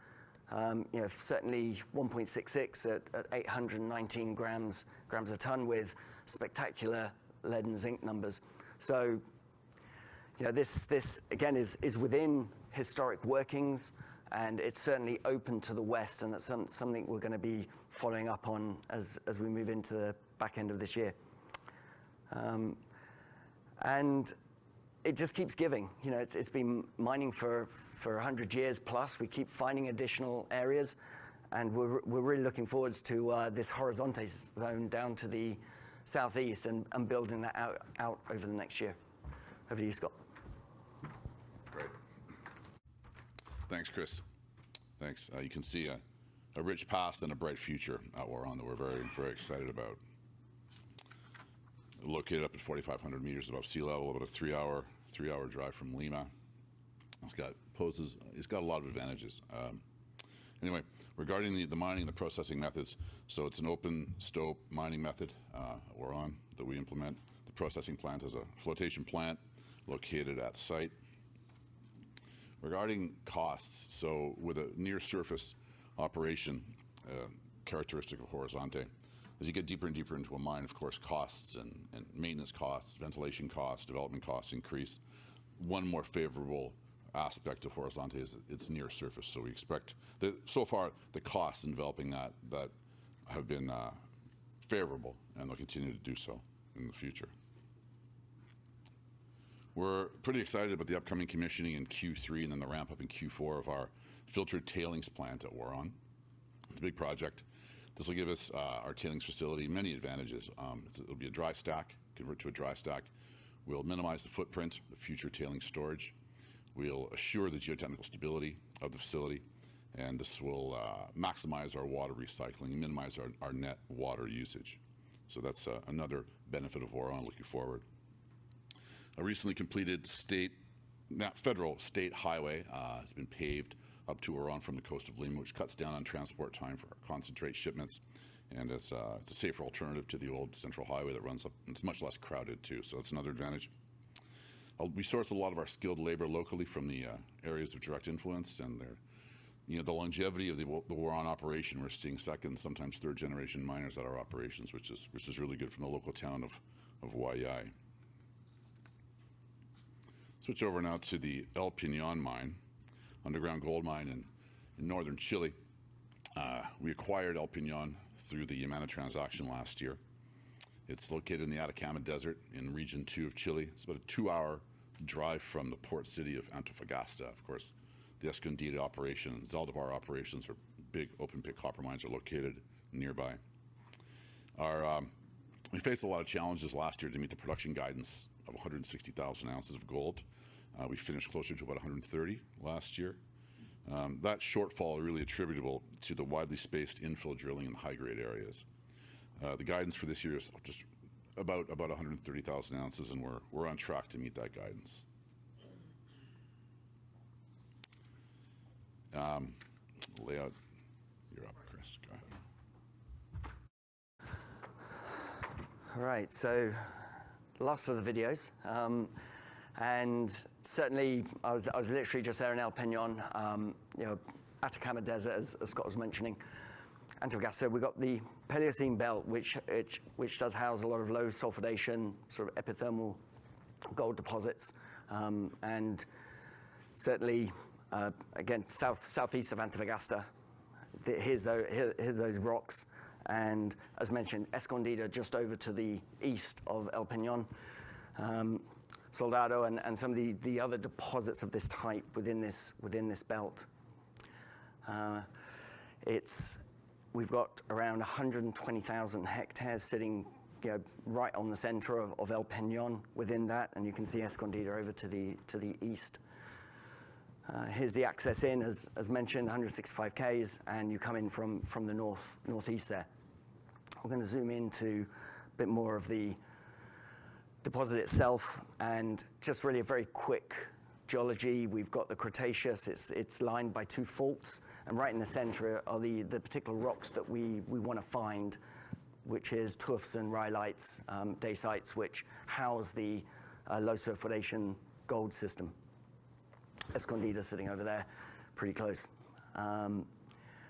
You know, certainly 1.66 at 819 g a tons with spectacular lead and zinc numbers. So, you know, this again is within historic workings, and it's certainly open to the west, and that's something we're gonna be following up on as we move into the back end of this year. And it just keeps giving. You know, it's been mining for 100 years plus. We keep finding additional areas, and we're really looking forward to this Horizonte zone down to the southeast and building that out over the next year. Over to you, Scott. Great. Thanks, Chris. Thanks. You can see a rich past and a bright future at Huarón that we're very, very excited about. Located up at 4,500 m above sea level, about a three-hour, three-hour drive from Lima. It's got a lot of advantages. Anyway, regarding the mining and the processing methods, it's an open stope mining method, Huarón, that we implement. The processing plant is a flotation plant located at site. Regarding costs, with a near surface operation characteristic of Horizonte, as you get deeper and deeper into a mine, of course, costs and maintenance costs, ventilation costs, development costs increase. One more favorable aspect of Horizonte is it's near surface, so we expect. So far, the costs in developing that have been favorable, and they'll continue to do so in the future. We're pretty excited about the upcoming commissioning in Q3 and then the ramp-up in Q4 of our filtered tailings plant at Huarón. It's a big project. This will give us our tailings facility many advantages. It'll be a dry stack, convert to a dry stack. We'll minimize the footprint of future tailings storage. We'll assure the geotechnical stability of the facility, and this will maximize our water recycling and minimize our net water usage. So that's another benefit of Huarón looking forward. A recently completed state, not federal, state highway has been paved up to Huarón from the coast of Lima, which cuts down on transport time for our concentrate shipments, and it's a safer alternative to the old central highway that runs up... It's much less crowded, too, so it's another advantage. We source a lot of our skilled labor locally from the areas of direct influence, and the, you know, the longevity of the Huarón operation, we're seeing second, sometimes third-generation miners at our operations, which is really good from the local town of Huayllay. Switch over now to the El Peñon mine, underground gold mine in northern Chile. We acquired El Peñon through the Yamana transaction last year. It's located in the Atacama Desert in Region II of Chile. It's about a two-hour drive from the port city of Antofagasta. Of course, the Escondida operation and Zaldívar operations are big open-pit copper mines are located nearby. Our we faced a lot of challenges last year to meet the production guidance of 160,000 oz of gold. We finished closer to about 130,000 last year. That shortfall really attributable to the widely spaced infill drilling in the high-grade areas. The guidance for this year is just about 130,000 oz, and we're on track to meet that guidance. All right. You're up, Chris. Go ahead. All right, so last of the videos, and certainly, I was, I was literally just there in El Peñon, you know, Atacama Desert, as Scott was mentioning. Antofagasta, we got the Paleocene Belt, which does house a lot of low sulfidation, sort of epithermal gold deposits, and certainly, again, south-southeast of Antofagasta. Here's those rocks, and as mentioned, Escondida, just over to the east of El Peñon, Soldado and some of the other deposits of this type within this belt. We've got around 120,000 hectares sitting, you know, right on the center of El Peñon within that, and you can see Escondida over to the east. Here's the access in. As mentioned, 165 km, and you come in from the north, northeast there. I'm gonna zoom in to a bit more of the deposit itself, and just really a very quick geology. We've got the Cretaceous. It's lined by two faults, and right in the center are the particular rocks that we wanna find, which is tuffs and rhyolites, dacites, which house the low-sulfidation gold system. Escondida sitting over there, pretty close.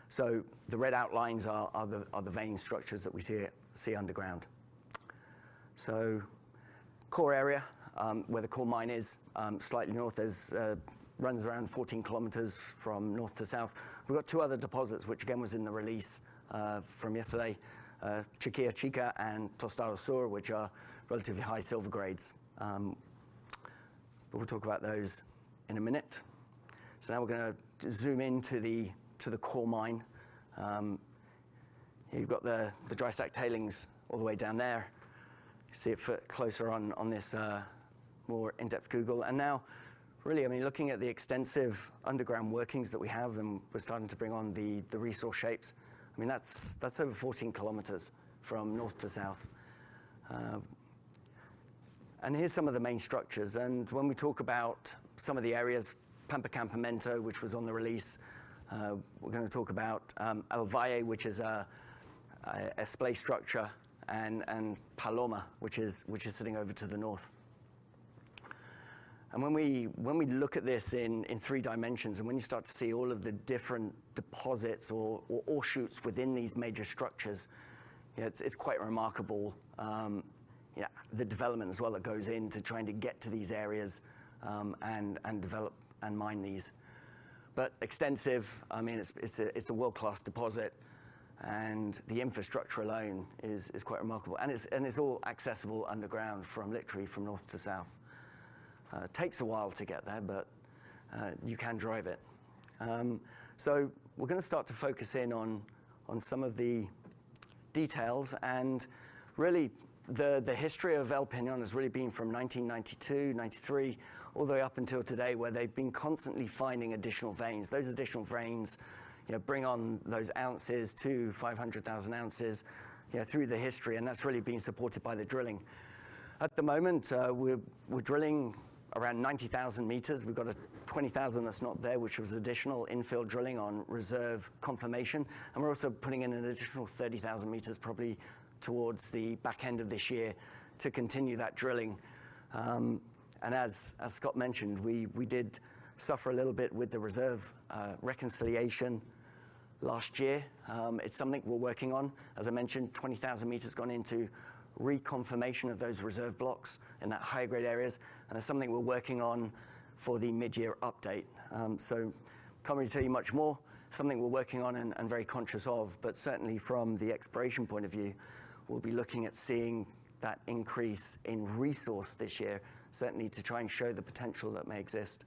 So the red outlines are the vein structures that we see underground. So core area, where the core mine is, slightly north, runs around 14 km from north to south. We've got two other deposits, which again, was in the release from yesterday, Chiquilla Chica and Tostado Sur, which are relatively high silver grades. But we'll talk about those in a minute. So now we're gonna zoom in to the core mine. Here you've got the dry stack tailings all the way down there. You see it closer on this more in-depth Google. And now, really, I mean, looking at the extensive underground workings that we have, and we're starting to bring on the resource shapes, I mean, that's over 14 km from north to south. And here's some of the main structures, and when we talk about some of the areas, Pampa Campamento, which was on the release, we're gonna talk about El Valle, which is a splay structure, and Paloma, which is sitting over to the north. When we look at this in three dimensions, and when you start to see all of the different deposits or ore shoots within these major structures, it's quite remarkable, yeah, the development as well that goes into trying to get to these areas, and develop and mine these. But extensive, I mean, it's a world-class deposit, and the infrastructure alone is quite remarkable. And it's all accessible underground from literally from north to south. Takes a while to get there, but you can drive it. So we're gonna start to focus in on some of the details. And really, the history of El Peñón has really been from 1992, 1993, all the way up until today, where they've been constantly finding additional veins. Those additional veins, you know, bring on those ounces to 500,000 ounces, you know, through the history, and that's really been supported by the drilling. At the moment, we're drilling around 90,000 m. We've got a 20,000 that's not there, which was additional infill drilling on reserve confirmation, and we're also putting in an additional 30,000 m, probably towards the back end of this year to continue that drilling. And as Scott mentioned, we did suffer a little bit with the reserve reconciliation last year. It's something we're working on. As I mentioned, 20,000 m gone into reconfirmation of those reserve blocks in that high-grade areas, and it's something we're working on for the mid-year update. So can't really tell you much more. Something we're working on and, and very conscious of, but certainly from the exploration point of view, we'll be looking at seeing that increase in resource this year, certainly to try and show the potential that may exist.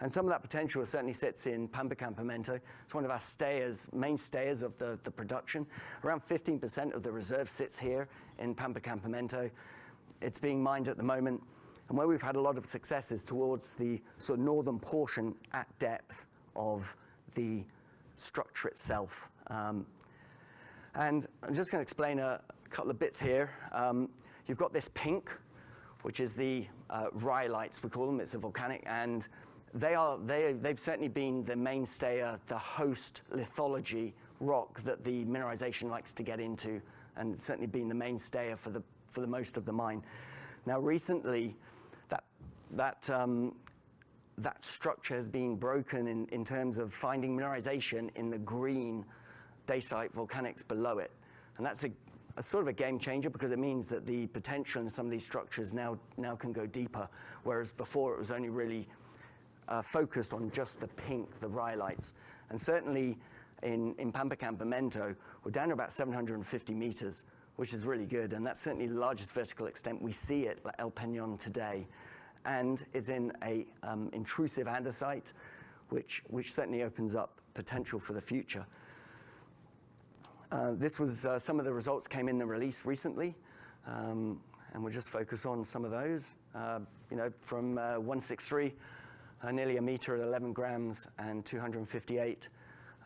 And some of that potential certainly sits in Pampa Campamento. It's one of our stayers, main stayers of the, the production. Around 15% of the reserve sits here in Pampa Campamento. It's being mined at the moment, and where we've had a lot of success is towards the sort of northern portion at depth of the structure itself. And I'm just gonna explain a couple of bits here. You've got this pink, which is the, rhyolites, we call them. It's a volcanic, and they've certainly been the mainstay, the host lithology rock that the mineralization likes to get into, and certainly been the mainstay for the most of the mine. Now, recently, that structure has been broken in terms of finding mineralization in the green dacite volcanics below it, and that's sort of a game changer because it means that the potential in some of these structures now can go deeper, whereas before it was only really focused on just the pink rhyolites. And certainly in Pampa Campamento, we're down to about 750 m, which is really good, and that's certainly the largest vertical extent we see at El Peñón today, and is in an intrusive andesite, which certainly opens up potential for the future. This was some of the results came in the release recently, and we'll just focus on some of those. You know, from 163, nearly a m at 11 grams and 258,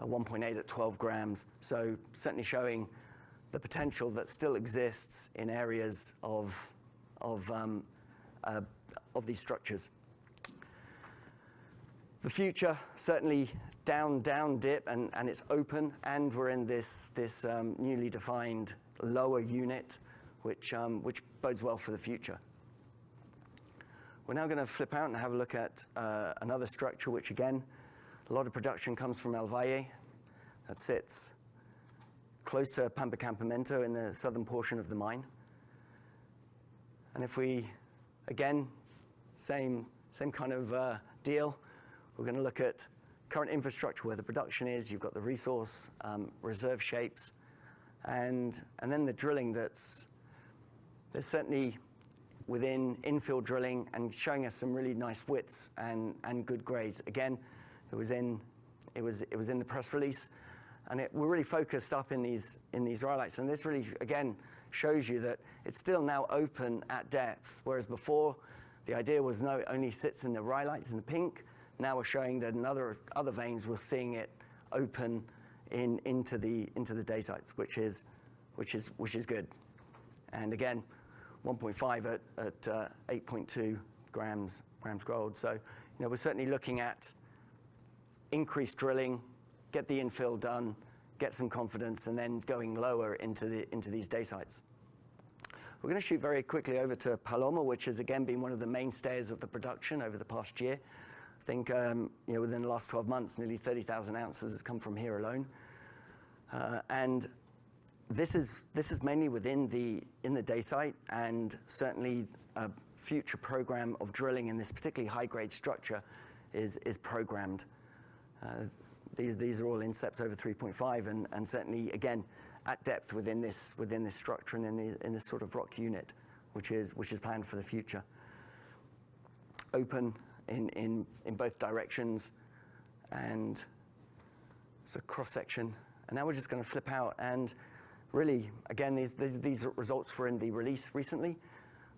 at 1.8 at 12 grams. So certainly showing the potential that still exists in areas of these structures. The future, certainly down dip, and it's open, and we're in this newly defined lower unit, which bodes well for the future. We're now gonna flip out and have a look at another structure, which again, a lot of production comes from El Valle. That sits closer to Pampa Campamento in the southern portion of the mine. And if we, again, same, same kind of deal, we're gonna look at current infrastructure, where the production is, you've got the resource, reserve shapes, and then the drilling that's. There's certainly within infill drilling and showing us some really nice widths and good grades. Again, it was in the press release, and it—we're really focused up in these rhyolites, and this really, again, shows you that it's still now open at depth, whereas before the idea was, no, it only sits in the rhyolites in the pink. Now we're showing that in other veins, we're seeing it open into the dacites, which is good. And again, 1.5 at 8.2 g gold. So, you know, we're certainly looking at increased drilling, get the infill done, get some confidence, and then going lower into the, into these dacites. We're gonna shoot very quickly over to Paloma, which has again been one of the mainstays of the production over the past year. I think, you know, within the last 12 months, nearly 30,000 ounces has come from here alone. And this is, this is mainly within the, in the dacite, and certainly a future program of drilling in this particularly high-grade structure is, is programmed. These, these are all intercepts over 3.5 and, and certainly, again, at depth within this, within this structure and in the, in this sort of rock unit, which is, which is planned for the future. Open in, in, in both directions, and it's a cross-section. And now we're just gonna flip out and really, again, these results were in the release recently.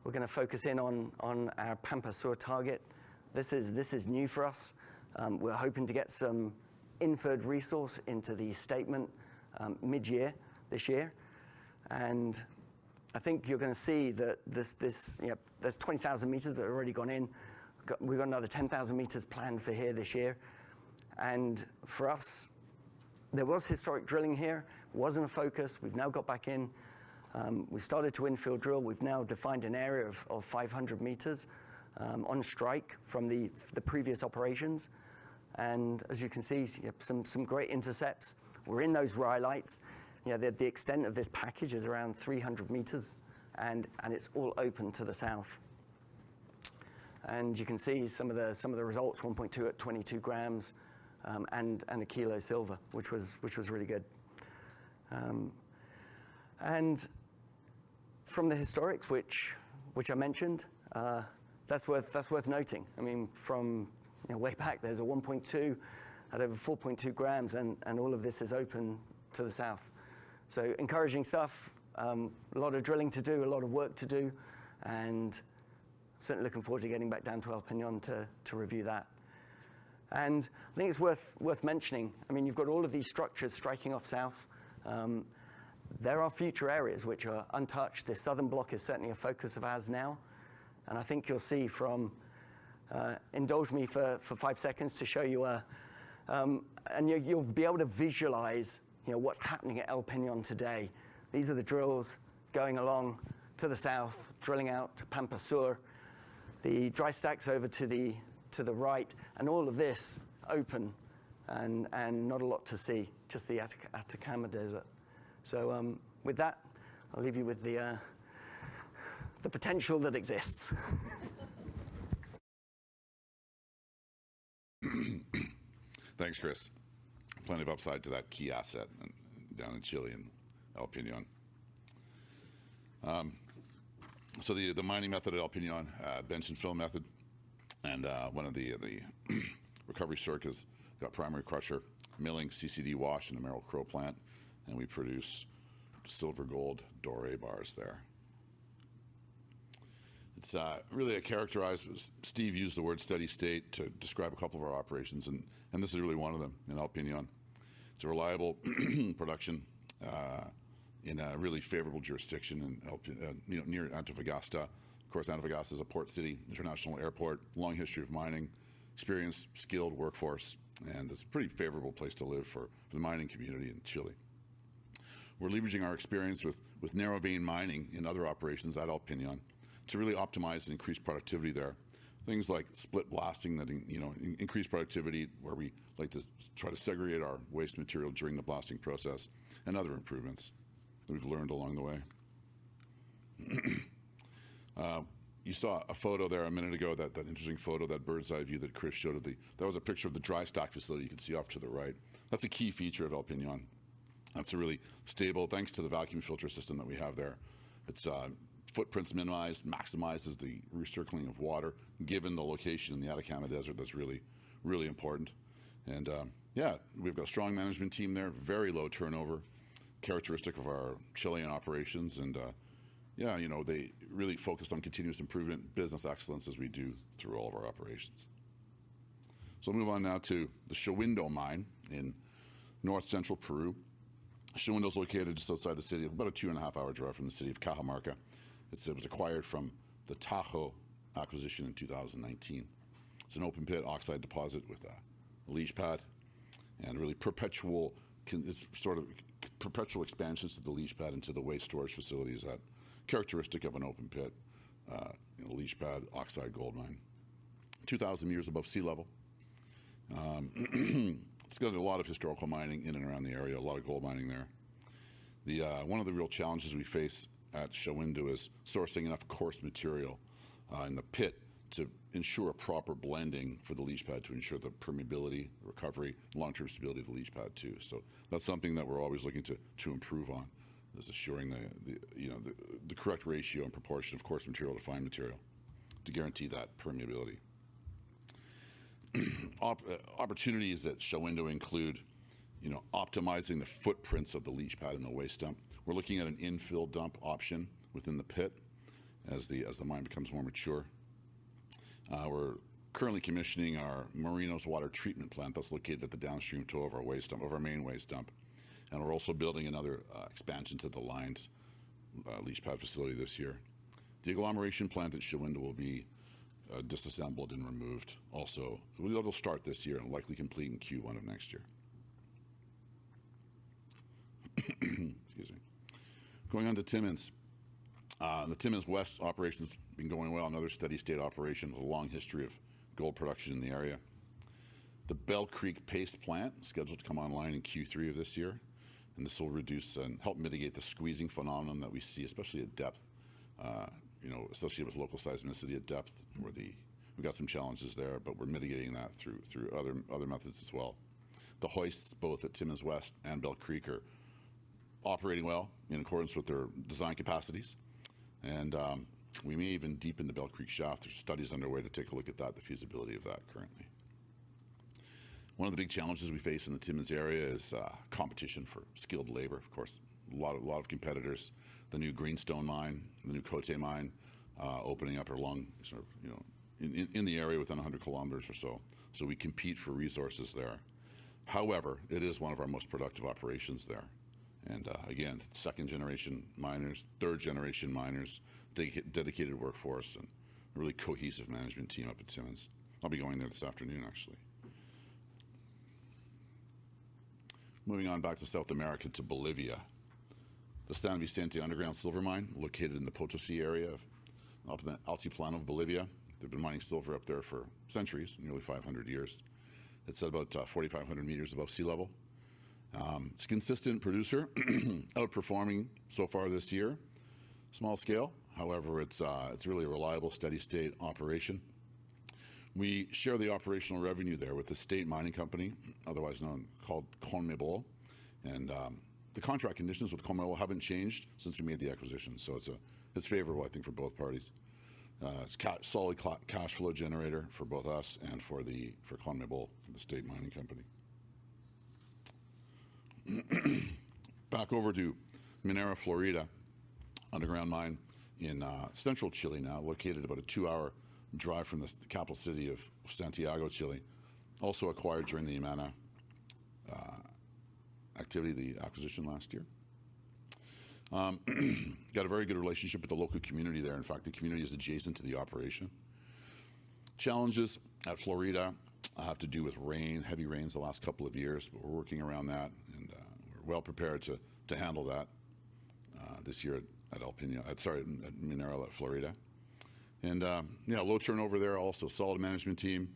We're gonna focus in on our Pampa Sur target. This is new for us. We're hoping to get some Inferred Resource into the statement mid-year, this year. And I think you're gonna see that this, you know, there's 20,000 m that have already gone in. We've got another 10,000 m planned for here this year. And for us, there was historic drilling here, wasn't a focus. We've now got back in, we started to infill drill. We've now defined an area of 500 m on strike from the previous operations. And as you can see, some great intercepts. We're in those rhyolites. You know, the extent of this package is around 300 m, and it's all open to the south. And you can see some of the results, 1.2 at 22 g, and 1 kg silver, which was really good. And from the historics, which I mentioned, that's worth noting. I mean, from, you know, way back, there's a 1.2 at over 4.2 g, and all of this is open to the south. So encouraging stuff, a lot of drilling to do, a lot of work to do, and certainly looking forward to getting back down to El Peñon to review that. And I think it's worth mentioning, I mean, you've got all of these structures striking off south. There are future areas which are untouched. This southern block is certainly a focus of ours now, and I think you'll see from. Indulge me for five seconds to show you a. You, you'll be able to visualize, you know, what's happening at El Peñon today. These are the drills going along to the south, drilling out to Pampa Sur, the dry stacks over to the right, and all of this open and not a lot to see, just the Atacama Desert. So, with that, I'll leave you with the potential that exists. Thanks, Chris. Plenty of upside to that key asset down in Chile, in El Peñon. So the mining method at El Peñon, bench and fill method, and one of the recovery circuits, got primary crusher, milling, CCD wash, and the Merrill-Crowe plant, and we produce silver-gold doré bars there. It's really a characterized, Steve used the word steady state to describe a couple of our operations, and this is really one of them in El Peñon. It's a reliable production in a really favorable jurisdiction in El Peñon, you know, near Antofagasta. Of course, Antofagasta is a port city, international airport, long history of mining, experienced, skilled workforce, and it's a pretty favorable place to live for the mining community in Chile. We're leveraging our experience with narrow vein mining in other operations at El Peñon to really optimize and increase productivity there. Things like split blasting that, you know, increased productivity, where we like to try to segregate our waste material during the blasting process, and other improvements that we've learned along the way. You saw a photo there a minute ago, that interesting photo, that bird's-eye view that Chris showed of the... That was a picture of the dry stack facility you can see off to the right. That's a key feature of El Peñon. That's a really stable, thanks to the vacuum filter system that we have there. It's footprints minimized, maximizes the recycling of water. Given the location in the Atacama Desert, that's really, really important. Yeah, we've got a strong management team there, very low turnover, characteristic of our Chilean operations, and, yeah, you know, they really focus on continuous improvement, business excellence, as we do through all of our operations. So I'll move on now to the Shahuindo mine in north-central Peru. Shahuindo is located just outside the city, about a 2.5-hour drive from the city of Cajamarca. It was acquired from the Tahoe acquisition in 2019. It's an open-pit oxide deposit with a leach pad and really perpetual sort of perpetual expansions to the leach pad into the waste storage facilities, characteristic of an open-pit, you know, leach pad, oxide gold mine, 2,000 m above sea level. It's got a lot of historical mining in and around the area, a lot of gold mining there. One of the real challenges we face at Shahuindo is sourcing enough coarse material in the pit to ensure a proper blending for the leach pad, to ensure the permeability, recovery, long-term stability of the leach pad, too. So that's something that we're always looking to improve on, is assuring the you know the correct ratio and proportion of coarse material to fine material to guarantee that permeability. Opportunities at Shahuindo include, you know, optimizing the footprints of the leach pad and the waste dump. We're looking at an infill dump option within the pit as the mine becomes more mature. We're currently commissioning our Marinos water treatment plant that's located at the downstream toe of our waste dump, of our main waste dump, and we're also building another expansion to the lined leach pad facility this year. The agglomeration plant at Shahuindo will be disassembled and removed also. It'll start this year and likely complete in Q1 of next year. Excuse me. Going on to Timmins. The Timmins West operation's been going well, another steady state operation with a long history of gold production in the area. The Bell Creek Paste Plant is scheduled to come online in Q3 of this year, and this will reduce and help mitigate the squeezing phenomenon that we see, especially at depth, you know, associated with local seismicity at depth, where the... We've got some challenges there, but we're mitigating that through other methods as well. The hoists, both at Timmins West and Bell Creek, are operating well in accordance with their design capacities, and we may even deepen the Bell Creek shaft. There are studies underway to take a look at that, the feasibility of that currently. One of the big challenges we face in the Timmins area is competition for skilled labor. Of course, a lot of competitors. The new Greenstone mine, the new Coté mine, opening up along, sort of, you know, in the area within 100 km or so, so we compete for resources there. However, it is one of our most productive operations there, and again, second-generation miners, third-generation miners, dedicated workforce, and a really cohesive management team up at Timmins. I'll be going there this afternoon, actually. Moving on back to South America, to Bolivia. The San Vicente Underground Silver Mine, located in the Potosí area of the Altiplano of Bolivia. They've been mining silver up there for centuries, nearly 500 years. It's at about 4,500 m above sea level. It's a consistent producer, outperforming so far this year. Small scale, however, it's really a reliable, steady state operation. We share the operational revenue there with the state mining company, called COMIBOL, and the contract conditions with COMIBOL haven't changed since we made the acquisition, so it's favorable, I think, for both parties. It's a solid cash flow generator for both us and for COMIBOL, the state mining company. Back over to Minera Florida, underground mine in central Chile, now located about a two-hour drive from the capital city of Santiago, Chile. Also acquired during the Yamana acquisition last year. Got a very good relationship with the local community there. In fact, the community is adjacent to the operation. Challenges at Florida have to do with rain, heavy rains the last couple of years, but we're working around that, and we're well prepared to handle that this year at El Peñón... sorry, at Minera Florida. Yeah, low turnover there, also a solid management team.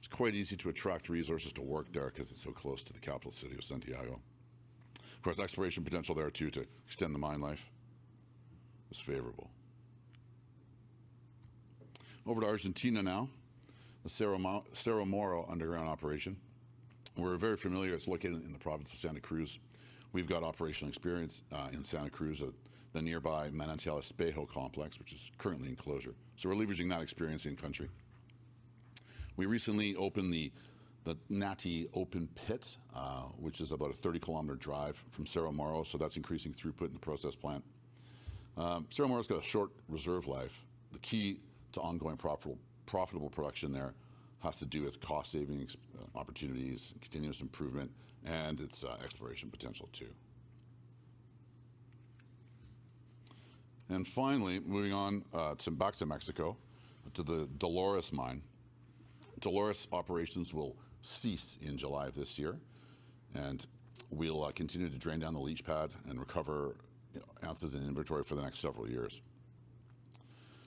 It's quite easy to attract resources to work there because it's so close to the capital city of Santiago. Of course, exploration potential there, too, to extend the mine life is favorable. Over to Argentina now, the Cerro Moro underground operation. We're very familiar. It's located in the province of Santa Cruz. We've got operational experience in Santa Cruz at the nearby Manantial Espejo complex, which is currently in closure, so we're leveraging that experience in-country. We recently opened the Natividad open pit, which is about a 30 km drive from Cerro Moro, so that's increasing throughput in the process plant. Cerro Moro's got a short reserve life. The key to ongoing profitable production there has to do with cost savings opportunities, continuous improvement, and its exploration potential, too. Finally, moving on back to Mexico, to the Dolores mine. Dolores operations will cease in July of this year, and we'll continue to drain down the leach pad and recover ounces in inventory for the next several years.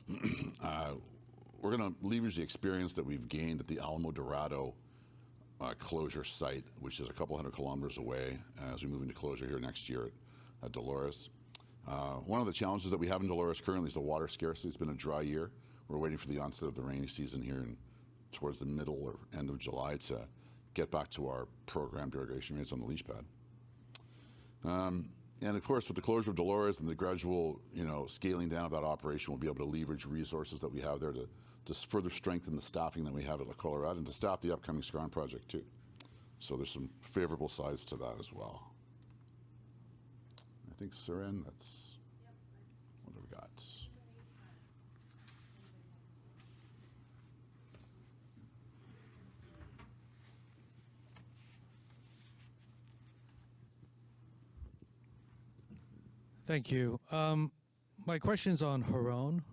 We're gonna leverage the experience that we've gained at the Alamo Dorado closure site, which is a couple hundred kilometers away, as we move into closure here next year at Dolores. One of the challenges that we have in Dolores currently is the water scarcity. It's been a dry year. We're waiting for the onset of the rainy season here in towards the middle or end of July to get back to our programmed irrigation rates on the leach pad. And of course, with the closure of Dolores and the gradual, you know, scaling down of that operation, we'll be able to leverage resources that we have there to further strengthen the staffing that we have at La Colorada and to staff the upcoming Skarn project, too. So there's some favorable sides to that as well. I think, Siren, that's- Yep. What have we got? Thank you. My question's on Huarón.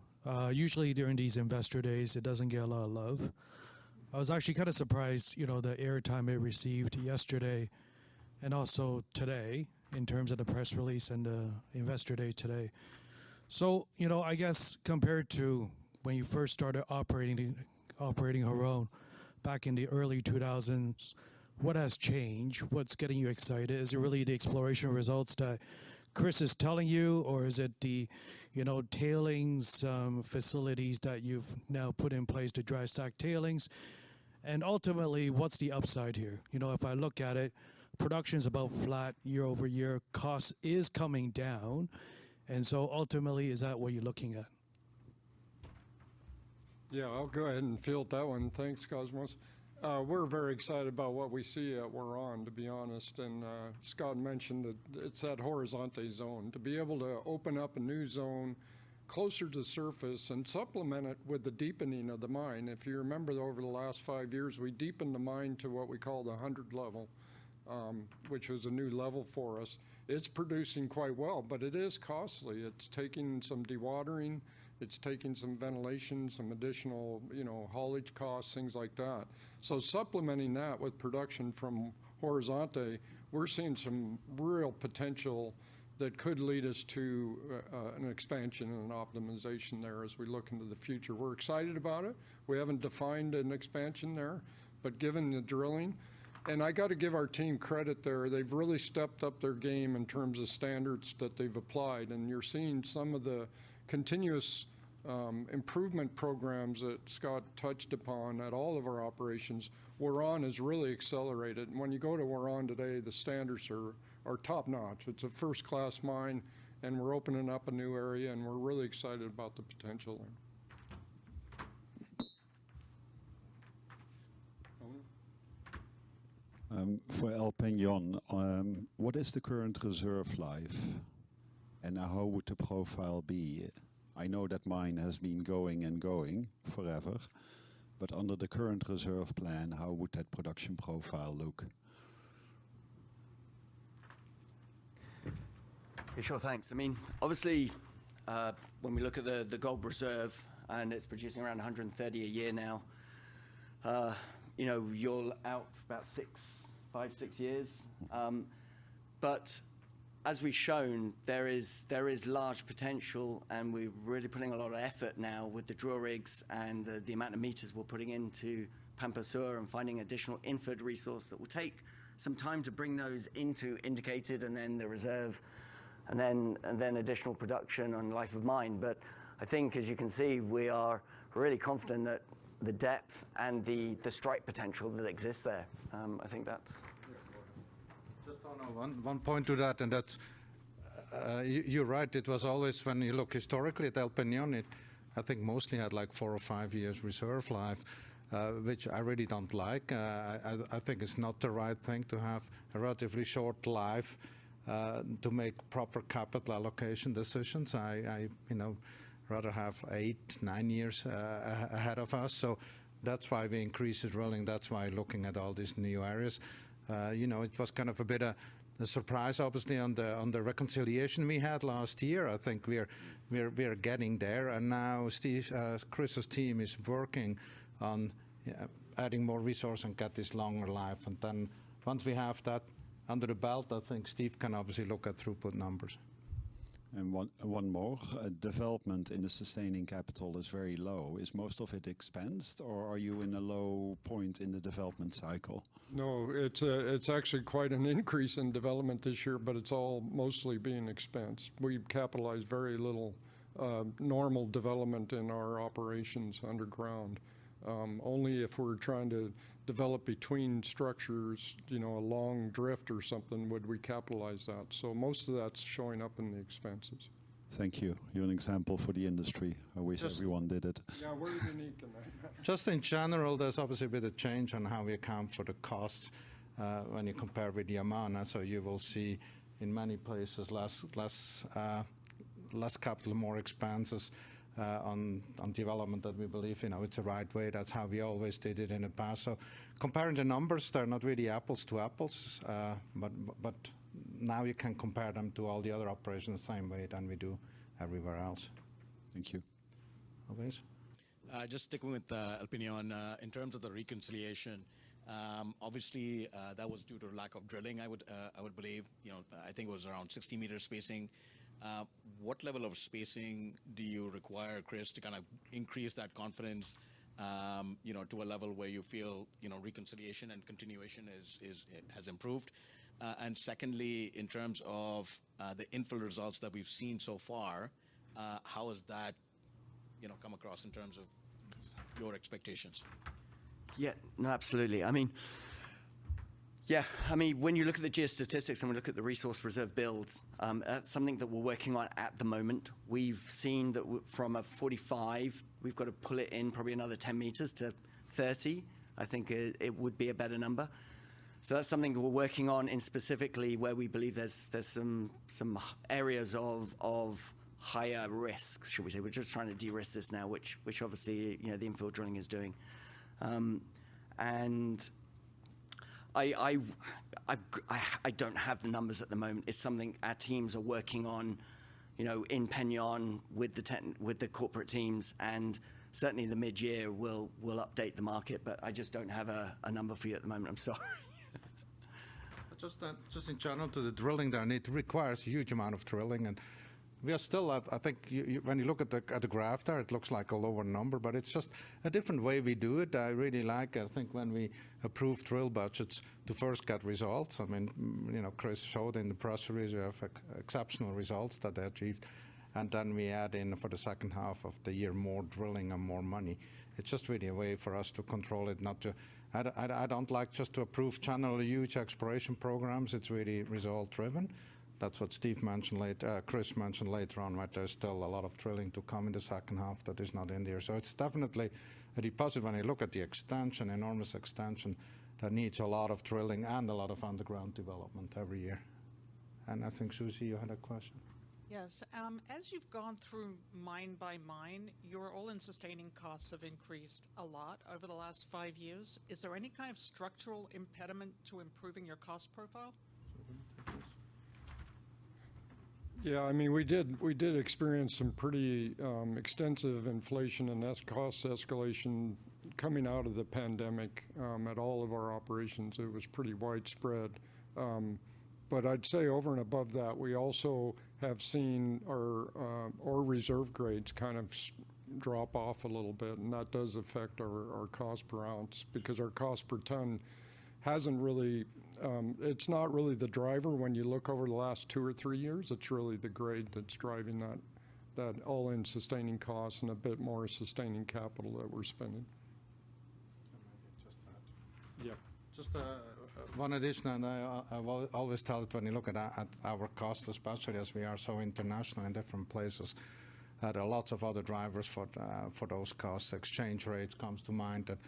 Usually during these investor days, it doesn't get a lot of love. I was actually kind of surprised, you know, the air time it received yesterday and also today in terms of the press release and the investor day today. So, you know, I guess compared to when you first started operating Huarón back in the early 2000s, what has changed? What's getting you excited? Is it really the exploration results that Chris is telling you, or is it the, you know, tailings facilities that you've now put in place to dry stack tailings?... and ultimately, what's the upside here? You know, if I look at it, production's about flat year-over-year, cost is coming down, and so ultimately, is that what you're looking at? Yeah, I'll go ahead and field that one. Thanks, Cosmos. We're very excited about what we see at Huarón, to be honest, and Scott mentioned that it's that Horizonte zone. To be able to open up a new zone closer to the surface and supplement it with the deepening of the mine, if you remember over the last five years, we deepened the mine to what we call the 100 level, which was a new level for us. It's producing quite well, but it is costly. It's taking some dewatering, it's taking some ventilation, some additional, you know, haulage costs, things like that. So supplementing that with production from Horizonte, we're seeing some real potential that could lead us to an expansion and an optimization there as we look into the future. We're excited about it. We haven't defined an expansion there, but given the drilling, and I gotta give our team credit there, they've really stepped up their game in terms of standards that they've applied, and you're seeing some of the continuous improvement programs that Scott touched upon at all of our operations. Huarón has really accelerated, and when you go to Huarón today, the standards are top-notch. It's a first-class mine, and we're opening up a new area, and we're really excited about the potential. For El Peñón, what is the current reserve life, and how would the profile be? I know that mine has been going and going forever, but under the current reserve plan, how would that production profile look? Yeah, sure, thanks. I mean, obviously, when we look at the gold reserve, and it's producing around 130 a year now, you know, you're out about five-six years. But as we've shown, there is, there is large potential, and we're really putting a lot of effort now with the drill rigs and the amount of meters we're putting into Pampas Sur and finding additional inferred resource. That will take some time to bring those into indicated, and then the reserve, and then additional production and life of mine. But I think, as you can see, we are really confident that the depth and the strike potential that exists there. I think that's- Just on one point to that, and that's, you're right, it was always when you look historically at El Peñon, I think mostly had like four or five years reserve life, which I really don't like. I think it's not the right thing to have a relatively short life, to make proper capital allocation decisions. You know, rather have eight, nine years ahead of us, so that's why we increased drilling, that's why looking at all these new areas. You know, it was kind of a bit of a surprise, obviously, on the reconciliation we had last year. I think we are getting there, and now Steve, Chris's team is working on adding more resource and get this longer life. And then once we have that under the belt, I think Steve can obviously look at throughput numbers. And one more. Development in the sustaining capital is very low. Is most of it expensed, or are you in a low point in the development cycle? No, it's actually quite an increase in development this year, but it's all mostly being expensed. We capitalize very little normal development in our operations underground. Only if we're trying to develop between structures, you know, a long drift or something, would we capitalize that. So most of that's showing up in the expenses. Thank you. You're an example for the industry. Just- I wish everyone did it. Yeah, we're unique in that. Just in general, there's obviously a bit of change on how we account for the cost, when you compare with Yamana, so you will see in many places less, less, less capital, more expenses, on, on development, that we believe, you know, it's the right way. That's how we always did it in the past. So comparing the numbers, they're not really apples to apples, but, but now you can compare them to all the other operations the same way than we do everywhere else. Thank you. Ovais? Just sticking with El Peñón, in terms of the reconciliation, obviously, that was due to lack of drilling, I would believe. You know, I think it was around 60 m spacing. What level of spacing do you require, Chris, to kind of increase that confidence, you know, to a level where you feel, you know, reconciliation and continuation is it has improved? And secondly, in terms of the infill results that we've seen so far, how has that, you know, come across in terms of your expectations? Yeah. No, absolutely. I mean... Yeah, I mean, when you look at the geostatistics and we look at the resource reserve builds, that's something that we're working on at the moment. We've seen that from a 45, we've got to pull it in probably another 10 m to 30 m, I think it would be a better number. So that's something we're working on in specifically where we believe there's some areas of higher risk, should we say. We're just trying to de-risk this now, which obviously, you know, the infill drilling is doing. And I don't have the numbers at the moment. It's something our teams are working on, you know, in Peñón with the—with the corporate teams, and certainly in the mid-year, we'll update the market, but I just don't have a number for you at the moment. I'm sorry. Just, just in general to the drilling there, and it requires a huge amount of drilling, and we are still at—I think you, when you look at the, at the graph there, it looks like a lower number, but it's just a different way we do it. I really like, I think, when we approve drill budgets to first get results. I mean, you know, Chris showed in the press release, we have exceptional results that they achieved, and then weadd in, for the second half of the year, more drilling and more money. It's just really a way for us to control it, not to—I'd, I don't like just to approve generally huge exploration programs. It's really result driven.... That's what Steve mentioned later, Chris mentioned later on, right? There's still a lot of drilling to come in the second half that is not in there. So it's definitely a deposit when I look at the extension, enormous extension, that needs a lot of drilling and a lot of underground development every year. I think, Siren, you had a question? Yes. As you've gone through mine by mine, your All-in Sustaining Costs have increased a lot over the last five years. Is there any kind of structural impediment to improving your cost profile? Yeah, I mean, we did, we did experience some pretty extensive inflation and cost escalation coming out of the pandemic, at all of our operations. It was pretty widespread. But I'd say over and above that, we also have seen our, our reserve grades kind of drop off a little bit, and that does affect our, our cost per ounce because our cost per tons hasn't really... It's not really the driver when you look over the last two or three years. It's really the grade that's driving that, that all-in sustaining cost and a bit more sustaining capital that we're spending. Maybe just add. Yeah. Just one addition, and I always tell it when you look at our cost, especially as we are so international in different places, that there are lots of other drivers for those costs. Exchange rates comes to mind that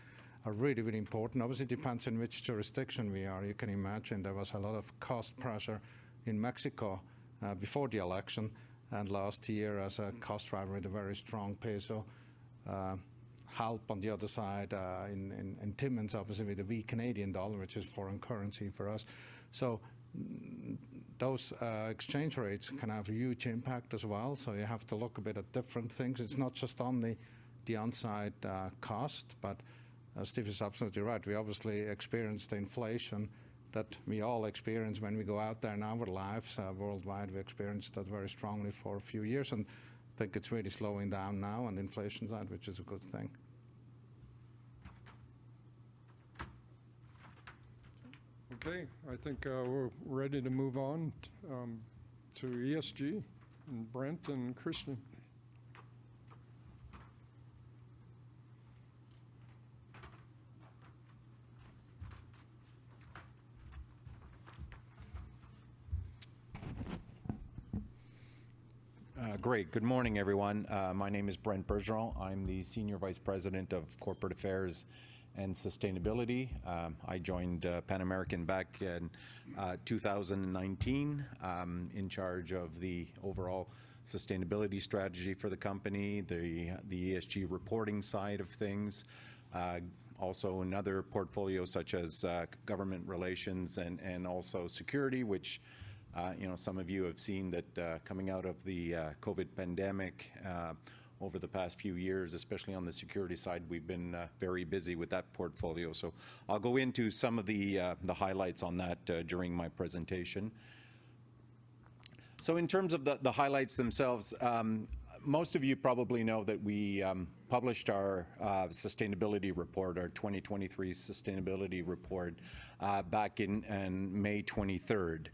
are really, really important. Obviously, it depends on which jurisdiction we are. You can imagine there was a lot of cost pressure in Mexico before the election and last year as a cost driver with a very strong peso. Help on the other side in Timmins, obviously, with the weak Canadian dollar, which is foreign currency for us. So those exchange rates can have a huge impact as well, so you have to look a bit at different things. It's not just on the onside cost, but Steve is absolutely right. We obviously experienced the inflation that we all experience when we go out there in our lives, worldwide. We experienced that very strongly for a few years, and I think it's really slowing down now on the inflation side, which is a good thing. Okay, I think we're ready to move on to ESG, and Brent and Chris. Great. Good morning, everyone. My name is Brent Bergeron. I'm the Senior Vice President, Corporate Affairs and Sustainability. I joined Pan American back in 2019. In charge of the overall sustainability strategy for the company, the ESG reporting side of things. Also another portfolio such as government relations and also security, which, you know, some of you have seen that coming out of the COVID pandemic over the past few years, especially on the security side, we've been very busy with that portfolio. So I'll go into some of the highlights on that during my presentation. So in terms of the highlights themselves, most of you probably know that we published our sustainability report, our 2023 sustainability report, back in May 23rd.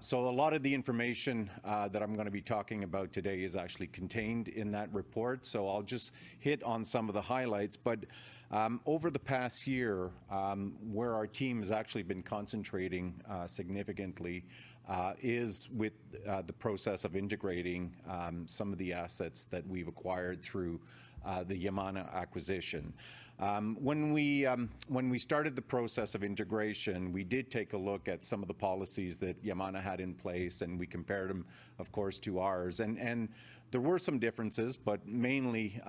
So a lot of the information that I'm gonna be talking about today is actually contained in that report, so I'll just hit on some of the highlights. But over the past year, where our team has actually been concentrating significantly is with the process of integrating some of the assets that we've acquired through the Yamana acquisition. When we started the process of integration, we did take a look at some of the policies that Yamana had in place, and we compared them, of course, to ours, and there were some differences, but mainly,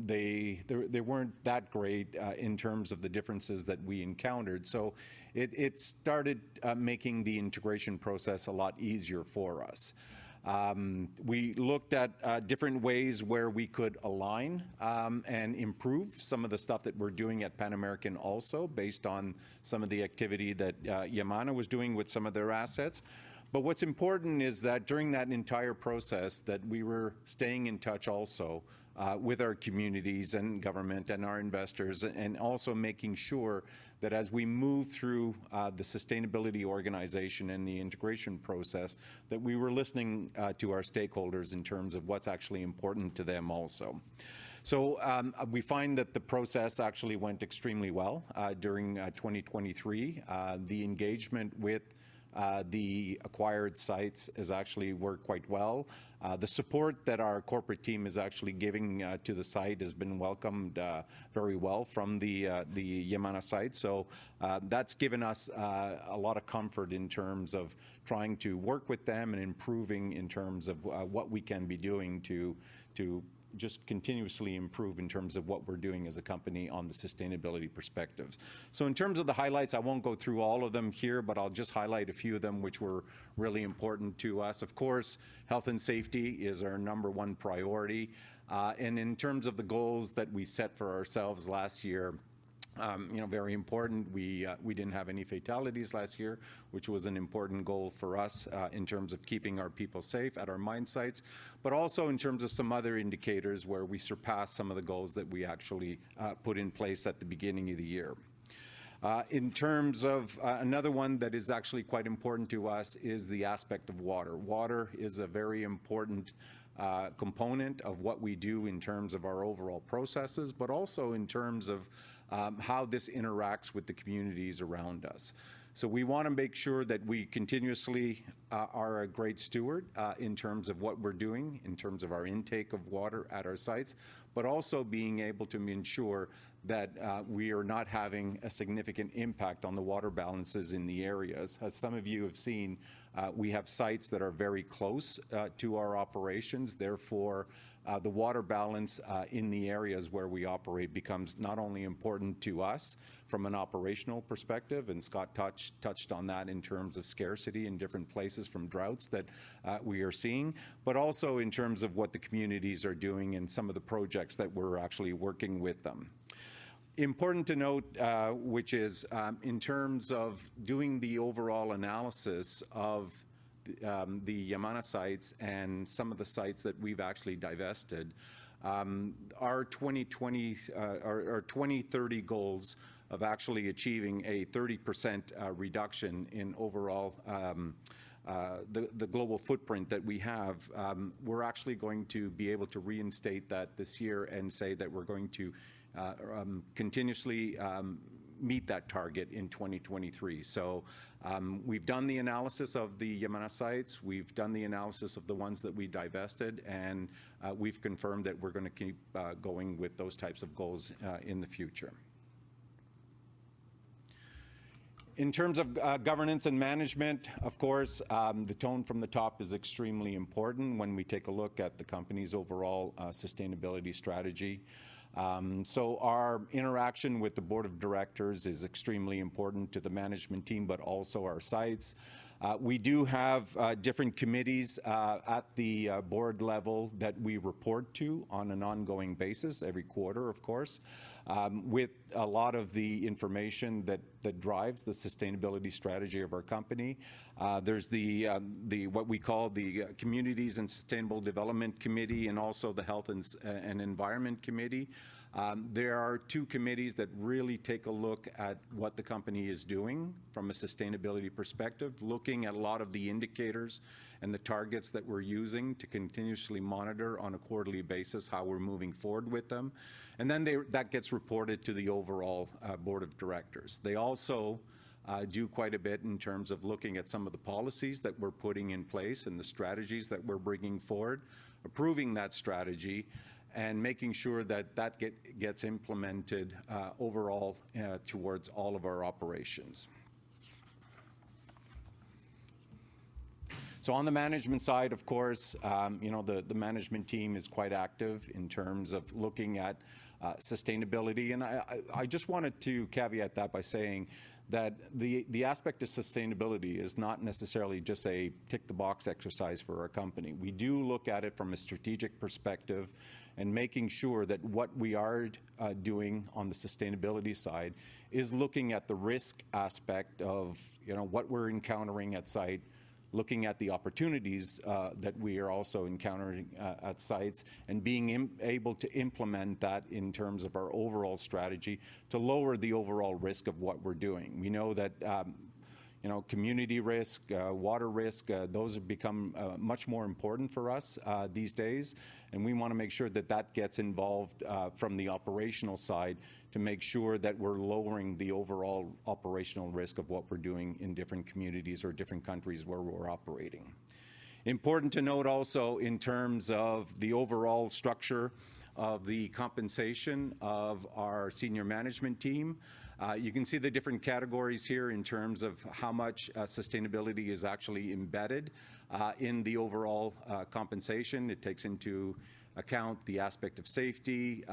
they weren't that great in terms of the differences that we encountered, so it started making the integration process a lot easier for us. We looked at different ways where we could align and improve some of the stuff that we're doing at Pan American, also based on some of the activity that Yamana was doing with some of their assets. But what's important is that during that entire process, that we were staying in touch also with our communities and government and our investors, and also making sure that as we move through the sustainability organization and the integration process, that we were listening to our stakeholders in terms of what's actually important to them also. So, we find that the process actually went extremely well during 2023. The engagement with the acquired sites has actually worked quite well. The support that our corporate team is actually giving to the site has been welcomed very well from the Yamana site. So, that's given us a lot of comfort in terms of trying to work with them and improving in terms of what we can be doing to just continuously improve in terms of what we're doing as a company on the sustainability perspectives. So in terms of the highlights, I won't go through all of them here, but I'll just highlight a few of them, which were really important to us. Of course, health and safety is our number one priority, and in terms of the goals that we set for ourselves last year-... You know, very important, we didn't have any fatalities last year, which was an important goal for us, in terms of keeping our people safe at our mine sites, but also in terms of some other indicators where we surpassed some of the goals that we actually put in place at the beginning of the year. In terms of, another one that is actually quite important to us is the aspect of water. Water is a very important component of what we do in terms of our overall processes, but also in terms of how this interacts with the communities around us. So we wanna make sure that we continuously are a great steward in terms of what we're doing, in terms of our intake of water at our sites, but also being able to ensure that we are not having a significant impact on the water balances in the areas. As some of you have seen, we have sites that are very close to our operations, therefore, the water balance in the areas where we operate becomes not only important to us from an operational perspective, and Scott touched on that in terms of scarcity in different places from droughts that we are seeing, but also in terms of what the communities are doing and some of the projects that we're actually working with them. Important to note, which is, in terms of doing the overall analysis of the Yamana sites and some of the sites that we've actually divested, our 2020, our 2030 goals of actually achieving a 30% reduction in overall the global footprint that we have, we're actually going to be able to reinstate that this year and say that we're going to continuously meet that target in 2023. So, we've done the analysis of the Yamana sites, we've done the analysis of the ones that we divested, and we've confirmed that we're gonna keep going with those types of goals in the future. In terms of governance and management, of course, the tone from the top is extremely important when we take a look at the company's overall sustainability strategy. So our interaction with the board of directors is extremely important to the management team, but also our sites. We do have different committees at the board level that we report to on an ongoing basis every quarter, of course, with a lot of the information that drives the sustainability strategy of our company. There's what we call the Communities and Sustainable Development Committee, and also the Health, Safety and Environment Committee. They are two committees that really take a look at what the company is doing from a sustainability perspective, looking at a lot of the indicators and the targets that we're using to continuously monitor on a quarterly basis how we're moving forward with them, and then they... That gets reported to the overall board of directors. They also do quite a bit in terms of looking at some of the policies that we're putting in place and the strategies that we're bringing forward, approving that strategy, and making sure that that gets implemented overall towards all of our operations. So on the management side, of course, you know, the management team is quite active in terms of looking at sustainability, and I just wanted to caveat that by saying that the aspect of sustainability is not necessarily just a tick-the-box exercise for our company. We do look at it from a strategic perspective, and making sure that what we are doing on the sustainability side is looking at the risk aspect of, you know, what we're encountering at site, looking at the opportunities that we are also encountering at sites, and being able to implement that in terms of our overall strategy to lower the overall risk of what we're doing. We know that, you know, community risk, water risk, those have become, much more important for us, these days, and we wanna make sure that that gets involved, from the operational side to make sure that we're lowering the overall operational risk of what we're doing in different communities or different countries where we're operating. Important to note also in terms of the overall structure of the compensation of our senior management team, you can see the different categories here in terms of how much, sustainability is actually embedded, in the overall, compensation. It takes into account the aspect of safety,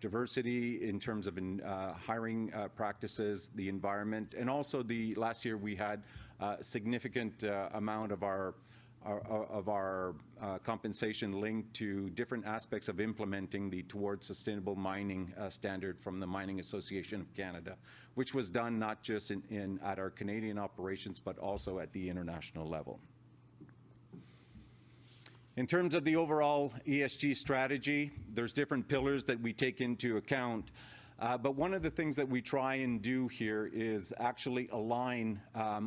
diversity in terms of hiring practices, the environment, and also the last year we had a significant amount of our compensation linked to different aspects of implementing the Towards Sustainable Mining standard from the Mining Association of Canada, which was done not just at our Canadian operations, but also at the international level. In terms of the overall ESG strategy, there's different pillars that we take into account, but one of the things that we try and do here is actually align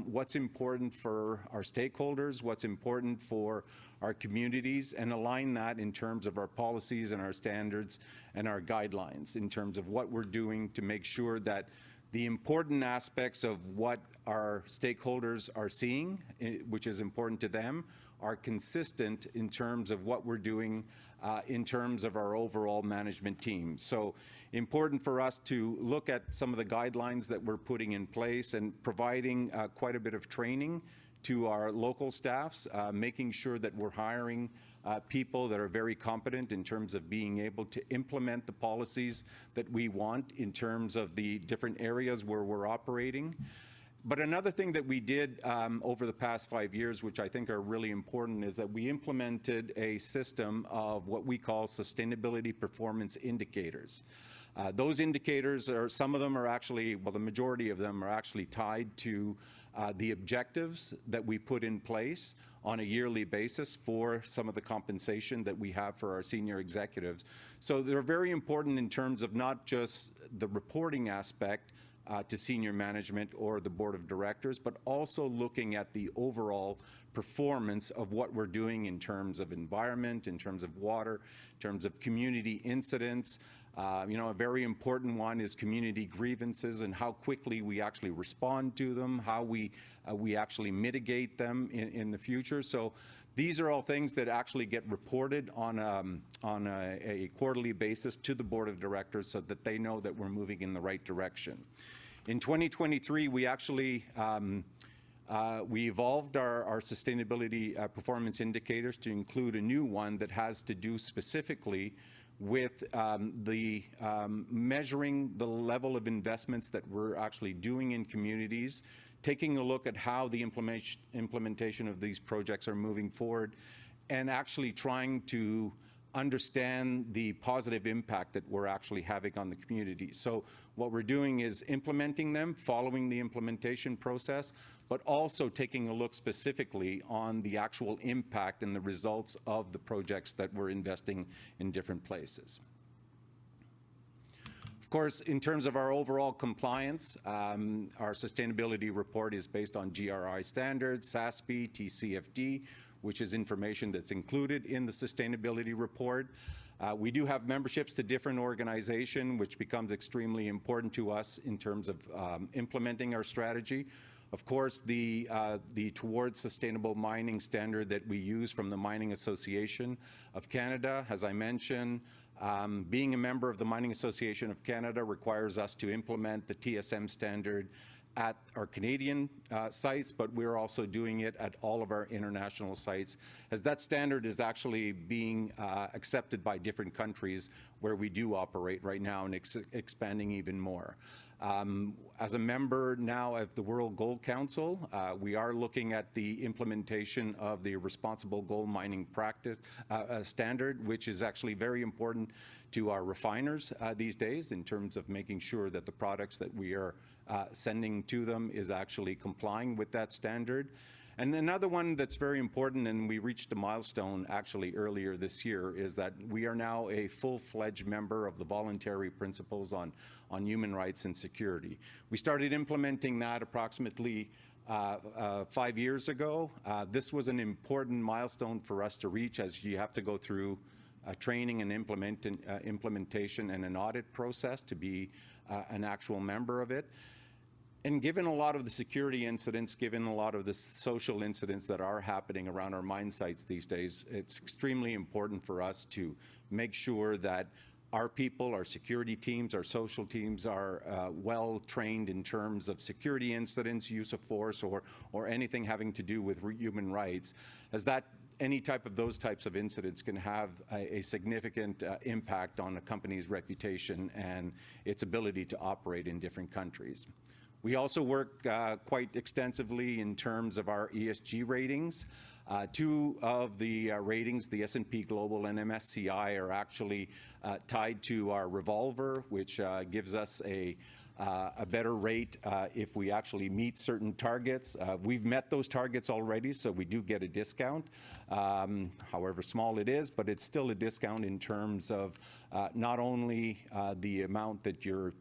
what's important for our stakeholders, what's important for our communities, and align that in terms of our policies and our standards and our guidelines, in terms of what we're doing to make sure that the important aspects of what our stakeholders are seeing, which is important to them, are consistent in terms of what we're doing, in terms of our overall management team. So important for us to look at some of the guidelines that we're putting in place and providing quite a bit of training to our local staffs, making sure that we're hiring people that are very competent in terms of being able to implement the policies that we want, in terms of the different areas where we're operating. But another thing that we did over the past five years, which I think are really important, is that we implemented a system of what we call sustainability performance indicators. Those indicators are—some of them are actually... Well, the majority of them are actually tied to the objectives that we put in place on a yearly basis for some of the compensation that we have for our senior executives. So they're very important in terms of not just the reporting aspect, to senior management or the board of directors, but also looking at the overall performance of what we're doing in terms of environment, in terms of community incidents, you know, a very important one is community grievances and how quickly we actually respond to them, how we actually mitigate them in the future. So these are all things that actually get reported on, on a quarterly basis to the board of directors so that they know that we're moving in the right direction. In 2023, we actually evolved our sustainability performance indicators to include a new one that has to do specifically with measuring the level of investments that we're actually doing in communities, taking a look at how the implementation of these projects are moving forward, and actually trying to understand the positive impact that we're actually having on the community. So what we're doing is implementing them, following the implementation process, but also taking a look specifically on the actual impact and the results of the projects that we're investing in different places. Of course, in terms of our overall compliance, our sustainability report is based on GRI standards, SASB, TCFD, which is information that's included in the sustainability report. We do have memberships to different organization, which becomes extremely important to us in terms of implementing our strategy. Of course, the Towards Sustainable Mining standard that we use from the Mining Association of Canada. As I mentioned, being a member of the Mining Association of Canada requires us to implement the TSM standard at our Canadian sites, but we're also doing it at all of our international sites, as that standard is actually being accepted by different countries where we do operate right now and expanding even more. As a member now at the World Gold Council, we are looking at the implementation of the Responsible Gold Mining Practice Standard, which is actually very important to our refiners these days in terms of making sure that the products that we are sending to them is actually complying with that standard. And another one that's very important, and we reached a milestone actually earlier this year, is that we are now a full-fledged member of the Voluntary Principles on Human Rights and Security. We started implementing that approximately five years ago. This was an important milestone for us to reach, as you have to go through training and implementation and an audit process to be an actual member of it. Given a lot of the security incidents, given a lot of the social incidents that are happening around our mine sites these days, it's extremely important for us to make sure that our people, our security teams, our social teams, are well-trained in terms of security incidents, use of force, or anything having to do with human rights, as any type of those types of incidents can have a significant impact on a company's reputation and its ability to operate in different countries. We also work quite extensively in terms of our ESG ratings. Two of the ratings, the S&P Global and MSCI, are actually tied to our revolver, which gives us a better rate if we actually meet certain targets. We've met those targets already, so we do get a discount, however small it is, but it's still a discount in terms of, not only, the amount that you're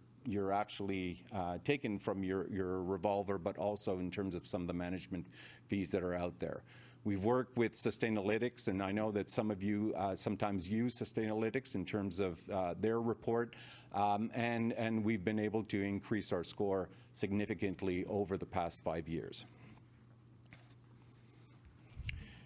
actually taking from your revolver, but also in terms of some of the management fees that are out there. We've worked with Sustainalytics, and I know that some of you sometimes use Sustainalytics in terms of their report. And we've been able to increase our score significantly over the past five years.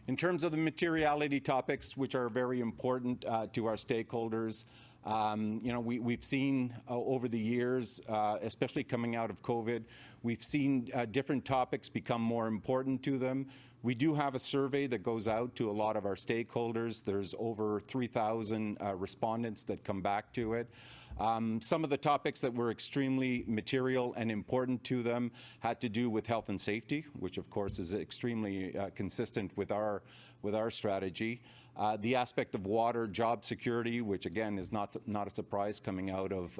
In terms of the materiality topics, which are very important to our stakeholders, you know, we've seen over the years, especially coming out of COVID, we've seen different topics become more important to them. We do have a survey that goes out to a lot of our stakeholders. There's over 3,000 respondents that come back to it. Some of the topics that were extremely material and important to them had to do with health and safety, which of course, is extremely consistent with our strategy. The aspect of water, job security, which again, is not a surprise coming out of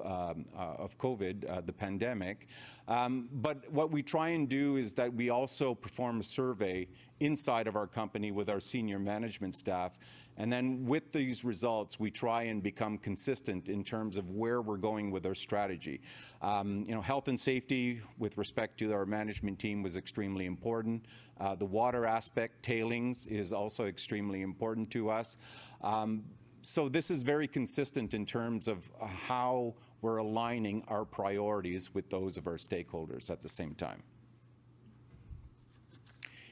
COVID, the pandemic. But what we try and do is that we also perform a survey inside of our company with our senior management staff, and then with these results, we try and become consistent in terms of where we're going with our strategy. You know, health and safety with respect to our management team was extremely important. The water aspect, tailings, is also extremely important to us. So this is very consistent in terms of how we're aligning our priorities with those of our stakeholders at the same time.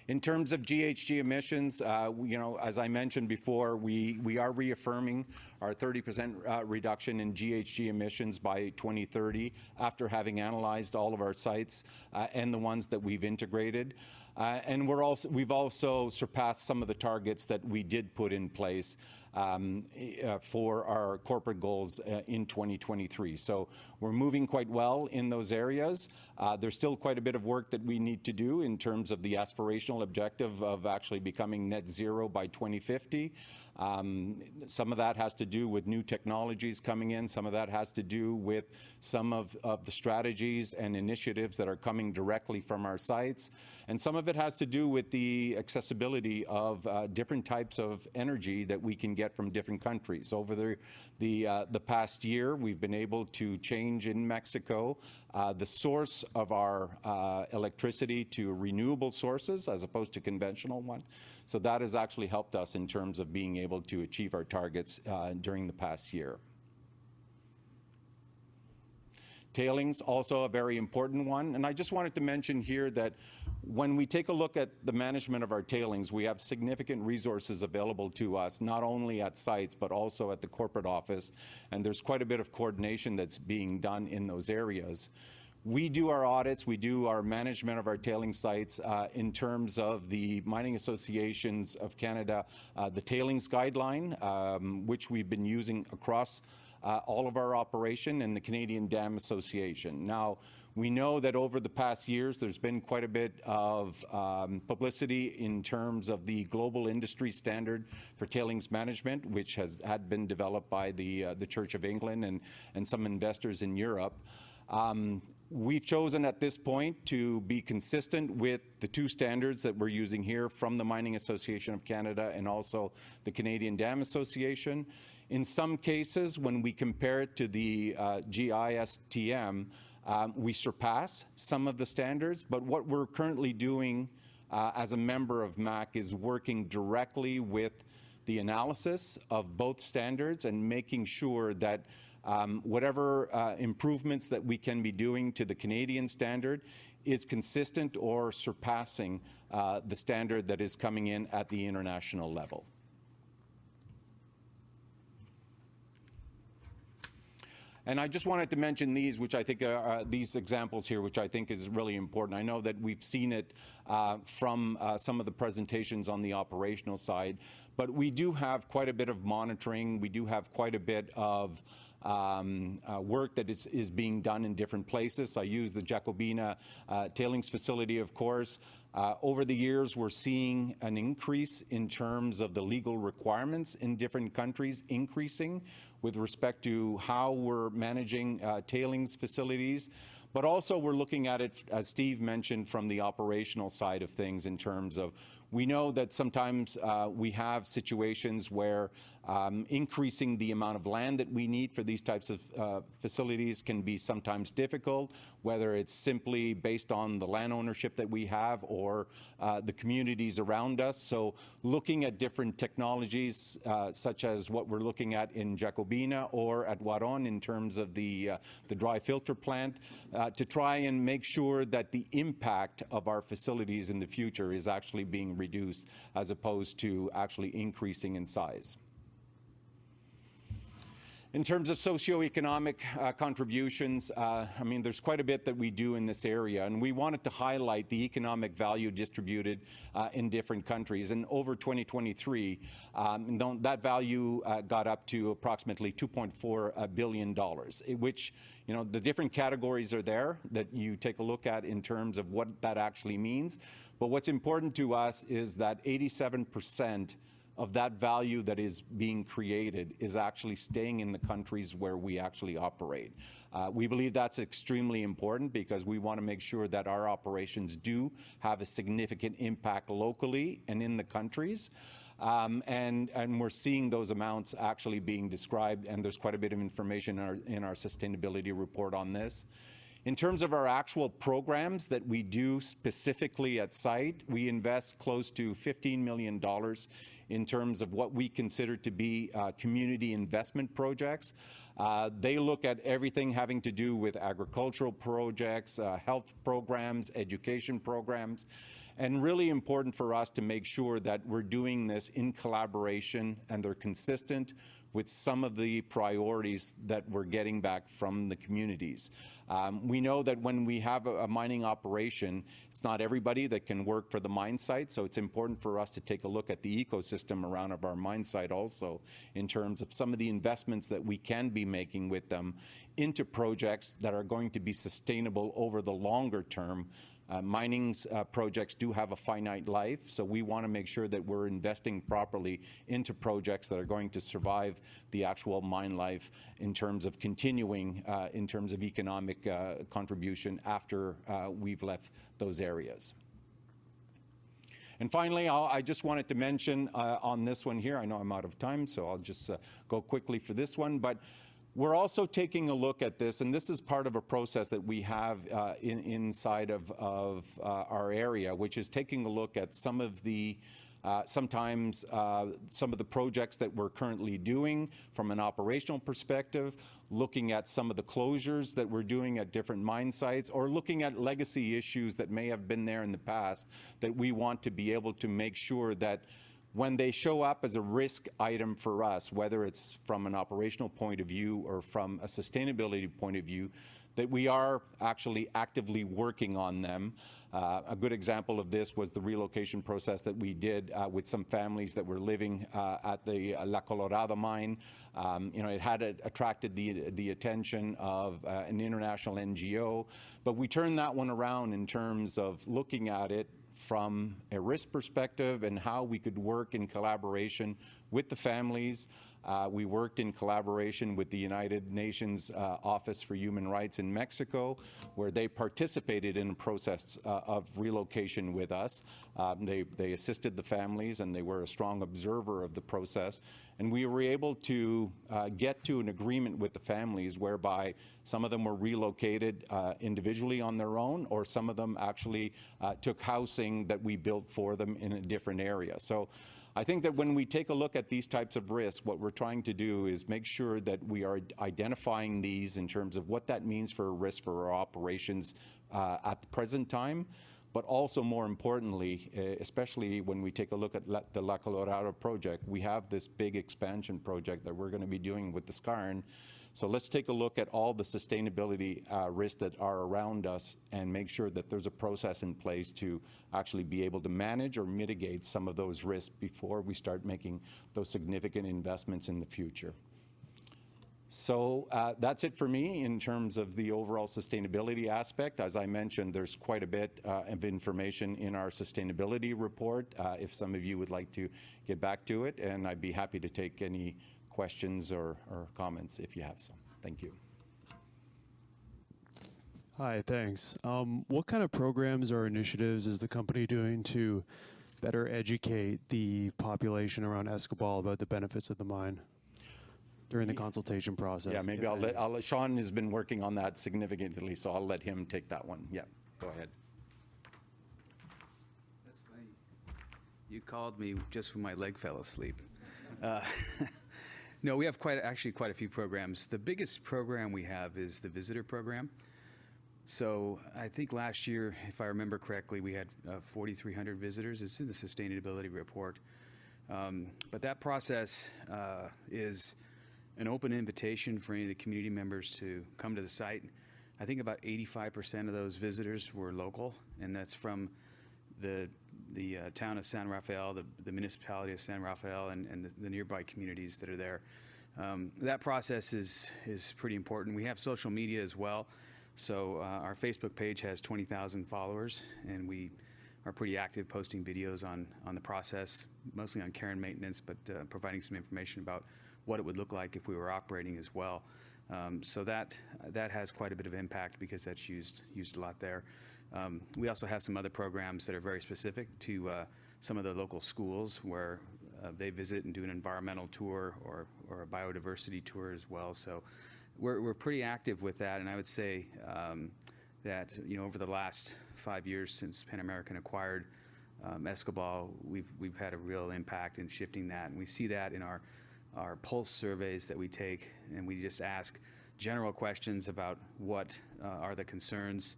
In terms of GHG emissions, you know, as I mentioned before, we are reaffirming our 30% reduction in GHG emissions by 2030, after having analyzed all of our sites and the ones that we've integrated. And we've also surpassed some of the targets that we did put in place for our corporate goals in 2023. So we're moving quite well in those areas. There's still quite a bit of work that we need to do in terms of the aspirational objective of actually becoming net zero by 2050. Some of that has to do with new technologies coming in. Some of that has to do with some of the strategies and initiatives that are coming directly from our sites, and some of it has to do with the accessibility of different types of energy that we can get from different countries. Over the past year, we've been able to change in Mexico the source of our electricity to renewable sources as opposed to conventional one. So that has actually helped us in terms of being able to achieve our targets during the past year. Tailings also a very important one, and I just wanted to mention here that when we take a look at the management of our tailings, we have significant resources available to us, not only at sites, but also at the corporate office, and there's quite a bit of coordination that's being done in those areas. We do our audits, we do our management of our tailing sites, in terms of the Mining Association of Canada, the Tailings Guideline, which we've been using across all of our operations and the Canadian Dam Association. Now, we know that over the past years, there's been quite a bit of publicity in terms of the global industry standard for tailings management, which has had been developed by the Church of England and some investors in Europe. We've chosen at this point to be consistent with the two standards that we're using here from the Mining Association of Canada and also the Canadian Dam Association. In some cases, when we compare it to the GISTM, we surpass some of the standards, but what we're currently doing, as a member of MAC, is working directly with the analysis of both standards and making sure that whatever improvements that we can be doing to the Canadian standard is consistent or surpassing the standard that is coming in at the international level. And I just wanted to mention these, which I think are these examples here, which I think is really important. I know that we've seen it from some of the presentations on the operational side, but we do have quite a bit of monitoring. We do have quite a bit of work that is being done in different places. I use the Jacobina tailings facility, of course. Over the years, we're seeing an increase in terms of the legal requirements in different countries increasing with respect to how we're managing tailings facilities. But also we're looking at it, as Steve mentioned, from the operational side of things, in terms of we know that sometimes we have situations where increasing the amount of land that we need for these types of facilities can be sometimes difficult, whether it's simply based on the land ownership that we have or the communities around us. So looking at different technologies, such as what we're looking at in Jacobina or at Huarón, in terms of the dry filter plant, to try and make sure that the impact of our facilities in the future is actually being reduced as opposed to actually increasing in size. In terms of socioeconomic contributions, I mean, there's quite a bit that we do in this area, and we wanted to highlight the economic value distributed in different countries. And over 2023, that value got up to approximately $2.4 billion, which, you know, the different categories are there that you take a look at in terms of what that actually means. But what's important to us is that 87% of that value that is being created is actually staying in the countries where we actually operate. We believe that's extremely important because we wanna make sure that our operations do have a significant impact locally and in the countries. And we're seeing those amounts actually being described, and there's quite a bit of information in our sustainability report on this. In terms of our actual programs that we do specifically at site, we invest close to $15 million in terms of what we consider to be community investment projects. They look at everything having to do with agricultural projects, health programs, education programs, and really important for us to make sure that we're doing this in collaboration, and they're consistent with some of the priorities that we're getting back from the communities. We know that when we have a mining operation, it's not everybody that can work for the mine site. So it's important for us to take a look at the ecosystem around of our mine site also, in terms of some of the investments that we can be making with them into projects that are going to be sustainable over the longer term. Mining's projects do have a finite life, so we wanna make sure that we're investing properly into projects that are going to survive the actual mine life in terms of continuing, in terms of economic contribution after we've left those areas. And finally, I'll—I just wanted to mention, on this one here. I know I'm out of time, so I'll just go quickly for this one. But we're also taking a look at this, and this is part of a process that we have, inside of our area, which is taking a look at some of the, sometimes, some of the projects that we're currently doing from an operational perspective, looking at some of the closures that we're doing at different mine sites, or looking at legacy issues that may have been there in the past, that we want to be able to make sure that when they show up as a risk item for us, whether it's from an operational point of view or from a sustainability point of view, that we are actually actively working on them. A good example of this was the relocation process that we did, with some families that were living, at the La Colorada mine. You know, it had attracted the attention of an international NGO, but we turned that one around in terms of looking at it from a risk perspective and how we could work in collaboration with the families. We worked in collaboration with the United Nations Office for Human Rights in Mexico, where they participated in the process of relocation with us. They assisted the families, and they were a strong observer of the process, and we were able to get to an agreement with the families, whereby some of them were relocated individually on their own, or some of them actually took housing that we built for them in a different area. So I think that when we take a look at these types of risks, what we're trying to do is make sure that we are identifying these in terms of what that means for risk for our operations at the present time, but also more importantly, especially when we take a look at the La Colorada project, we have this big expansion project that we're gonna be doing with the skarn. So let's take a look at all the sustainability risks that are around us and make sure that there's a process in place to actually be able to manage or mitigate some of those risks before we start making those significant investments in the future. So that's it for me in terms of the overall sustainability aspect. As I mentioned, there's quite a bit of information in our sustainability report, if some of you would like to get back to it, and I'd be happy to take any questions or comments if you have some. Thank you. Hi. Thanks. What kind of programs or initiatives is the company doing to better educate the population around Escobal about the benefits of the mine during the consultation process? Yeah, maybe Sean has been working on that significantly, so I'll let him take that one. Yeah, go ahead. That's funny. You called me just when my leg fell asleep. No, we have quite a, actually quite a few programs. The biggest program we have is the visitor program. So I think last year, if I remember correctly, we had 4,300 visitors. It's in the sustainability report. But that process is an open invitation for any of the community members to come to the site. I think about 85% of those visitors were local, and that's from the, the, town of San Rafael, the, the municipality of San Rafael, and, and the, the nearby communities that are there. That process is, is pretty important. We have social media as well, so our Facebook page has 20,000 followers, and we are pretty active posting videos on the process, mostly on care and maintenance, but providing some information about what it would look like if we were operating as well. So that has quite a bit of impact because that's used a lot there. We also have some other programs that are very specific to some of the local schools, where they visit and do an environmental tour or a biodiversity tour as well. So we're pretty active with that, and I would say that you know, over the last five years since Pan American acquired Escobal, we've had a real impact in shifting that. We see that in our pulse surveys that we take, and we just ask general questions about what are the concerns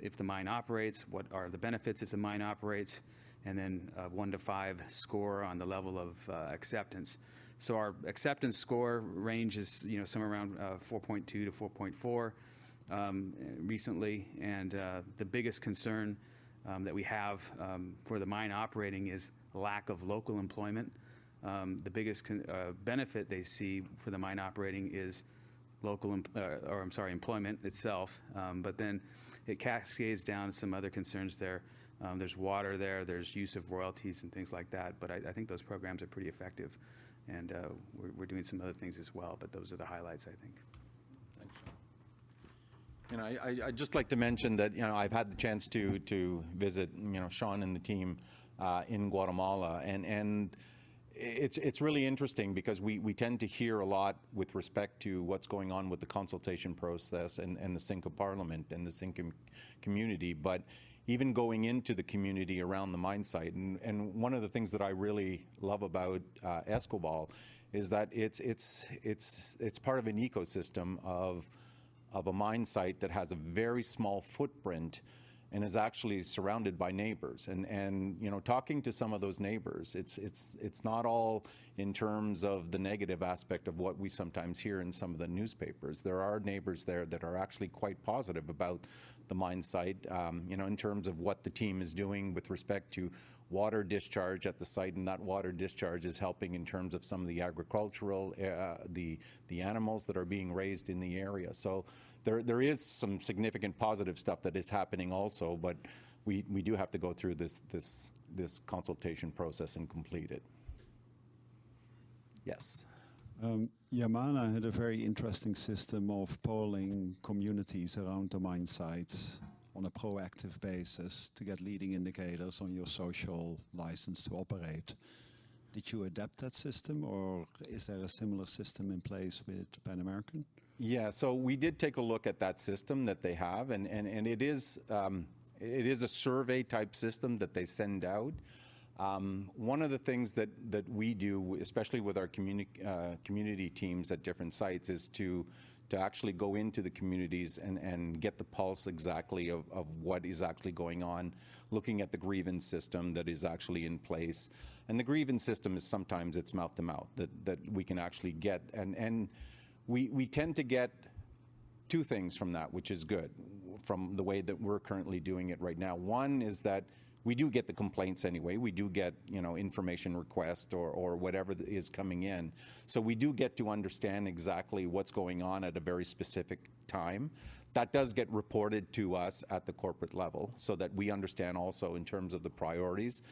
if the mine operates? What are the benefits if the mine operating? And then, a one-five score on the level of acceptance. So our acceptance score ranges, you know, somewhere around 4.2-4.4 recently, and the biggest concern that we have for the mine operating is lack of local employment. The biggest benefit they see for the mine operating is local employment itself. But then it cascades down to some other concerns there. There's water there, there's use of royalties and things like that, but I think those programs are pretty effective, and we're doing some other things as well, but those are the highlights, I think. Thanks. You know, I'd just like to mention that, you know, I've had the chance to visit, you know, Sean and the team in Guatemala, and it's really interesting because we tend to hear a lot with respect to what's going on with the consultation process and the Xinka parliament and the Xinka community. But even going into the community around the mine site, and one of the things that I really love about Escobal is that it's part of an ecosystem of a mine site that has a very small footprint and is actually surrounded by neighbors. And, you know, talking to some of those neighbors, it's not all in terms of the negative aspect of what we sometimes hear in some of the newspapers. There are neighbors there that are actually quite positive about the mine site, you know, in terms of what the team is doing with respect to water discharge at the site, and that water discharge is helping in terms of some of the agricultural, the animals that are being raised in the area. So there is some significant positive stuff that is happening also, but we do have to go through this consultation process and complete it. Yes? Yamana had a very interesting system of polling communities around the mine sites on a proactive basis to get leading indicators on your social license to operate. Did you adapt that system, or is there a similar system in place with Pan American? Yeah. So we did take a look at that system that they have, and it is a survey-type system that they send out. One of the things that we do, especially with our community teams at different sites, is to actually go into the communities and get the pulse exactly of what is actually going on, looking at the grievance system that is actually in place. And the grievance system is sometimes it's mouth-to-mouth, that we can actually get. And we tend to get two things from that, which is good, from the way that we're currently doing it right now. One is that we do get the complaints anyway. We do get, you know, information request or, or whatever is coming in, so we do get to understand exactly what's going on at a very specific time. That does get reported to us at the corporate level so that we understand also in terms of the priorities,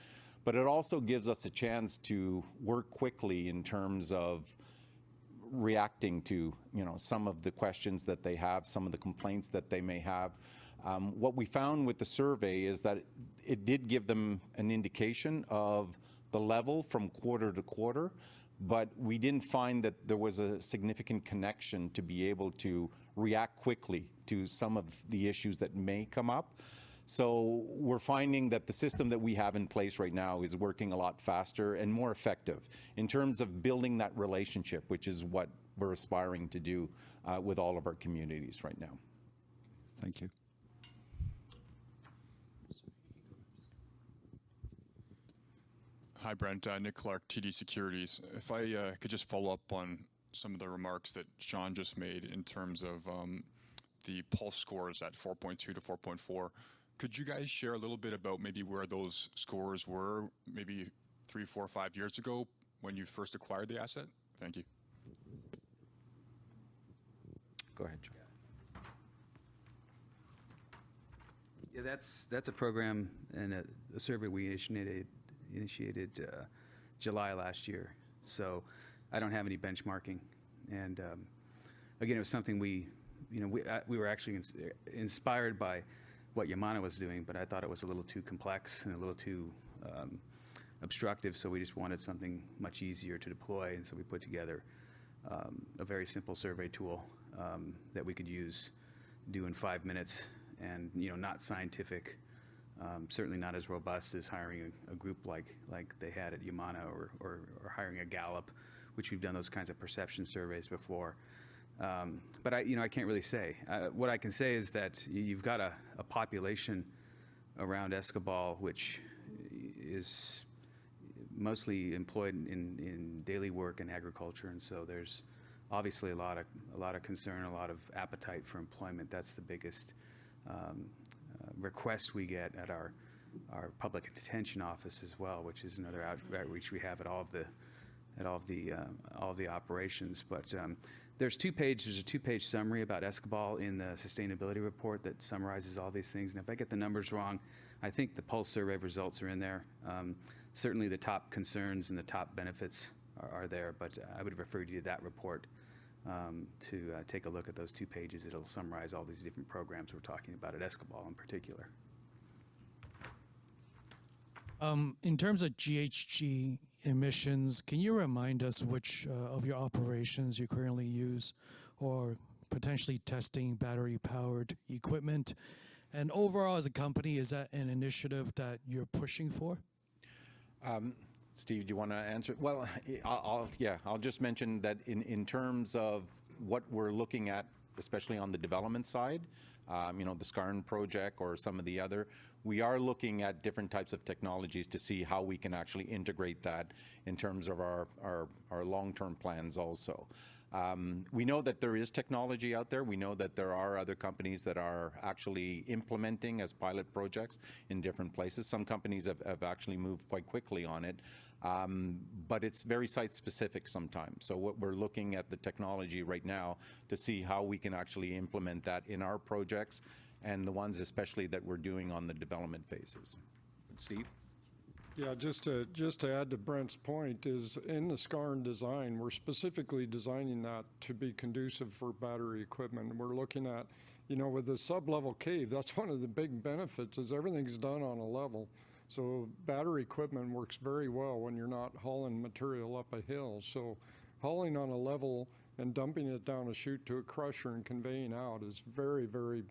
but it also gives us a chance to work quickly in terms of reacting to, you know, some of the questions that they have, some of the complaints that they may have. What we found with the survey is that it did give them an indication of the level from quarter to quarter, but we didn't find that there was a significant connection to be able to react quickly to some of the issues that may come up. So we're finding that the system that we have in place right now is working a lot faster and more effective in terms of building that relationship, which is what we're aspiring to do, with all of our communities right now. Thank you. Hi, Brent. Nick Clark, TD Securities. If I could just follow up on some of the remarks that Sean just made in terms of the pulse scores at 4.2-4.4. Could you guys share a little bit about maybe where those scores were, maybe-... three, four, five years ago when you first acquired the asset? Thank you. Go ahead, Troy. Yeah, that's a program and a survey we initiated July last year, so I don't have any benchmarking. And again, it was something we, you know, we were actually inspired by what Yamana was doing, but I thought it was a little too complex and a little too obstructive, so we just wanted something much easier to deploy, and so we put together a very simple survey tool that we could use, do in five minutes, and, you know, not scientific. Certainly not as robust as hiring a group like they had at Yamana or hiring a Gallup, which we've done those kinds of perception surveys before. But I, you know, I can't really say. What I can say is that you've got a population around Escobal which is mostly employed in daily work and agriculture, and so there's obviously a lot of concern, a lot of appetite for employment. That's the biggest request we get at our public detention office as well, which is another outreach we have at all of the operations. But, there's a two-page summary about Escobal in the sustainability report that summarizes all these things, and if I get the numbers wrong, I think the pulse survey results are in there. Certainly, the top concerns and the top benefits are there, but I would refer you to that report to take a look at those two pages. It'll summarize all these different programs we're talking about at Escobal in particular. In terms of GHG emissions, can you remind us which of your operations you currently use or potentially testing battery-powered equipment? And overall, as a company, is that an initiative that you're pushing for? Steve, do you wanna answer? Well, I'll just mention that in terms of what we're looking at, especially on the development side, you know, the Skarn project or some of the other, we are looking at different types of technologies to see how we can actually integrate that in terms of our long-term plans also. We know that there is technology out there. We know that there are other companies that are actually implementing as pilot projects in different places. Some companies have actually moved quite quickly on it, but it's very site-specific sometimes. So what we're looking at the technology right now to see how we can actually implement that in our projects and the ones especially that we're doing on the development phases. Steve? Yeah, just to, just to add to Brent's point is, in the Skarn design, we're specifically designing that to be conducive for battery equipment. We're looking at... You know, with a sub-level cave, that's one of the big benefits, is everything's done on a level, so battery equipment works very well when you're not hauling material up a hill. So hauling on a level and dumping it down a chute to a crusher and conveying out is very, very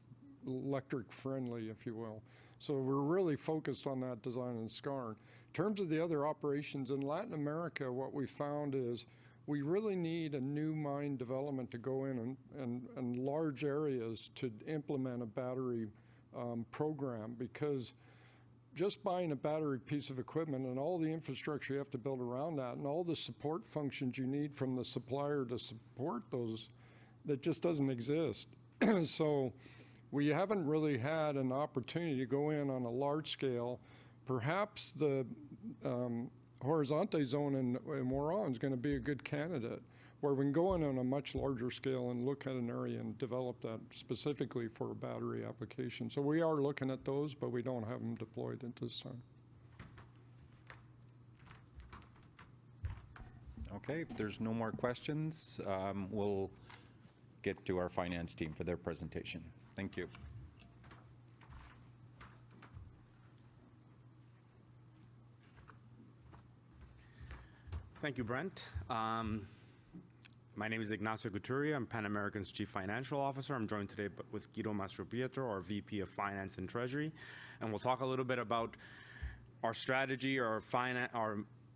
electric friendly, if you will. So we're really focused on that design in Skarn. In terms of the other operations in Latin America, what we found is we really need a new mine development to go in and large areas to implement a battery program. Because just buying a battery piece of equipment and all the infrastructure you have to build around that, and all the support functions you need from the supplier to support those, that just doesn't exist. So we haven't really had an opportunity to go in on a large scale. Perhaps the horizontal zone in Moro is gonna be a good candidate, where we can go in on a much larger scale and look at an area and develop that specifically for battery application. So we are looking at those, but we don't have them deployed at this time. Okay, if there's no more questions, we'll get to our finance team for their presentation. Thank you. Thank you, Brent. My name is Ignacio Couturier. I'm Pan American's Chief Financial Officer. I'm joined today with Guido Mastropietro, our VP of Finance and Treasury, and we'll talk a little bit about our strategy, our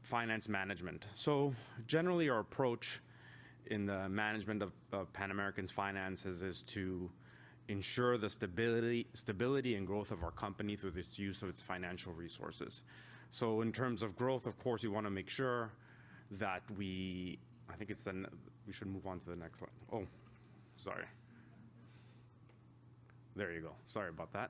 finance management. So generally, our approach in the management of Pan American's finances is to ensure the stability and growth of our company through its use of its financial resources. So in terms of growth, of course, we wanna make sure that we should move on to the next slide. Oh, sorry. There you go. Sorry about that.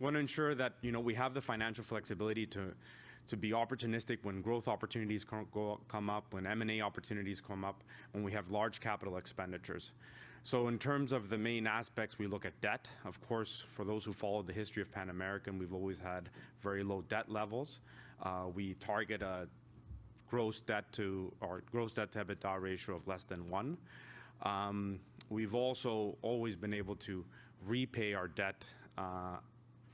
Wanna ensure that, you know, we have the financial flexibility to be opportunistic when growth opportunities come up, when M&A opportunities come up, when we have large capital expenditures. So in terms of the main aspects, we look at debt. Of course, for those who followed the history of Pan American, we've always had very low debt levels. We target a gross debt to, or gross debt to EBITDA ratio of less than one. We've also always been able to repay our debt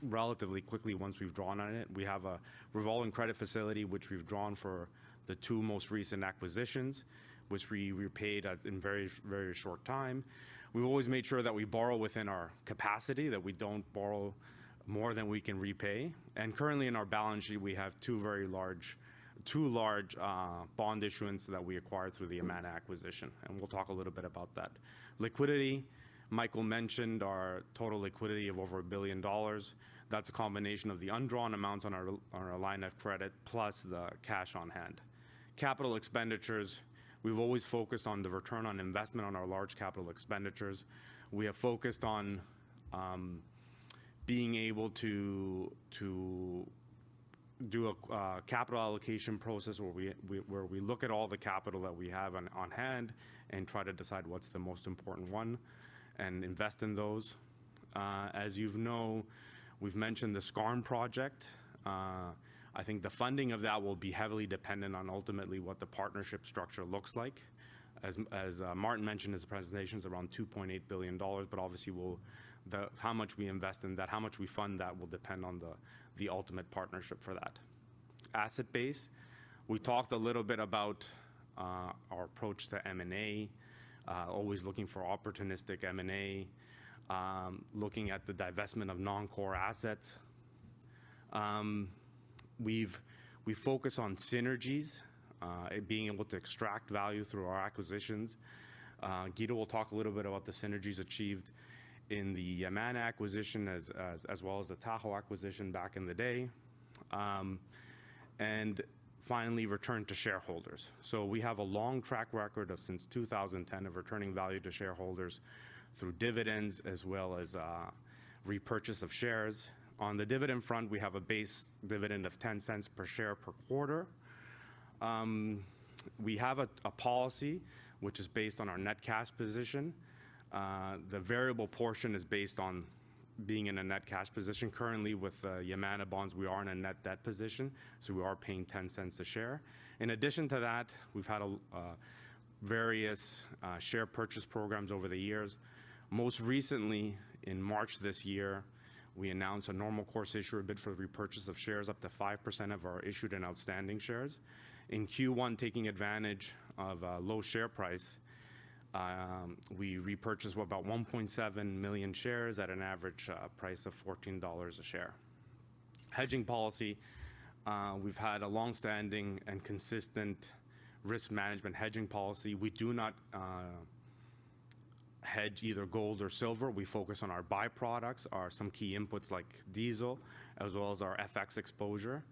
relatively quickly once we've drawn on it. We have a revolving credit facility, which we've drawn for the two most recent acquisitions, which we repaid in very, very short time. We've always made sure that we borrow within our capacity, that we don't borrow more than we can repay. And currently in our balance sheet, we have two very large - two large bond issuance that we acquired through the Yamana acquisition, and we'll talk a little bit about that. Liquidity, Michael mentioned our total liquidity of over $1 billion. That's a combination of the undrawn amounts on our line of credit, plus the cash on hand. Capital expenditures, we've always focused on the return on investment on our large capital expenditures. We have focused on being able to do a capital allocation process where we look at all the capital that we have on hand and try to decide what's the most important one and invest in those. As you know, we've mentioned the Skarn project. I think the funding of that will be heavily dependent on ultimately what the partnership structure looks like. As Martin mentioned, his presentation's around $2.8 billion, but obviously, how much we invest in that, how much we fund that, will depend on the ultimate partnership for that. Asset base, we talked a little bit about our approach to M&A, always looking for opportunistic M&A, looking at the divestment of non-core assets. We focus on synergies and being able to extract value through our acquisitions. Guido will talk a little bit about the synergies achieved in the Yamana acquisition as well as the Tahoe acquisition back in the day. And finally, return to shareholders. We have a long track record since 2010 of returning value to shareholders through dividends, as well as repurchase of shares. On the dividend front, we have a base dividend of $0.10 per share per quarter. We have a policy which is based on our net cash position. The variable portion is based on being in a net cash position. Currently, with Yamana bonds, we are in a net debt position, so we are paying $0.10 a share. In addition to that, we've had various share purchase programs over the years. Most recently, in March this year, we announced a normal course issuer bid for the repurchase of shares, up to 5% of our issued and outstanding shares. In Q1, taking advantage of a low share price, we repurchased about 1.7 million shares at an average price of $14 a share. Hedging policy, we've had a long-standing and consistent risk management hedging policy. We do not hedge either gold or silver. We focus on our byproducts or some key inputs like diesel, as well as our FX exposure.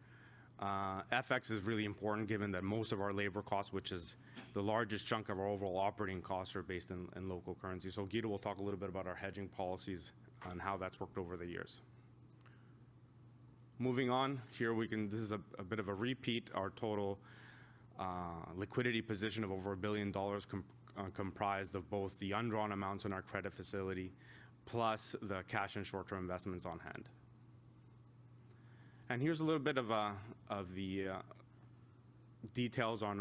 FX is really important given that most of our labor costs, which is the largest chunk of our overall operating costs, are based in, in local currency. So Guido will talk a little bit about our hedging policies and how that's worked over the years. Moving on, here we can, this is a bit of a repeat, our total liquidity position of over $1 billion comprised of both the undrawn amounts in our credit facility, plus the cash and short-term investments on hand. Here's a little bit of the details on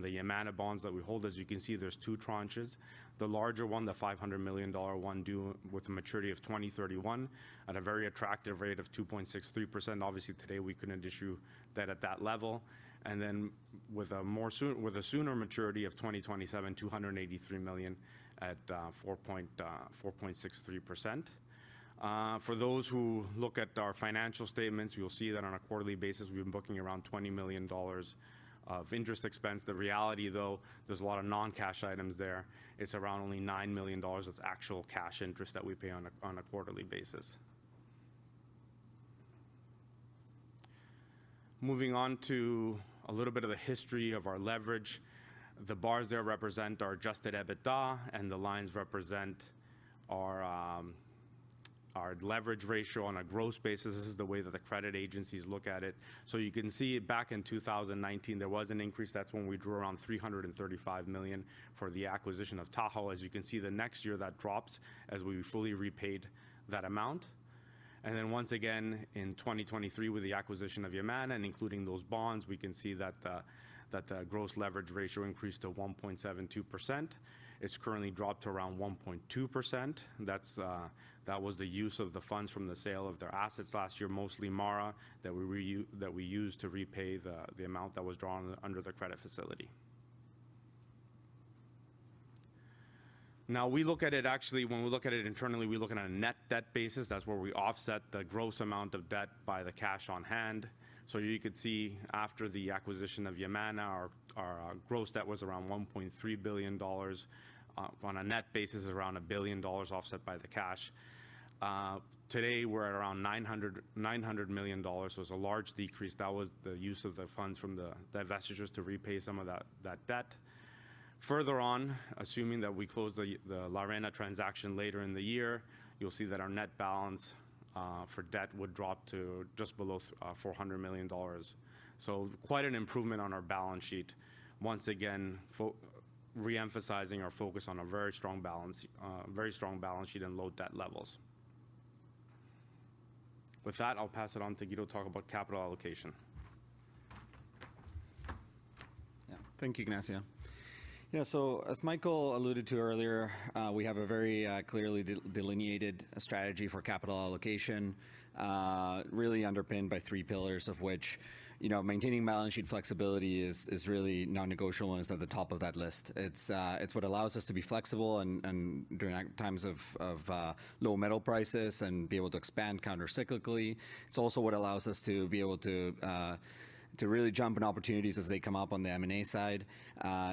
the Yamana bonds that we hold. As you can see, there's two tranches. The larger one, the $500 million one, due with a maturity of 2031 at a very attractive rate of 2.63%. Obviously, today, we couldn't issue that at that level, and then with a sooner maturity of 2027, $283 million at 4.63%. For those who look at our financial statements, you'll see that on a quarterly basis, we've been booking around $20 million of interest expense. The reality, though, there's a lot of non-cash items there. It's around only $9 million that's actual cash interest that we pay on a quarterly basis. Moving on to a little bit of a history of our leverage. The bars there represent our adjusted EBITDA, and the lines represent our leverage ratio on a gross basis. This is the way that the credit agencies look at it. So you can see back in 2019, there was an increase. That's when we drew around $335 million for the acquisition of Tahoe. As you can see, the next year that drops as we fully repaid that amount. And then, once again, in 2023, with the acquisition of Yamana and including those bonds, we can see that the, that the gross leverage ratio increased to 1.72%. It's currently dropped to around 1.2%. That's, that was the use of the funds from the sale of their assets last year, mostly Mara, that we used to repay the, the amount that was drawn under the credit facility. Now, we look at it. Actually, when we look at it internally, we look at it on a net debt basis. That's where we offset the gross amount of debt by the cash on hand. So you could see after the acquisition of Yamana, our gross debt was around $1.3 billion. On a net basis, around $1 billion offset by the cash. Today, we're at around $900 million, so it's a large decrease. That was the use of the funds from the divestitures to repay some of that debt. Further on, assuming that we close the La Arena transaction later in the year, you'll see that our net balance for debt would drop to just below $400 million. So quite an improvement on our balance sheet. Once again, re-emphasizing our focus on a very strong balance sheet and low debt levels. With that, I'll pass it on to Guido to talk about capital allocation.... Thank you, Ignacio. Yeah, so as Michael alluded to earlier, we have a very clearly delineated strategy for capital allocation, really underpinned by three pillars, of which, you know, maintaining balance sheet flexibility is really non-negotiable and is at the top of that list. It's what allows us to be flexible and during times of low metal prices and be able to expand countercyclically. It's also what allows us to be able to really jump on opportunities as they come up on the M&A side.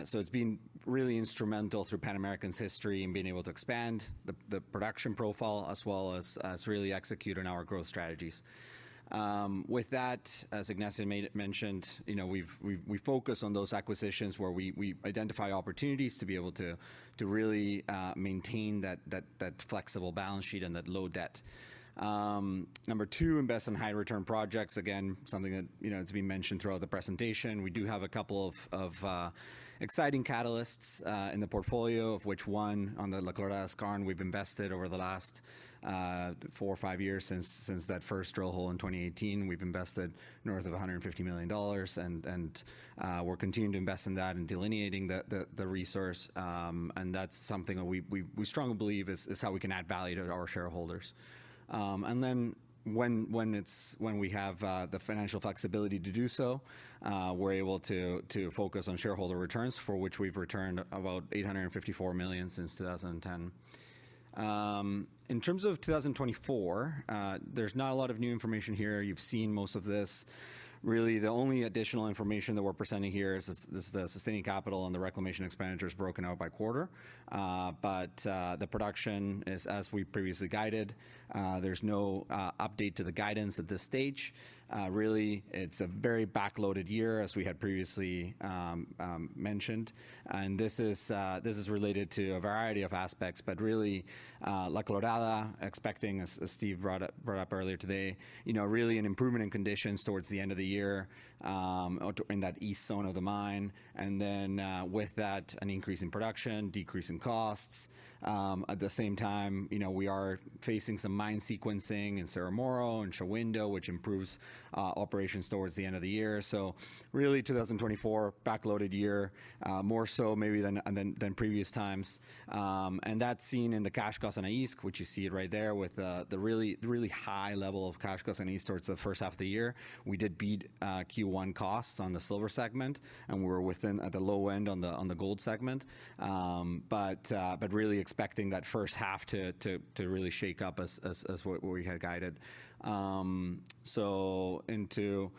So it's been really instrumental through Pan American's history in being able to expand the production profile as well as really executing our growth strategies. With that, as Ignacio mentioned, you know, we focus on those acquisitions where we identify opportunities to be able to really maintain that flexible balance sheet and that low debt. Number two, invest in high return projects. Again, something that, you know, it's been mentioned throughout the presentation. We do have a couple of exciting catalysts in the portfolio, of which one, on the La Colorada mine, we've invested over the last four or five years since that first drill hole in 2018. We've invested north of $150 million, and we're continuing to invest in that and delineating the resource. And that's something that we strongly believe is how we can add value to our shareholders. And then when it's when we have the financial flexibility to do so, we're able to focus on shareholder returns, for which we've returned about $854 million since 2010. In terms of 2024, there's not a lot of new information here. You've seen most of this. Really, the only additional information that we're presenting here is the sustaining capital and the reclamation expenditures broken out by quarter. But the production is as we previously guided, there's no update to the guidance at this stage. Really, it's a very backloaded year, as we had previously mentioned, and this is related to a variety of aspects, but really, La Colorada, expecting, as Steve brought up earlier today, you know, really an improvement in conditions towards the end of the year, or in that east zone of the mine, and then, with that, an increase in production, decrease in costs. At the same time, you know, we are facing some mine sequencing in Cerro Moro and Shahuindo, which improves operations towards the end of the year. So really, 2024, backloaded year, more so maybe than previous times. And that's seen in the cash costs on AISC, which you see it right there with the really high level of cash costs on AISC towards the first half of the year. We did beat Q1 costs on the silver segment, and we were within at the low end on the gold segment. But really expecting that first half to really shake up as what we had guided. So into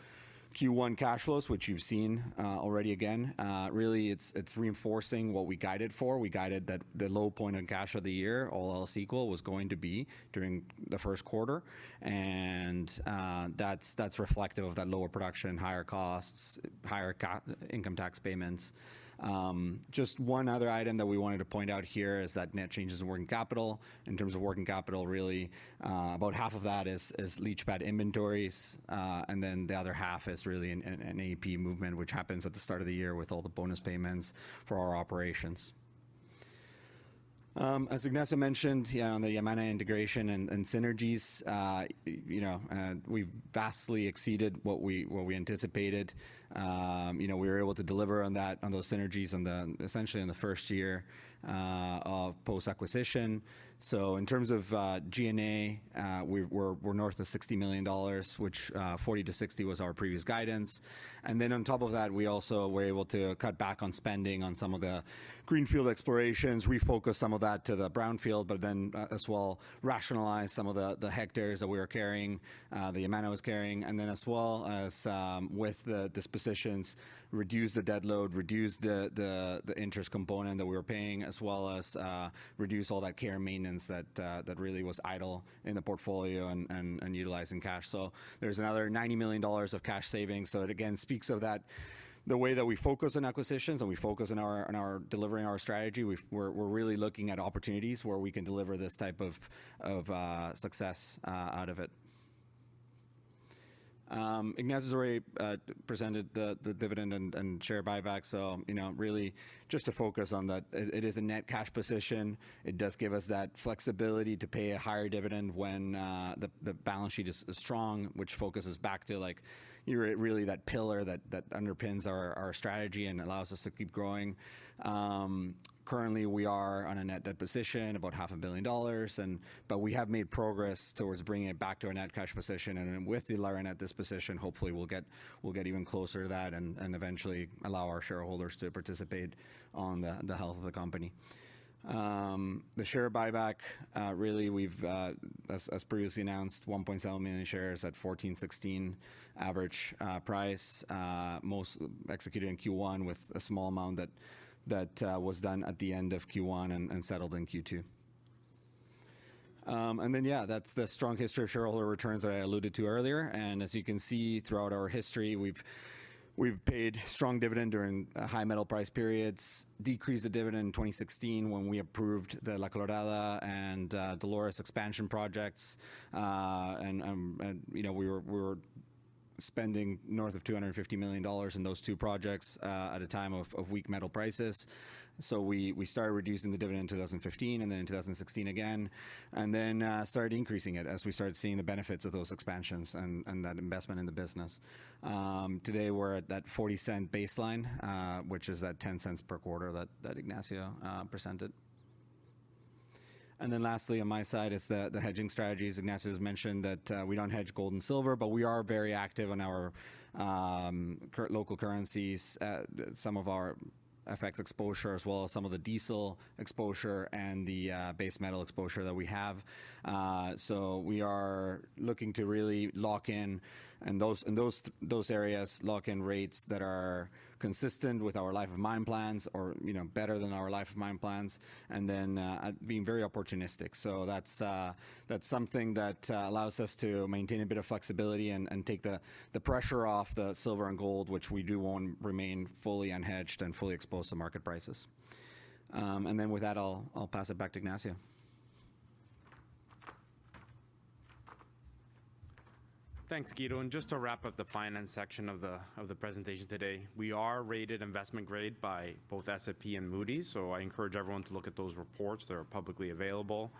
Q1 cash flows, which you've seen already, really it's reinforcing what we guided for. We guided that the low point of cash of the year, all else equal, was going to be during the first quarter, and that's reflective of that lower production, higher costs, higher corporate income tax payments. Just one other item that we wanted to point out here is that net changes in working capital. In terms of working capital, really, about half of that is leach pad inventories, and then the other half is really an AP movement, which happens at the start of the year with all the bonus payments for our operations. As Ignacio mentioned, on the Yamana integration and synergies, you know, we've vastly exceeded what we anticipated. You know, we were able to deliver on that, on those synergies in the, essentially in the first year of post-acquisition. So in terms of G&A, we're north of $60 million, which $40 million-$60 million was our previous guidance. Then on top of that, we also were able to cut back on spending on some of the greenfield explorations, refocus some of that to the brownfield, but then, as well, rationalize some of the, the hectares that we were carrying, that Yamana was carrying. Then as well as, with the dispositions, reduce the debt load, reduce the, the, the interest component that we were paying, as well as, reduce all that care and maintenance that that really was idle in the portfolio and, and utilizing cash. So there's another $90 million of cash savings. So it again speaks of that, the way that we focus on acquisitions and we focus on our, on our delivering our strategy, we've we're really looking at opportunities where we can deliver this type of, success, out of it. Ignacio's already presented the dividend and share buyback, so you know, really just to focus on that, it is a net cash position. It does give us that flexibility to pay a higher dividend when the balance sheet is strong, which focuses back to, like, you're really that pillar that underpins our strategy and allows us to keep growing. Currently, we are on a net debt position, about $500 million, but we have made progress towards bringing it back to a net cash position. And then with the La Arena at this position, hopefully we'll get even closer to that and eventually allow our shareholders to participate on the health of the company. The share buyback, really we've, as previously announced, 1.7 million shares at $14.16 average price, most executed in Q1 with a small amount that was done at the end of Q1 and settled in Q2. And then, yeah, that's the strong history of shareholder returns that I alluded to earlier, and as you can see throughout our history, we've paid strong dividend during high metal price periods, decreased the dividend in 2016 when we approved the La Colorada and Dolores expansion projects. And, you know, we were spending north of $250 million in those two projects at a time of weak metal prices. So we started reducing the dividend in 2015, and then in 2016 again, and then started increasing it as we started seeing the benefits of those expansions and that investment in the business. Today, we're at that $0.40 baseline, which is that $0.10 per quarter that Ignacio presented. Then lastly, on my side is the hedging strategies. Ignacio has mentioned that we don't hedge gold and silver, but we are very active in our local currencies, some of our FX exposure, as well as some of the diesel exposure and the base metal exposure that we have. So we are looking to really lock in in those areas, lock in rates that are consistent with our life of mine plans or, you know, better than our life of mine plans, and then being very opportunistic. So that's something that allows us to maintain a bit of flexibility and take the pressure off the silver and gold, which we do want to remain fully unhedged and fully exposed to market prices. And then with that, I'll pass it back to Ignacio. Thanks, Guido. Just to wrap up the finance section of the presentation today, we are rated investment grade by both S&P and Moody's, so I encourage everyone to look at those reports. They are publicly available.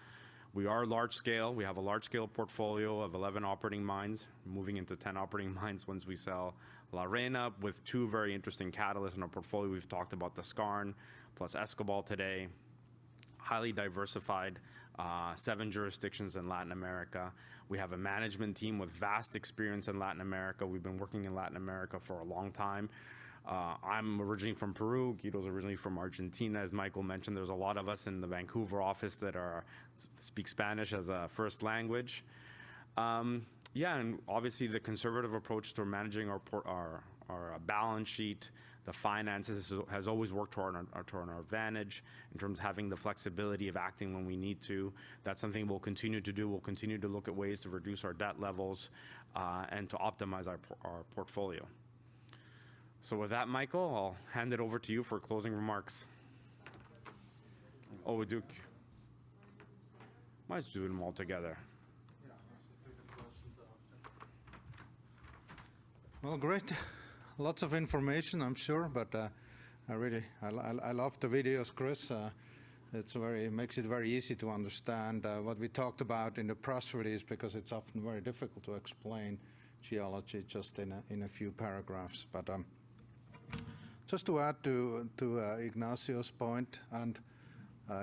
We are large scale. We have a large-scale portfolio of 11 operating mines, moving into 10 operating mines once we sell La Arena, with two very interesting catalysts in our portfolio. We've talked about the skarn plus Escobal today. Highly diversified, seven jurisdictions in Latin America. We have a management team with vast experience in Latin America. We've been working in Latin America for a long time. I'm originally from Peru, Guido's originally from Argentina. As Michael mentioned, there's a lot of us in the Vancouver office that are speak Spanish as a first language. Yeah, and obviously, the conservative approach to managing our our balance sheet, the finances, has always worked to our, to our advantage in terms of having the flexibility of acting when we need to. That's something we'll continue to do. We'll continue to look at ways to reduce our debt levels, and to optimize our our portfolio. So with that, Michael, I'll hand it over to you for closing remarks. Oh, we do... Might as well do them all together. Yeah, take the questions after. Well, great. Lots of information, I'm sure, but I really love the videos, Chris. It's very—makes it very easy to understand what we talked about in the press release, because it's often very difficult to explain geology just in a few paragraphs. But just to add to Ignacio's point, and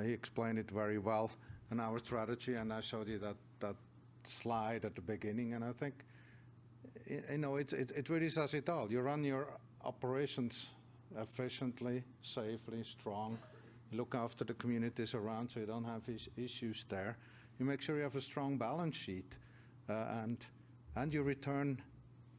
he explained it very well, and our strategy, and I showed you that slide at the beginning, and I think, you know, it really says it all. You run your operations efficiently, safely, strong. You look after the communities around, so you don't have issues there. You make sure you have a strong balance sheet, and you return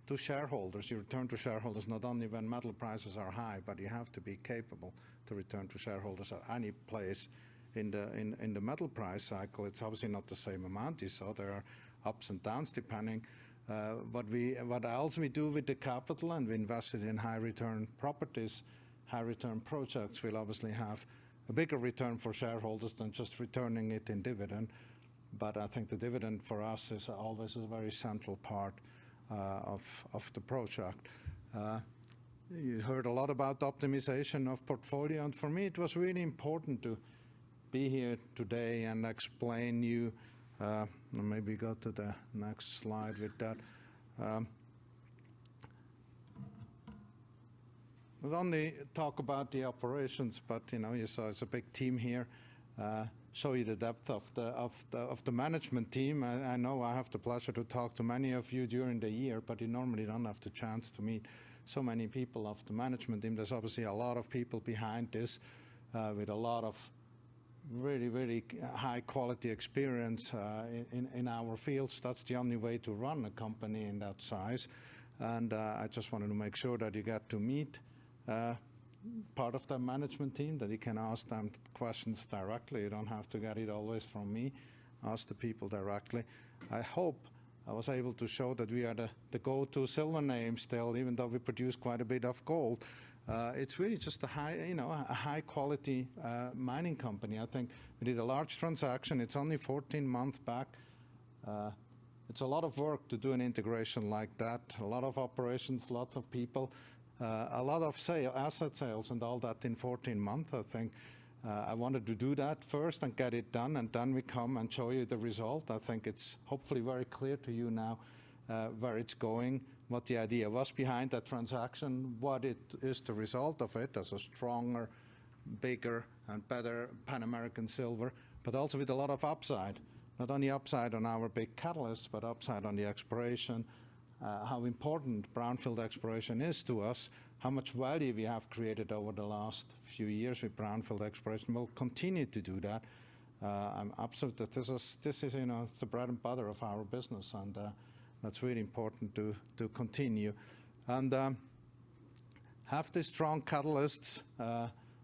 to shareholders. You return to shareholders not only when metal prices are high, but you have to be capable to return to shareholders at any place in the metal price cycle. It's obviously not the same amount. You saw there are ups and downs, depending. What else we do with the capital, and we invest it in high-return properties. High-return projects will obviously have a bigger return for shareholders than just returning it in dividend, but I think the dividend for us is always a very central part of the project. You heard a lot about optimization of portfolio, and for me, it was really important to be here today and explain you. Maybe go to the next slide with that. We only talk about the operations, but, you know, you saw it's a big team here, show you the depth of the management team. I know I have the pleasure to talk to many of you during the year, but you normally don't have the chance to meet so many people of the management team. There's obviously a lot of people behind this, with a lot of really, really high quality experience, in our fields. That's the only way to run a company in that size, and, I just wanted to make sure that you get to meet, part of the management team, that you can ask them questions directly. You don't have to get it always from me. Ask the people directly. I hope I was able to show that we are the go-to silver name still, even though we produce quite a bit of gold. It's really just a high, you know, a high-quality mining company. I think we did a large transaction. It's only 14 months back. It's a lot of work to do an integration like that. A lot of operations, lots of people, a lot of sale, asset sales and all that in 14 months, I think. I wanted to do that first and get it done, and then we come and show you the result. I think it's hopefully very clear to you now, where it's going, what the idea was behind that transaction, what it is the result of it, as a stronger, bigger, and better Pan American Silver, but also with a lot of upside. Not only upside on our big catalysts, but upside on the exploration, how important brownfield exploration is to us, how much value we have created over the last few years with brownfield exploration. We'll continue to do that. I'm absolute that this is, you know, the bread and butter of our business, and that's really important to continue. And have the strong catalysts,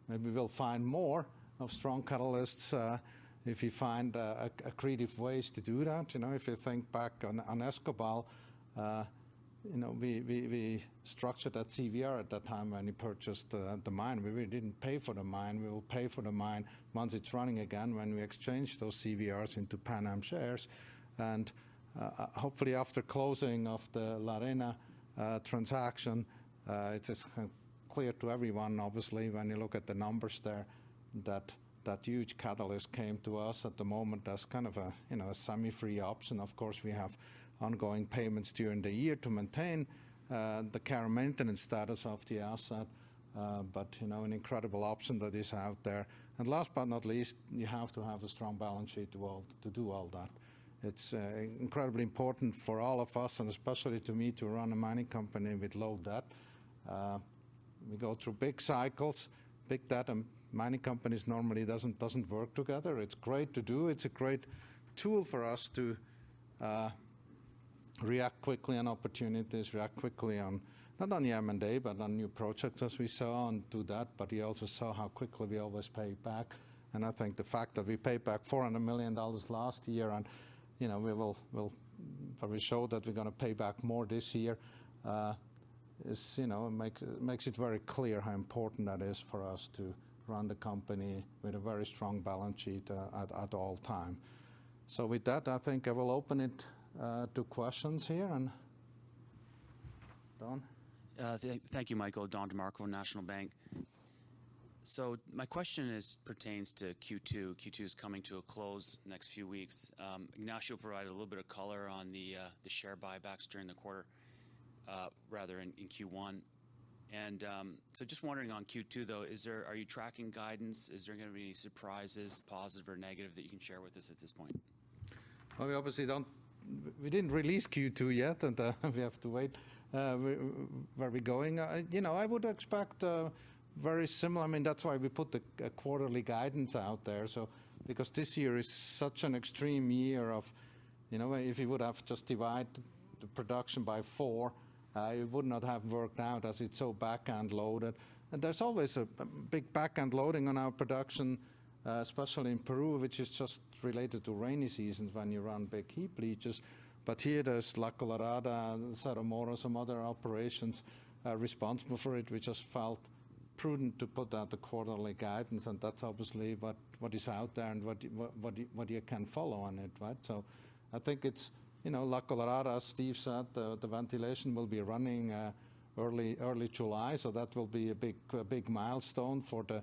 maybe we'll find more of strong catalysts, if you find a creative ways to do that. You know, if you think back on Escobal, you know, we structured that CVR at that time when we purchased the mine. We really didn't pay for the mine. We will pay for the mine once it's running again, when we exchange those CVRs into Pan Am shares. Hopefully, after closing of the La Arena transaction, it is clear to everyone, obviously, when you look at the numbers there, that that huge catalyst came to us at the moment as kind of a, you know, a semi-free option. Of course, we have ongoing payments during the year to maintain the care and maintenance status of the asset, but, you know, an incredible option that is out there. And last but not least, you have to have a strong balance sheet to all, to do all that. It's incredibly important for all of us, and especially to me, to run a mining company with low debt. We go through big cycles, big data, mining companies normally doesn't work together. It's great to do. It's a great tool for us to react quickly on opportunities, react quickly on, not on the M&A, but on new projects as we saw, and do that. But you also saw how quickly we always pay back, and I think the fact that we paid back $400 million last year and, you know, we will, will probably show that we're gonna pay back more this year, is, you know, makes it very clear how important that is for us to run the company with a very strong balance sheet, at all time. So with that, I think I will open it to questions here, and Don? Thank you, Michael. Don DeMarco, National Bank Financial. So my question is pertains to Q2. Q2 is coming to a close next few weeks. Ignacio provided a little bit of color on the, the share buybacks during the quarter, rather in, in Q1, and, so just wondering on Q2, though, is there-- are you tracking guidance? Is there gonna be any surprises, positive or negative, that you can share with us at this point? Well, we obviously don't... We didn't release Q2 yet, and, we have to wait. Where, where we going? You know, I would expect, very similar. I mean, that's why we put the, a quarterly guidance out there, so, because this year is such an extreme year of, you know, if you would have just divide the production by four, it would not have worked out as it's so back end loaded. And there's always a, a big back end loading on our production, especially in Peru, which is just related to rainy seasons when you run big heap leaches. But here, there's La Colorada and Cerro Moro, some other operations, responsible for it. We just felt prudent to put out the quarterly guidance, and that's obviously what, what is out there and what, what, what you, what you can follow on it, right? So I think it's, you know, La Colorada. Steve said the ventilation will be running early July, so that will be a big milestone for the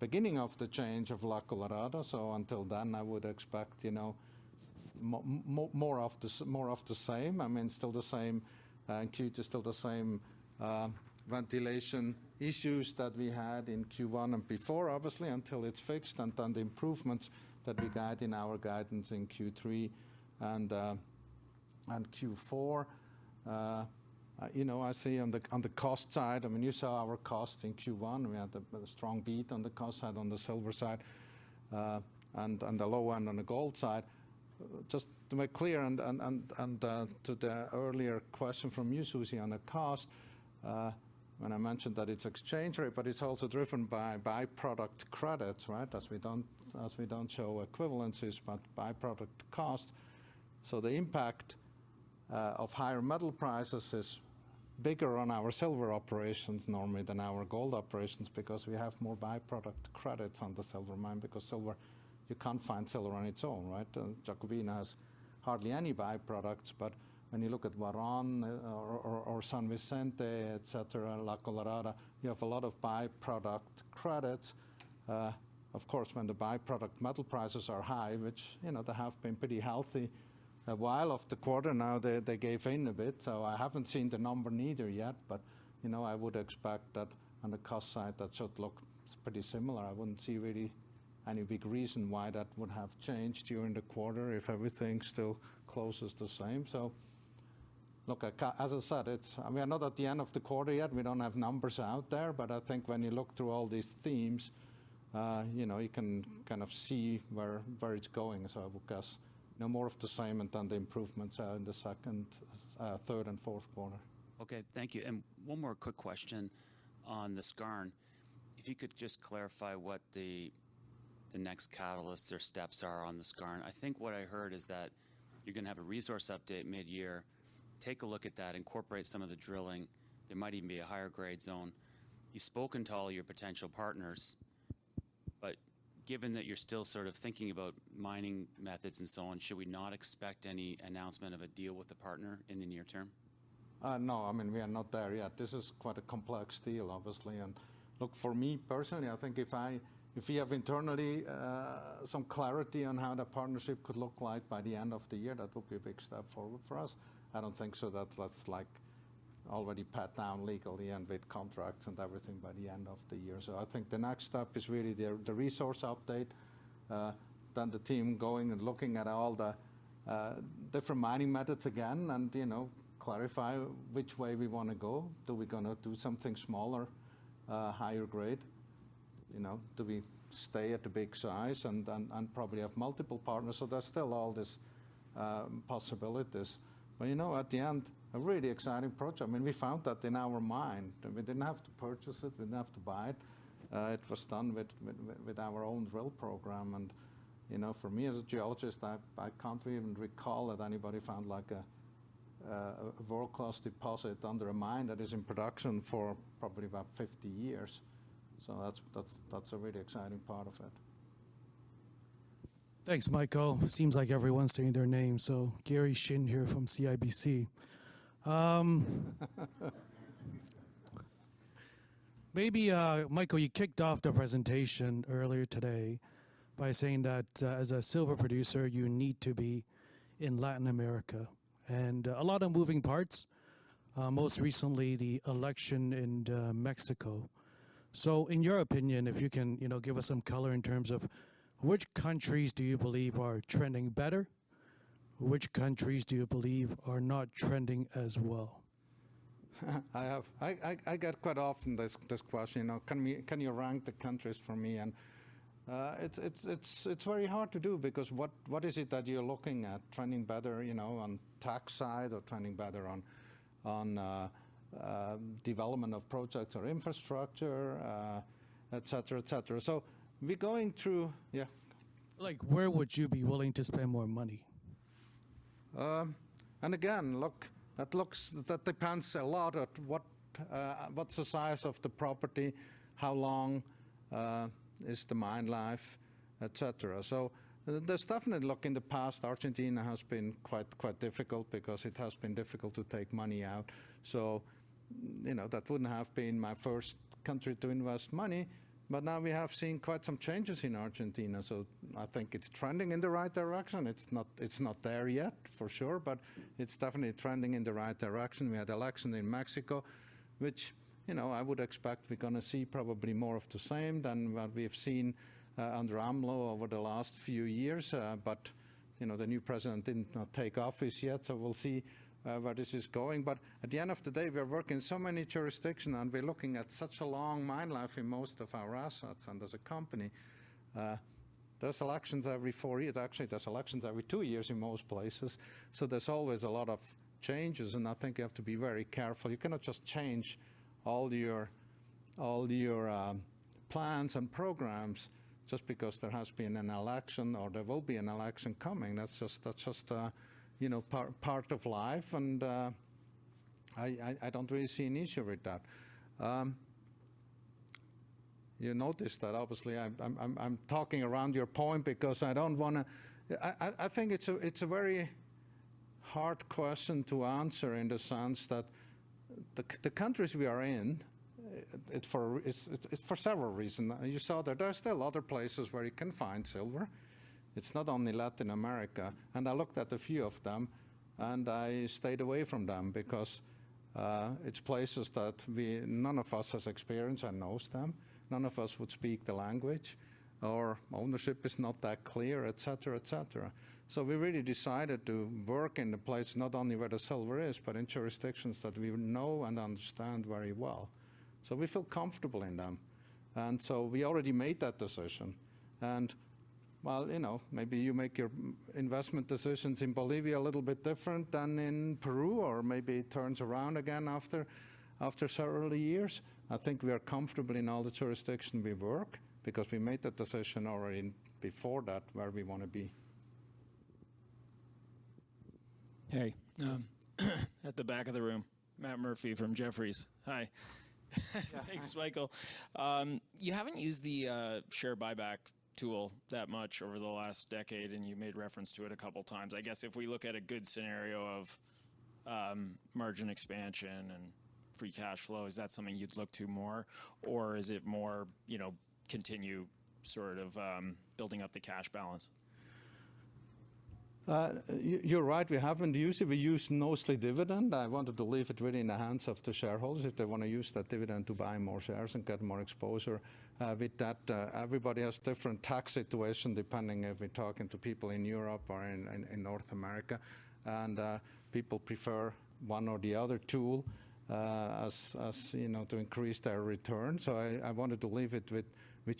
beginning of the change of La Colorada. So until then, I would expect, you know, more of the same. I mean, still the same Q2, still the same ventilation issues that we had in Q1 and before, obviously, until it's fixed, and then the improvements that we guide in our guidance in Q3 and Q4. You know, I see on the cost side, I mean, you saw our cost in Q1. We had a strong beat on the cost side, on the silver side, and on the low end on the gold side. Just to make clear, to the earlier question from you, Siren, on the cost, when I mentioned that it's exchange rate, but it's also driven by byproduct credits, right? As we don't show equivalencies, but byproduct cost. So the impact of higher metal prices is bigger on our silver operations normally than our gold operations, because we have more byproduct credits on the silver mine, because silver, you can't find silver on its own, right? Jacobina has hardly any byproducts, but when you look at Huarón or San Vicente, etc., La Colorada, you have a lot of byproduct credits. Of course, when the byproduct metal prices are high, which, you know, they have been pretty healthy a while of the quarter now, they gave in a bit. So I haven't seen the number neither yet, but, you know, I would expect that on the cost side, that should look pretty similar. I wouldn't see really any big reason why that would have changed during the quarter if everything still closes the same. So look, as I said, it's, I mean, we are not at the end of the quarter yet. We don't have numbers out there, but I think when you look through all these themes, you know, you can kind of see where it's going. So I would guess no more of the same and then the improvements are in the second, third, and fourth quarter. Okay, thank you. And one more quick question on the skarn. If you could just clarify what the, the next catalysts or steps are on the skarn. I think what I heard is that you're gonna have a resource update mid-year, take a look at that, incorporate some of the drilling. There might even be a higher grade zone. You've spoken to all your potential partners, but given that you're still sort of thinking about mining methods and so on, should we not expect any announcement of a deal with a partner in the near term? No. I mean, we are not there yet. This is quite a complex deal, obviously. And look, for me personally, I think if we have internally some clarity on how the partnership could look like by the end of the year, that would be a big step forward for us. I don't think so that was, like, already pat down legally and with contracts and everything by the end of the year. So I think the next step is really the resource update, then the team going and looking at all the different mining methods again and, you know, clarify which way we wanna go. Do we gonna do something smaller, higher grade? You know, do we stay at the big size and probably have multiple partners? So there's still all these possibilities. But you know, at the end, a really exciting project. I mean, we found that in our mine. We didn't have to purchase it, we didn't have to buy it. It was done with our own drill program, and you know, for me as a geologist, I can't even recall that anybody found like a world-class deposit under a mine that is in production for probably about 50 years. So that's a really exciting part of it. Thanks, Michael. Seems like everyone's saying their name, so Cosmos Chiu here from CIBC. Maybe, Michael, you kicked off the presentation earlier today by saying that, as a silver producer, you need to be in Latin America, and a lot of moving parts, most recently, the election in Mexico. So in your opinion, if you can, you know, give us some color in terms of which countries do you believe are trending better?... Which countries do you believe are not trending as well? I have, I get quite often this question, you know: "Can we, can you rank the countries for me?" And, it's very hard to do, because what is it that you're looking at trending better, you know, on tax side or trending better on development of projects or infrastructure, etc., etc.? So we're going through... Yeah. Like, where would you be willing to spend more money? And again, look, it looks that depends a lot at what, what's the size of the property, how long is the mine life, etc. So there's definitely, look, in the past, Argentina has been quite, quite difficult because it has been difficult to take money out, so, you know, that wouldn't have been my first country to invest money in. But now we have seen quite some changes in Argentina, so I think it's trending in the right direction. It's not, it's not there yet, for sure, but it's definitely trending in the right direction. We had election in Mexico, which, you know, I would expect we're gonna see probably more of the same than what we've seen under AMLO over the last few years. But, you know, the new president did not take office yet, so we'll see where this is going. But at the end of the day, we are working in so many jurisdictions, and we're looking at such a long mine life in most of our assets and as a company. There's elections every four years actually, there's elections every two years in most places, so there's always a lot of changes, and I think you have to be very careful. You cannot just change all your, all your, plans and programs just because there has been an election or there will be an election coming. That's just, that's just, you know, part, part of life and, I don't really see an issue with that. You notice that obviously, I'm talking around your point because I don't wanna... I think it's a very hard question to answer in the sense that the countries we are in, it's for several reason. You saw that there are still other places where you can find silver. It's not only Latin America, and I looked at a few of them, and I stayed away from them because it's places that none of us has experience and knows them. None of us would speak the language, or ownership is not that clear, etc., etc. So we really decided to work in the place not only where the silver is, but in jurisdictions that we know and understand very well, so we feel comfortable in them, and so we already made that decision. While, you know, maybe you make your investment decisions in Bolivia a little bit different than in Peru, or maybe it turns around again after several years, I think we are comfortably in all the jurisdictions we work because we made that decision already before that, where we wanna be. Hey, at the back of the room. Matt Murphy from Jefferies. Hi. Hi. Thanks, Michael. You haven't used the share buyback tool that much over the last decade, and you made reference to it a couple times. I guess if we look at a good scenario of margin expansion and free cash flow, is that something you'd look to more? Or is it more, you know, continue sort of building up the cash balance? You, you're right, we haven't used it. We use mostly dividend. I wanted to leave it really in the hands of the shareholders if they wanna use that dividend to buy more shares and get more exposure. With that, everybody has different tax situation, depending if we're talking to people in Europe or in North America, and people prefer one or the other tool, as you know, to increase their return, so I wanted to leave it with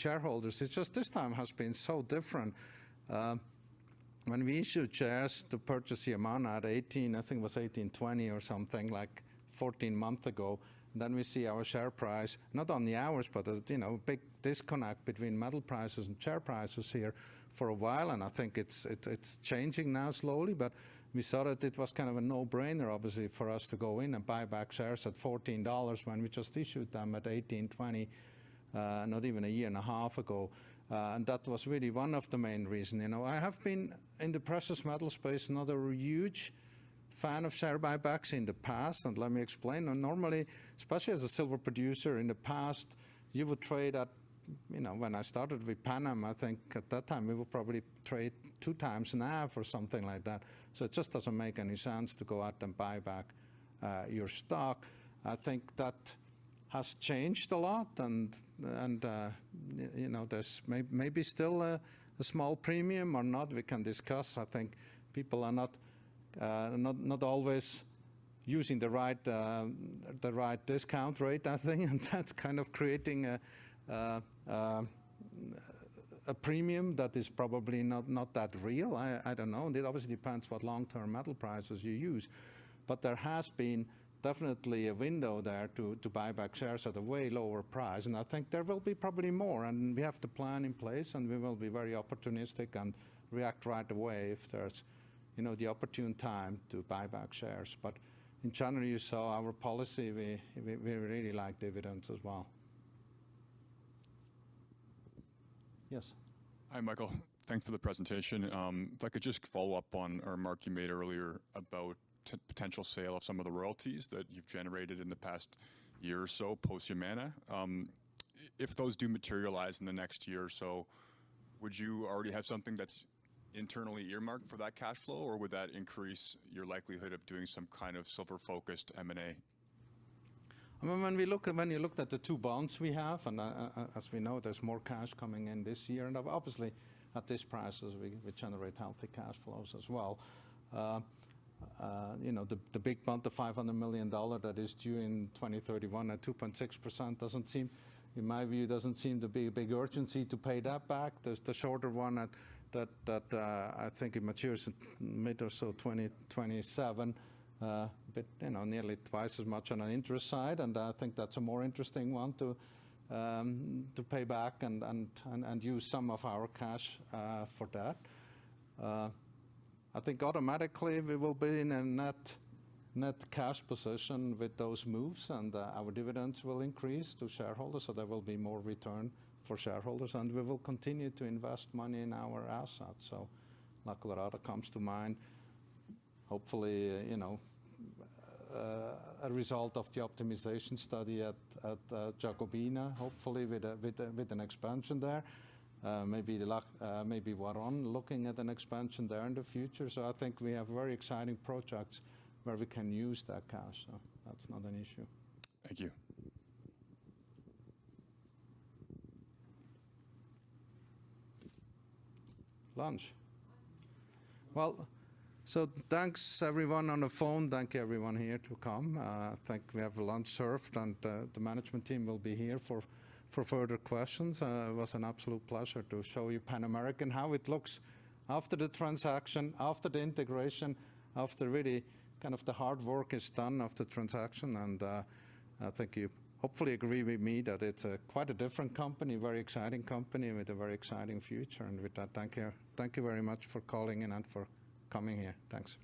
shareholders. It's just this time has been so different. When we issued shares to purchase the Yamana at $18.20 or something like 14 months ago, then we see our share price, not on the highs, but, you know, big disconnect between metal prices and share prices here for a while, and I think it's, it, it's changing now slowly. But we thought it, it was kind of a no-brainer, obviously, for us to go in and buy back shares at $14 when we just issued them at $18.20, not even a year and a half ago. And that was really one of the main reason. You know, I have been, in the precious metal space, not a huge fan of share buybacks in the past, and let me explain. Normally, especially as a silver producer, in the past, you would trade at, you know, when I started with Panem, I think at that time, we would probably trade two times in a half or something like that, so it just doesn't make any sense to go out and buy back your stock. I think that has changed a lot, and you know, there's maybe still a small premium or not, we can discuss. I think people are not always using the right the right discount rate, I think, and that's kind of creating a a premium that is probably not that real. I don't know. It obviously depends what long-term metal prices you use. But there has been definitely a window there to buy back shares at a way lower price, and I think there will be probably more. And we have the plan in place, and we will be very opportunistic and react right away if there's, you know, the opportune time to buy back shares. But in general, you saw our policy, we really like dividends as well. Yes. Hi, Michael. Thanks for the presentation. If I could just follow up on a remark you made earlier about potential sale of some of the royalties that you've generated in the past year or so, post-Yamana. If those do materialize in the next year or so, would you already have something that's internally earmarked for that cash flow, or would that increase your likelihood of doing some kind of silver-focused M&A?... When you looked at the two bonds we have, and, as we know, there's more cash coming in this year, and obviously, at these prices, we generate healthy cash flows as well. You know, the big bond, the $500 million that is due in 2031 at 2.6% doesn't seem, in my view, to be a big urgency to pay that back. There's the shorter one at, that, I think it matures in mid- or so 2027. But, you know, nearly twice as much on an interest side, and I think that's a more interesting one to pay back and use some of our cash for that. I think automatically we will be in a net, net cash position with those moves, and our dividends will increase to shareholders, so there will be more return for shareholders, and we will continue to invest money in our assets. So La Colorada comes to mind. Hopefully, you know, a result of the optimization study at Jacobina, hopefully with an expansion there. Maybe Huarón, looking at an expansion there in the future. So I think we have very exciting projects where we can use that cash, so that's not an issue. Thank you. Lunch? Well, thanks everyone on the phone. Thank you everyone here to come. I think we have lunch served, and the management team will be here for further questions. It was an absolute pleasure to show you Pan American Silver, how it looks after the transaction, after the integration, after really kind of the hard work is done after the transaction. I think you hopefully agree with me that it's quite a different company, very exciting company with a very exciting future. With that, thank you. Thank you very much for calling in and for coming here. Thanks.